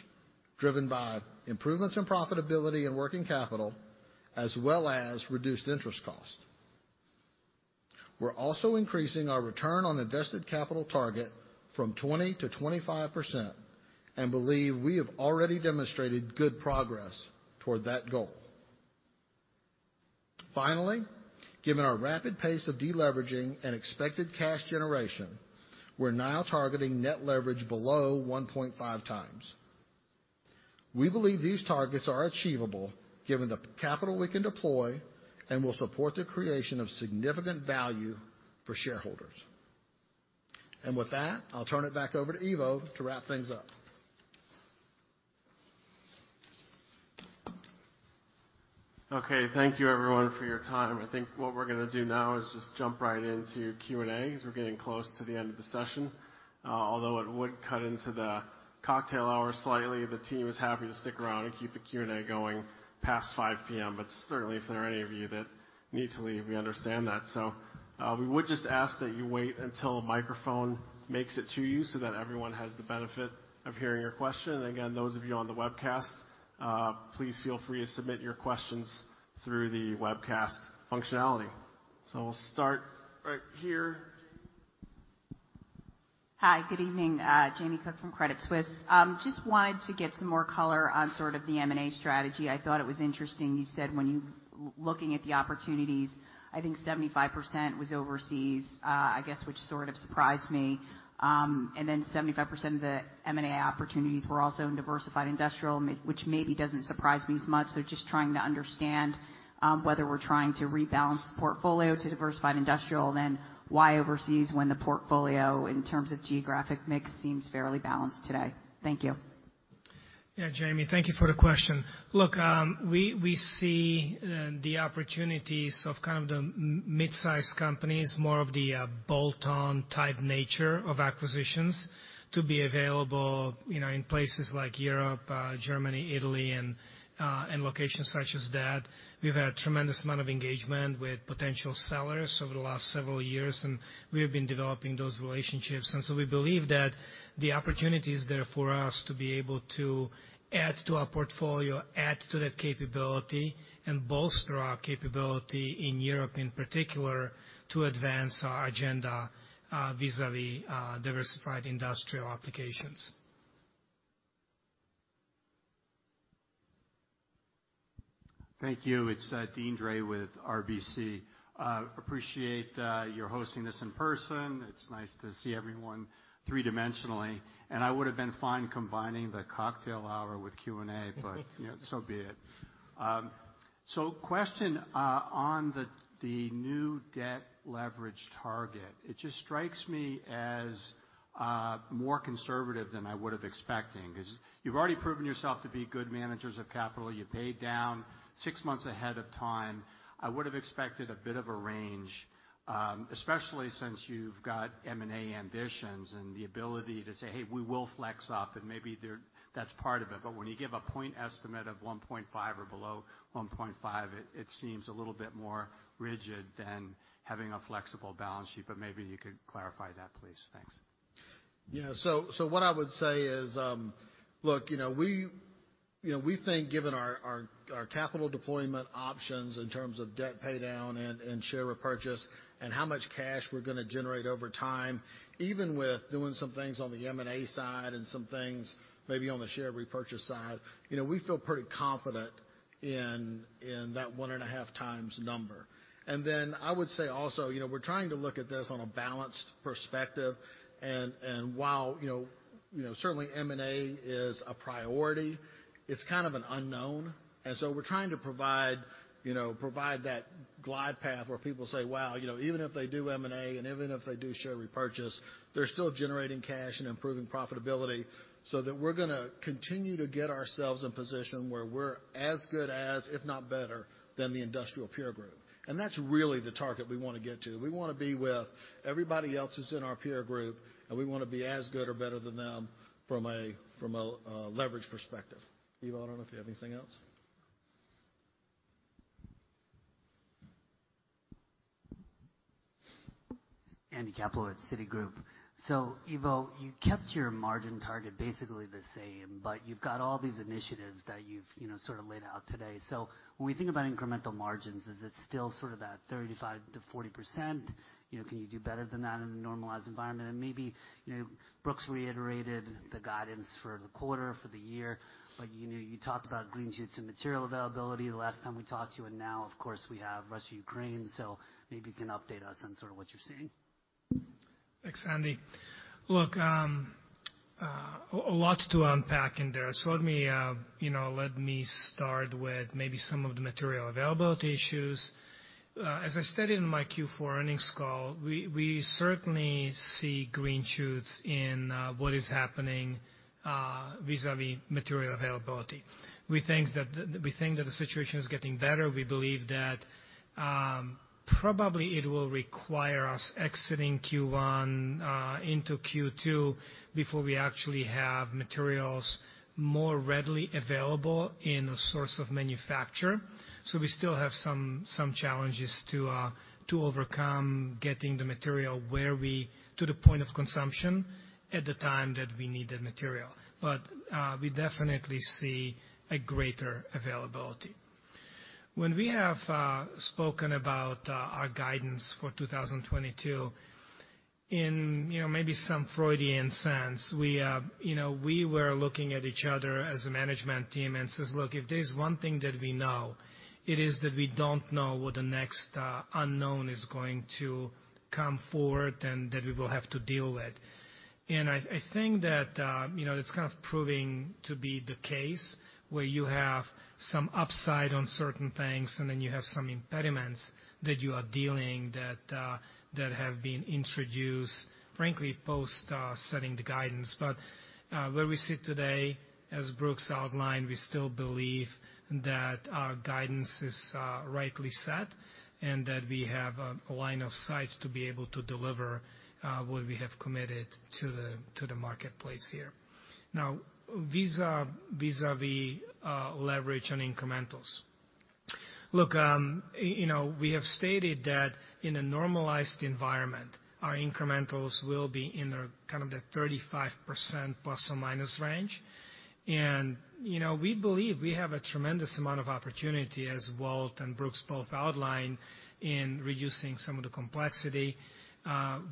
driven by improvements in profitability and working capital as well as reduced interest cost. We're also increasing our return on invested capital target from 20%-25% and believe we have already demonstrated good progress toward that goal. Finally, given our rapid pace of deleveraging and expected cash generation, we're now targeting net leverage below 1.5x. We believe these targets are achievable given the capital we can deploy and will support the creation of significant value for shareholders. With that, I'll turn it back over to Ivo to wrap things up. Okay, thank you everyone for your time. I think what we're gonna do now is just jump right into Q&A, as we're getting close to the end of the session. Although it would cut into the cocktail hour slightly, the team is happy to stick around and keep the Q&A going past 5:00 P.M. Certainly, if there are any of you that need to leave, we understand that. We would just ask that you wait until a microphone makes it to you so that everyone has the benefit of hearing your question. Again, those of you on the webcast, please feel free to submit your questions through the webcast functionality. We'll start right here. Hi. Good evening. Jamie Cook from Credit Suisse. Just wanted to get some more color on sort of the M&A strategy. I thought it was interesting you said when you looking at the opportunities, I think 75% was overseas, I guess, which sort of surprised me. And then 75% of the M&A opportunities were also in diversified industrial, which maybe doesn't surprise me as much. Just trying to understand whether we're trying to rebalance the portfolio to diversified industrial, and then why overseas when the portfolio in terms of geographic mix seems fairly balanced today. Thank you. Yeah, Jamie, thank you for the question. Look, we see the opportunities of kind of the mid-size companies, more of the bolt-on type nature of acquisitions to be available, you know, in places like Europe, Germany, Italy, and locations such as that. We've had a tremendous amount of engagement with potential sellers over the last several years, and we have been developing those relationships. We believe that the opportunity is there for us to be able to add to our portfolio, add to that capability, and bolster our capability in Europe in particular, to advance our agenda vis-à-vis diversified industrial applications. Thank you. It's Deane Dray with RBC. Appreciate your hosting this in person. It's nice to see everyone three-dimensionally, and I would have been fine combining the cocktail hour with Q&A, but you know, so be it. So question on the new debt leverage target. It just strikes me as more conservative than I would have expecting. 'Cause you've already proven yourself to be good managers of capital. You paid down six months ahead of time. I would have expected a bit of a range, especially since you've got M&A ambitions and the ability to say, "Hey, we will flex up," and maybe that's part of it. when you give a point estimate of 1.5 or below 1.5, it seems a little bit more rigid than having a flexible balance sheet, but maybe you could clarify that, please. Thanks. Yeah. What I would say is, look, you know, we think given our capital deployment options in terms of debt pay down and share repurchase and how much cash we're gonna generate over time, even with doing some things on the M&A side and some things maybe on the share repurchase side, you know, we feel pretty confident in that 1.5 times number. I would say also, you know, we're trying to look at this on a balanced perspective and while, you know, certainly M&A is a priority, it's kind of an unknown. We're trying to provide, you know, provide that glide path where people say, "Wow, you know, even if they do M&A and even if they do share repurchase, they're still generating cash and improving profitability," so that we're gonna continue to get ourselves in position where we're as good as, if not better than the industrial peer group. That's really the target we wanna get to. We wanna be with everybody else who's in our peer group, and we wanna be as good or better than them from a leverage perspective. Ivo, I don't know if you have anything else. Andy Kaplowitz, Citigroup. Ivo, you kept your margin target basically the same, but you've got all these initiatives that you've, you know, sort of laid out today. When we think about incremental margins, is it still sort of that 35%-40%? You know, can you do better than that in a normalized environment? And maybe, you know, Brooks reiterated the guidance for the quarter, for the year, but, you know, you talked about green shoots and material availability the last time we talked to you, and now of course we have Russia-Ukraine, so maybe you can update us on sort of what you're seeing. Thanks, Andy. Look, a lot to unpack in there. Let me, you know, let me start with maybe some of the material availability issues. As I stated in my Q4 earnings call, we certainly see green shoots in what is happening vis-à-vis material availability. We think that the situation is getting better. We believe that probably it will require us exiting Q1 into Q2 before we actually have materials more readily available at our sources of manufacture. We still have some challenges to overcome getting the material to the point of consumption at the time that we need the material. But we definitely see a greater availability. When we have spoken about our guidance for 2022, you know, maybe some Freudian sense, we you know, we were looking at each other as a management team and says, "Look, if there's one thing that we know, it is that we don't know what the next unknown is going to come forward and that we will have to deal with." I think that you know, it's kind of proving to be the case where you have some upside on certain things, and then you have some impediments that you are dealing that have been introduced, frankly, post setting the guidance. Where we sit today, as Brooks outlined, we still believe that our guidance is rightly set and that we have a line of sight to be able to deliver what we have committed to the marketplace here. Now, vis-à-vis leverage and incrementals. Look, you know, we have stated that in a normalized environment, our incrementals will be in a kind of the 35% plus or minus range. You know, we believe we have a tremendous amount of opportunity, as Walt and Brooks both outlined, in reducing some of the complexity.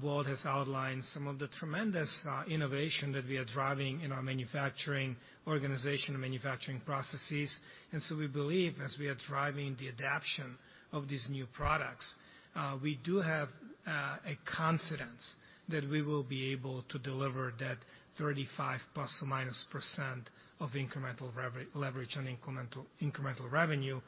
Walt has outlined some of the tremendous innovation that we are driving in our manufacturing organization and manufacturing processes. We believe as we are driving the adoption of these new products, we do have a confidence that we will be able to deliver that 35±% of incremental revenue leverage and incremental revenue,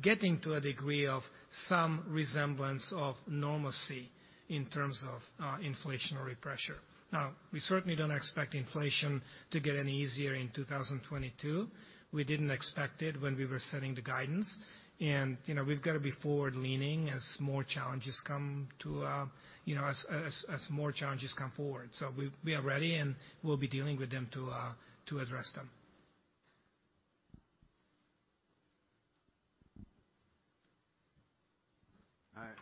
getting to a degree of some resemblance of normalcy in terms of inflationary pressure. Now, we certainly don't expect inflation to get any easier in 2022. We didn't expect it when we were setting the guidance. You know, we've got to be forward-leaning as more challenges come forward. We are ready, and we'll be dealing with them to address them.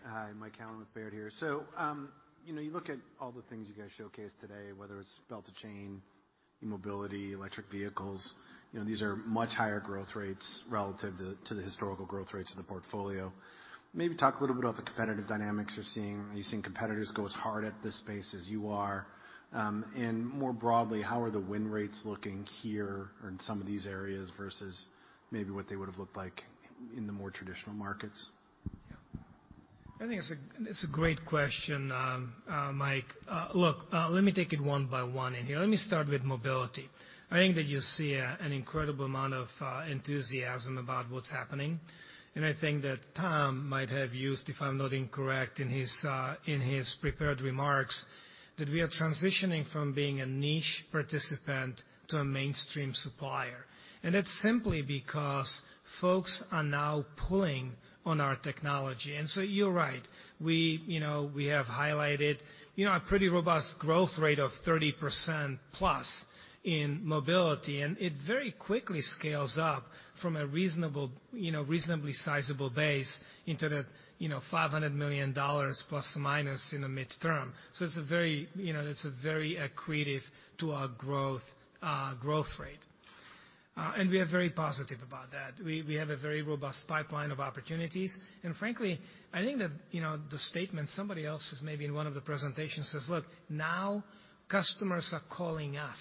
Hi. Hi, Mike Halloran with Baird here. You know, you look at all the things you guys showcased today, whether it's Chain to Belt, mobility, electric vehicles, you know, these are much higher growth rates relative to the historical growth rates of the portfolio. Maybe talk a little bit about the competitive dynamics you're seeing. Are you seeing competitors go as hard at this space as you are? And more broadly, how are the win rates looking here in some of these areas versus maybe what they would have looked like in the more traditional markets? Yeah. I think it's a great question, Mike. Look, let me take it one by one in here. Let me start with mobility. I think that you see an incredible amount of enthusiasm about what's happening, and I think that Tom might have used, if I'm not incorrect in his prepared remarks, that we are transitioning from being a niche participant to a mainstream supplier. That's simply because folks are now pulling on our technology. You're right. We have highlighted a pretty robust growth rate of 30%+ in mobility, and it very quickly scales up from a reasonable, reasonably sizable base into the $500 million plus or minus in the midterm. It's a very accretive to our growth rate. We are very positive about that. We have a very robust pipeline of opportunities. Frankly, I think that the statement somebody else has maybe in one of the presentations says, "Look, now customers are calling us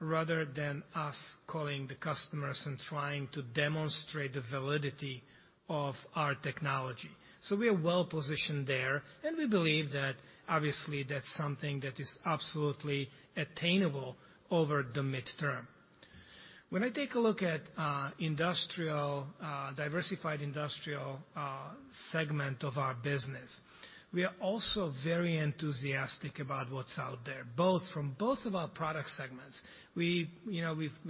rather than us calling the customers and trying to demonstrate the validity of our technology." We are well-positioned there, and we believe that obviously, that's something that is absolutely attainable over the midterm. When I take a look at Diversified Industrial segment of our business, we are also very enthusiastic about what's out there, both from our product segments. We've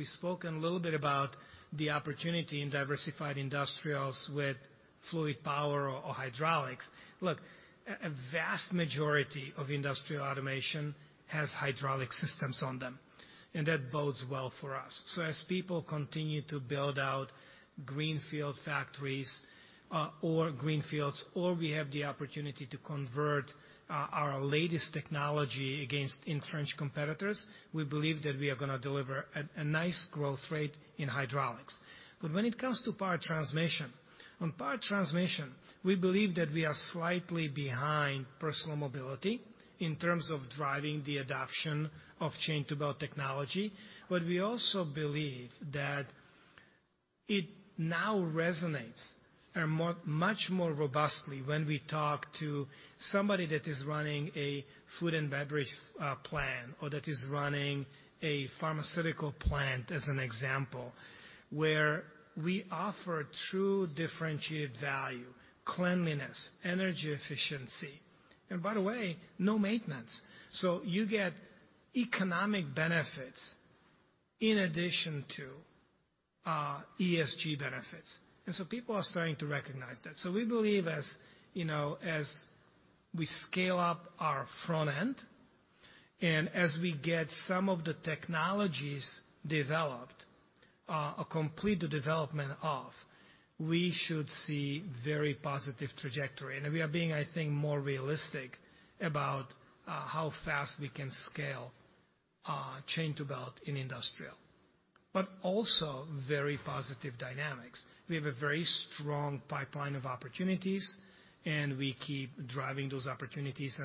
spoken a little bit about the opportunity in diversified industrials with fluid power or hydraulics. Look, a vast majority of industrial automation has hydraulic systems on them, and that bodes well for us. As people continue to build out greenfield factories, we have the opportunity to convert our latest technology against entrenched competitors, we believe that we are gonna deliver a nice growth rate in hydraulics. When it comes to power transmission, we believe that we are slightly behind personal mobility in terms of driving the adoption of Chain-to-Belt technology. We also believe that it now resonates much more robustly when we talk to somebody that is running a food and beverage plant or that is running a pharmaceutical plant as an example, where we offer true differentiated value, cleanliness, energy efficiency, and by the way, no maintenance. You get economic benefits in addition to ESG benefits. People are starting to recognize that. We believe as we scale up our front end and as we get some of the technologies developed, or complete the development of, we should see very positive trajectory. We are being, I think, more realistic about how fast we can scale Chain to Belt in industrial, but also very positive dynamics. We have a very strong pipeline of opportunities, and we keep driving those opportunities.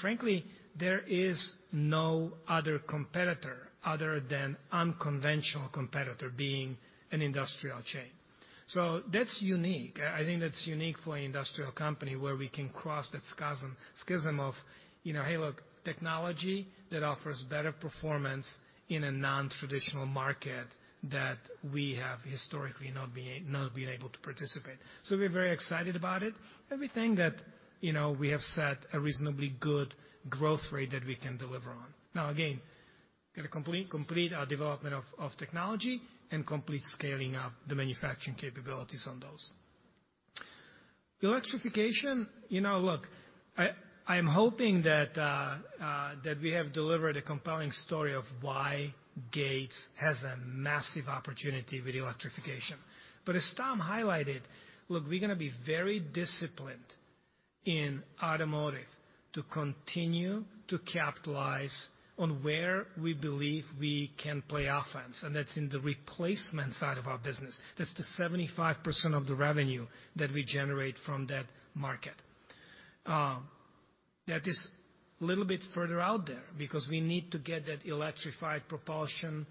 Frankly, there is no other competitor other than unconventional competitor being an industrial chain. That's unique. I think that's unique for an industrial company where we can cross that schism of, hey, look, technology that offers better performance in a nontraditional market that we have historically not been able to participate. We're very excited about it, and we think that, you know, we have set a reasonably good growth rate that we can deliver on. We've got to complete our development of technology and complete scaling up the manufacturing capabilities on those. Electrification, I'm hoping that we have delivered a compelling story of why Gates has a massive opportunity with electrification. As Tom highlighted, we're gonna be very disciplined in automotive to continue to capitalize on where we believe we can play offense, and that's in the replacement side of our business. That's the 75% of the revenue that we generate from that market. That is a little bit further out there because we need to get that electrified propulsion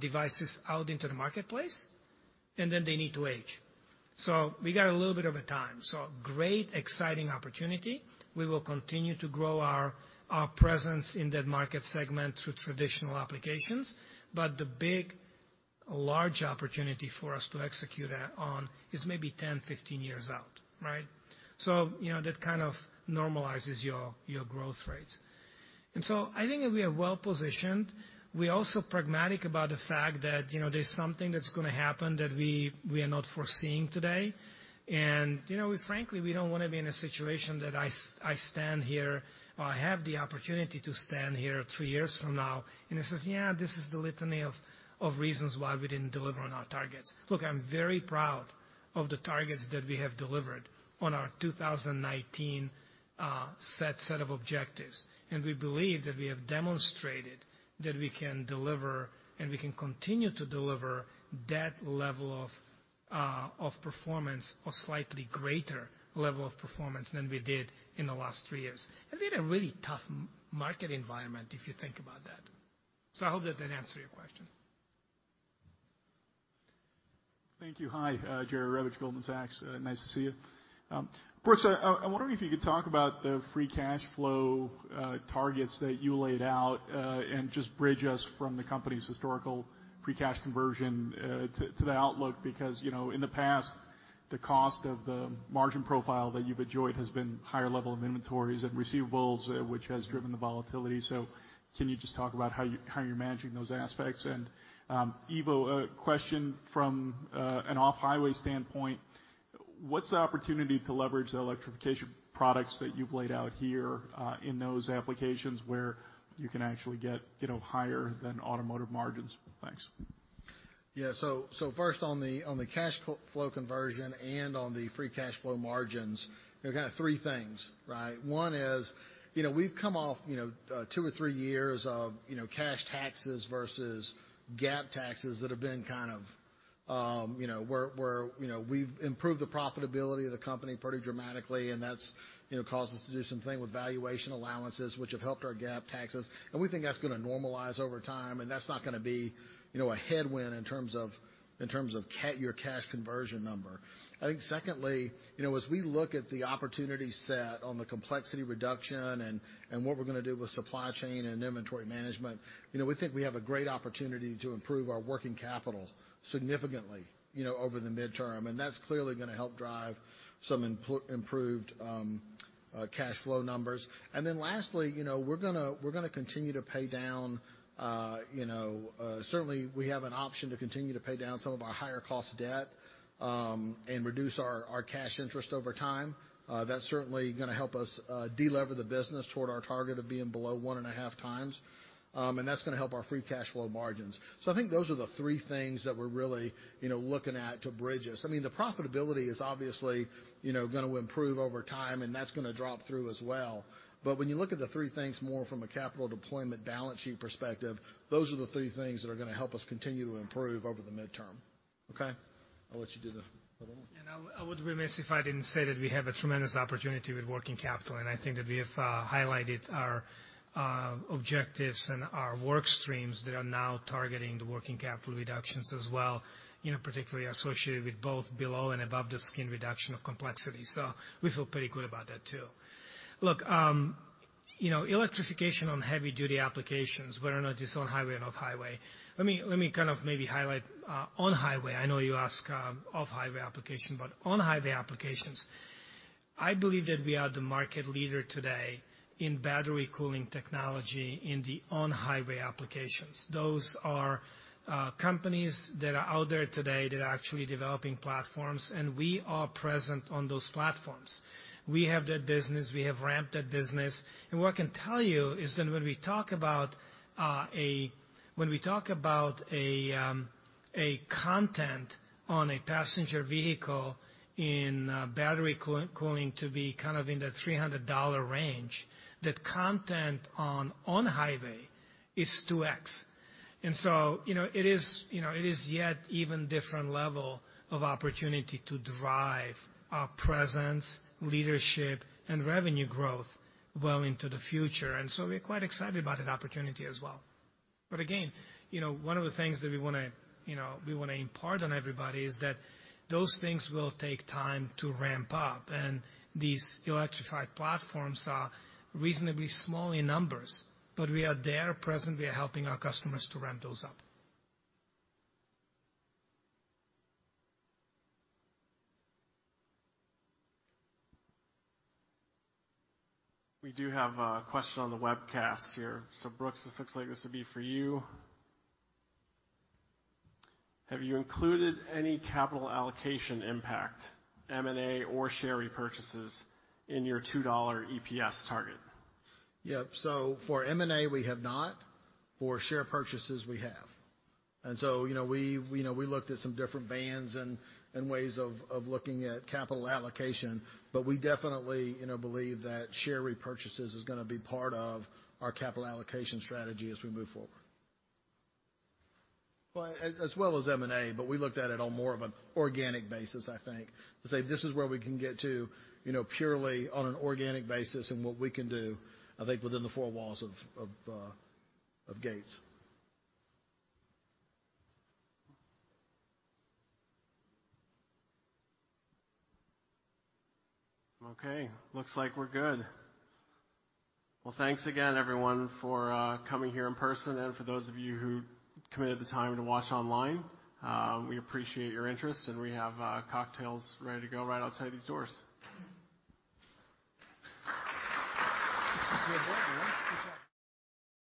devices out into the marketplace, and then they need to age. We got a little bit of a time. Great, exciting opportunity. We will continue to grow our presence in that market segment through traditional applications, but the big, large opportunity for us to execute on is maybe 10, 15 years out, right? You know, that kind of normalizes your growth rates. I think that we are well-positioned. We're also pragmatic about the fact that, you know, there's something that's gonna happen that we are not foreseeing today. You know, frankly, we don't wanna be in a situation that I stand here or I have the opportunity to stand here three years from now and it says, "Yeah, this is the litany of reasons why we didn't deliver on our targets." Look, I'm very proud of the targets that we have delivered on our 2019 set of objectives, and we believe that we have demonstrated that we can deliver, and we can continue to deliver that level of performance or slightly greater level of performance than we did in the last three years. We had a really tough market environment if you think about that. I hope that that answered your question. Thank you. Hi, Jerry Revich, Goldman Sachs. Nice to see you. First, I'm wondering if you could talk about the free cash flow targets that you laid out, and just bridge us from the company's historical free cash conversion to the outlook, because, you know, in the past, the cost structure and margin profile that you've enjoyed has been higher level of inventories and receivables, which has driven the volatility. Can you just talk about how you're managing those aspects? Ivo, a question from an off-highway standpoint, what's the opportunity to leverage the electrification products that you've laid out here in those applications where you can actually get, you know, higher than automotive margins? Thanks. Yeah. First on the cash flow conversion and on the free cash flow margins, you know, kind of three things, right? One is, you know, we've come off, you know, two or three years of, you know, cash taxes versus GAAP taxes that have been kind of You know, we've improved the profitability of the company pretty dramatically, and that's you know caused us to do something with valuation allowances, which have helped our GAAP taxes, and we think that's gonna normalize over time, and that's not gonna be you know a headwind in terms of your cash conversion number. I think secondly, you know, as we look at the opportunity set on the complexity reduction and what we're gonna do with supply chain and inventory management, you know, we think we have a great opportunity to improve our working capital significantly you know over the midterm. That's clearly gonna help drive some improved cash flow numbers. Then lastly, you know, we're gonna continue to pay down some of our higher cost debt and reduce our cash interest over time. That's certainly gonna help us de-lever the business toward our target of being below 1.5 times. That's gonna help our free cash flow margins. I think those are the three things that we're really, you know, looking at to bridge us. I mean, the profitability is obviously, you know, gonna improve over time, and that's gonna drop through as well. When you look at the three things more from a capital deployment balance sheet perspective, those are the three things that are gonna help us continue to improve over the midterm. Okay. I'll let you do the other one. I would be remiss if I didn't say that we have a tremendous opportunity with working capital, and I think that we have highlighted our objectives and our work streams that are now targeting the working capital reductions as well, you know, particularly associated with both below and above the skin reduction of complexity. We feel pretty good about that too. Look, you know, electrification on heavy-duty applications, whether or not it is on-highway and off-highway. Let me kind of maybe highlight on-highway. I know you ask off-highway application, but on-highway applications, I believe that we are the market leader today in battery cooling technology in the on-highway applications. Those are companies that are out there today that are actually developing platforms, and we are present on those platforms. We have that business. We have ramped that business. What I can tell you is that when we talk about a content on a passenger vehicle in battery cooling to be kind of in the $300 range, that content on on-highway is 2X. You know, it is yet even different level of opportunity to drive our presence, leadership, and revenue growth well into the future. We're quite excited about that opportunity as well. Again, you know, one of the things that we wanna impart on everybody is that those things will take time to ramp up. These electrified platforms are reasonably small in numbers, but we are present there. We are helping our customers to ramp those up. We do have a question on the webcast here. Brooks, this looks like this would be for you. Have you included any capital allocation impact, M&A or share repurchases, in your $2 EPS target? Yep. For M&A, we have not. For share purchases, we have. You know, we looked at some different bands and ways of looking at capital allocation, but we definitely believe that share repurchases is gonna be part of our capital allocation strategy as we move forward. Well, as well as M&A, but we looked at it on more of an organic basis, I think, to say, "This is where we can get to, you know, purely on an organic basis and what we can do, I think, within the four walls of Gates. Okay. Looks like we're good. Well, thanks again, everyone, for coming here in person and for those of you who committed the time to watch online. We appreciate your interest, and we have cocktails ready to go right outside these doors. This is important. Good job.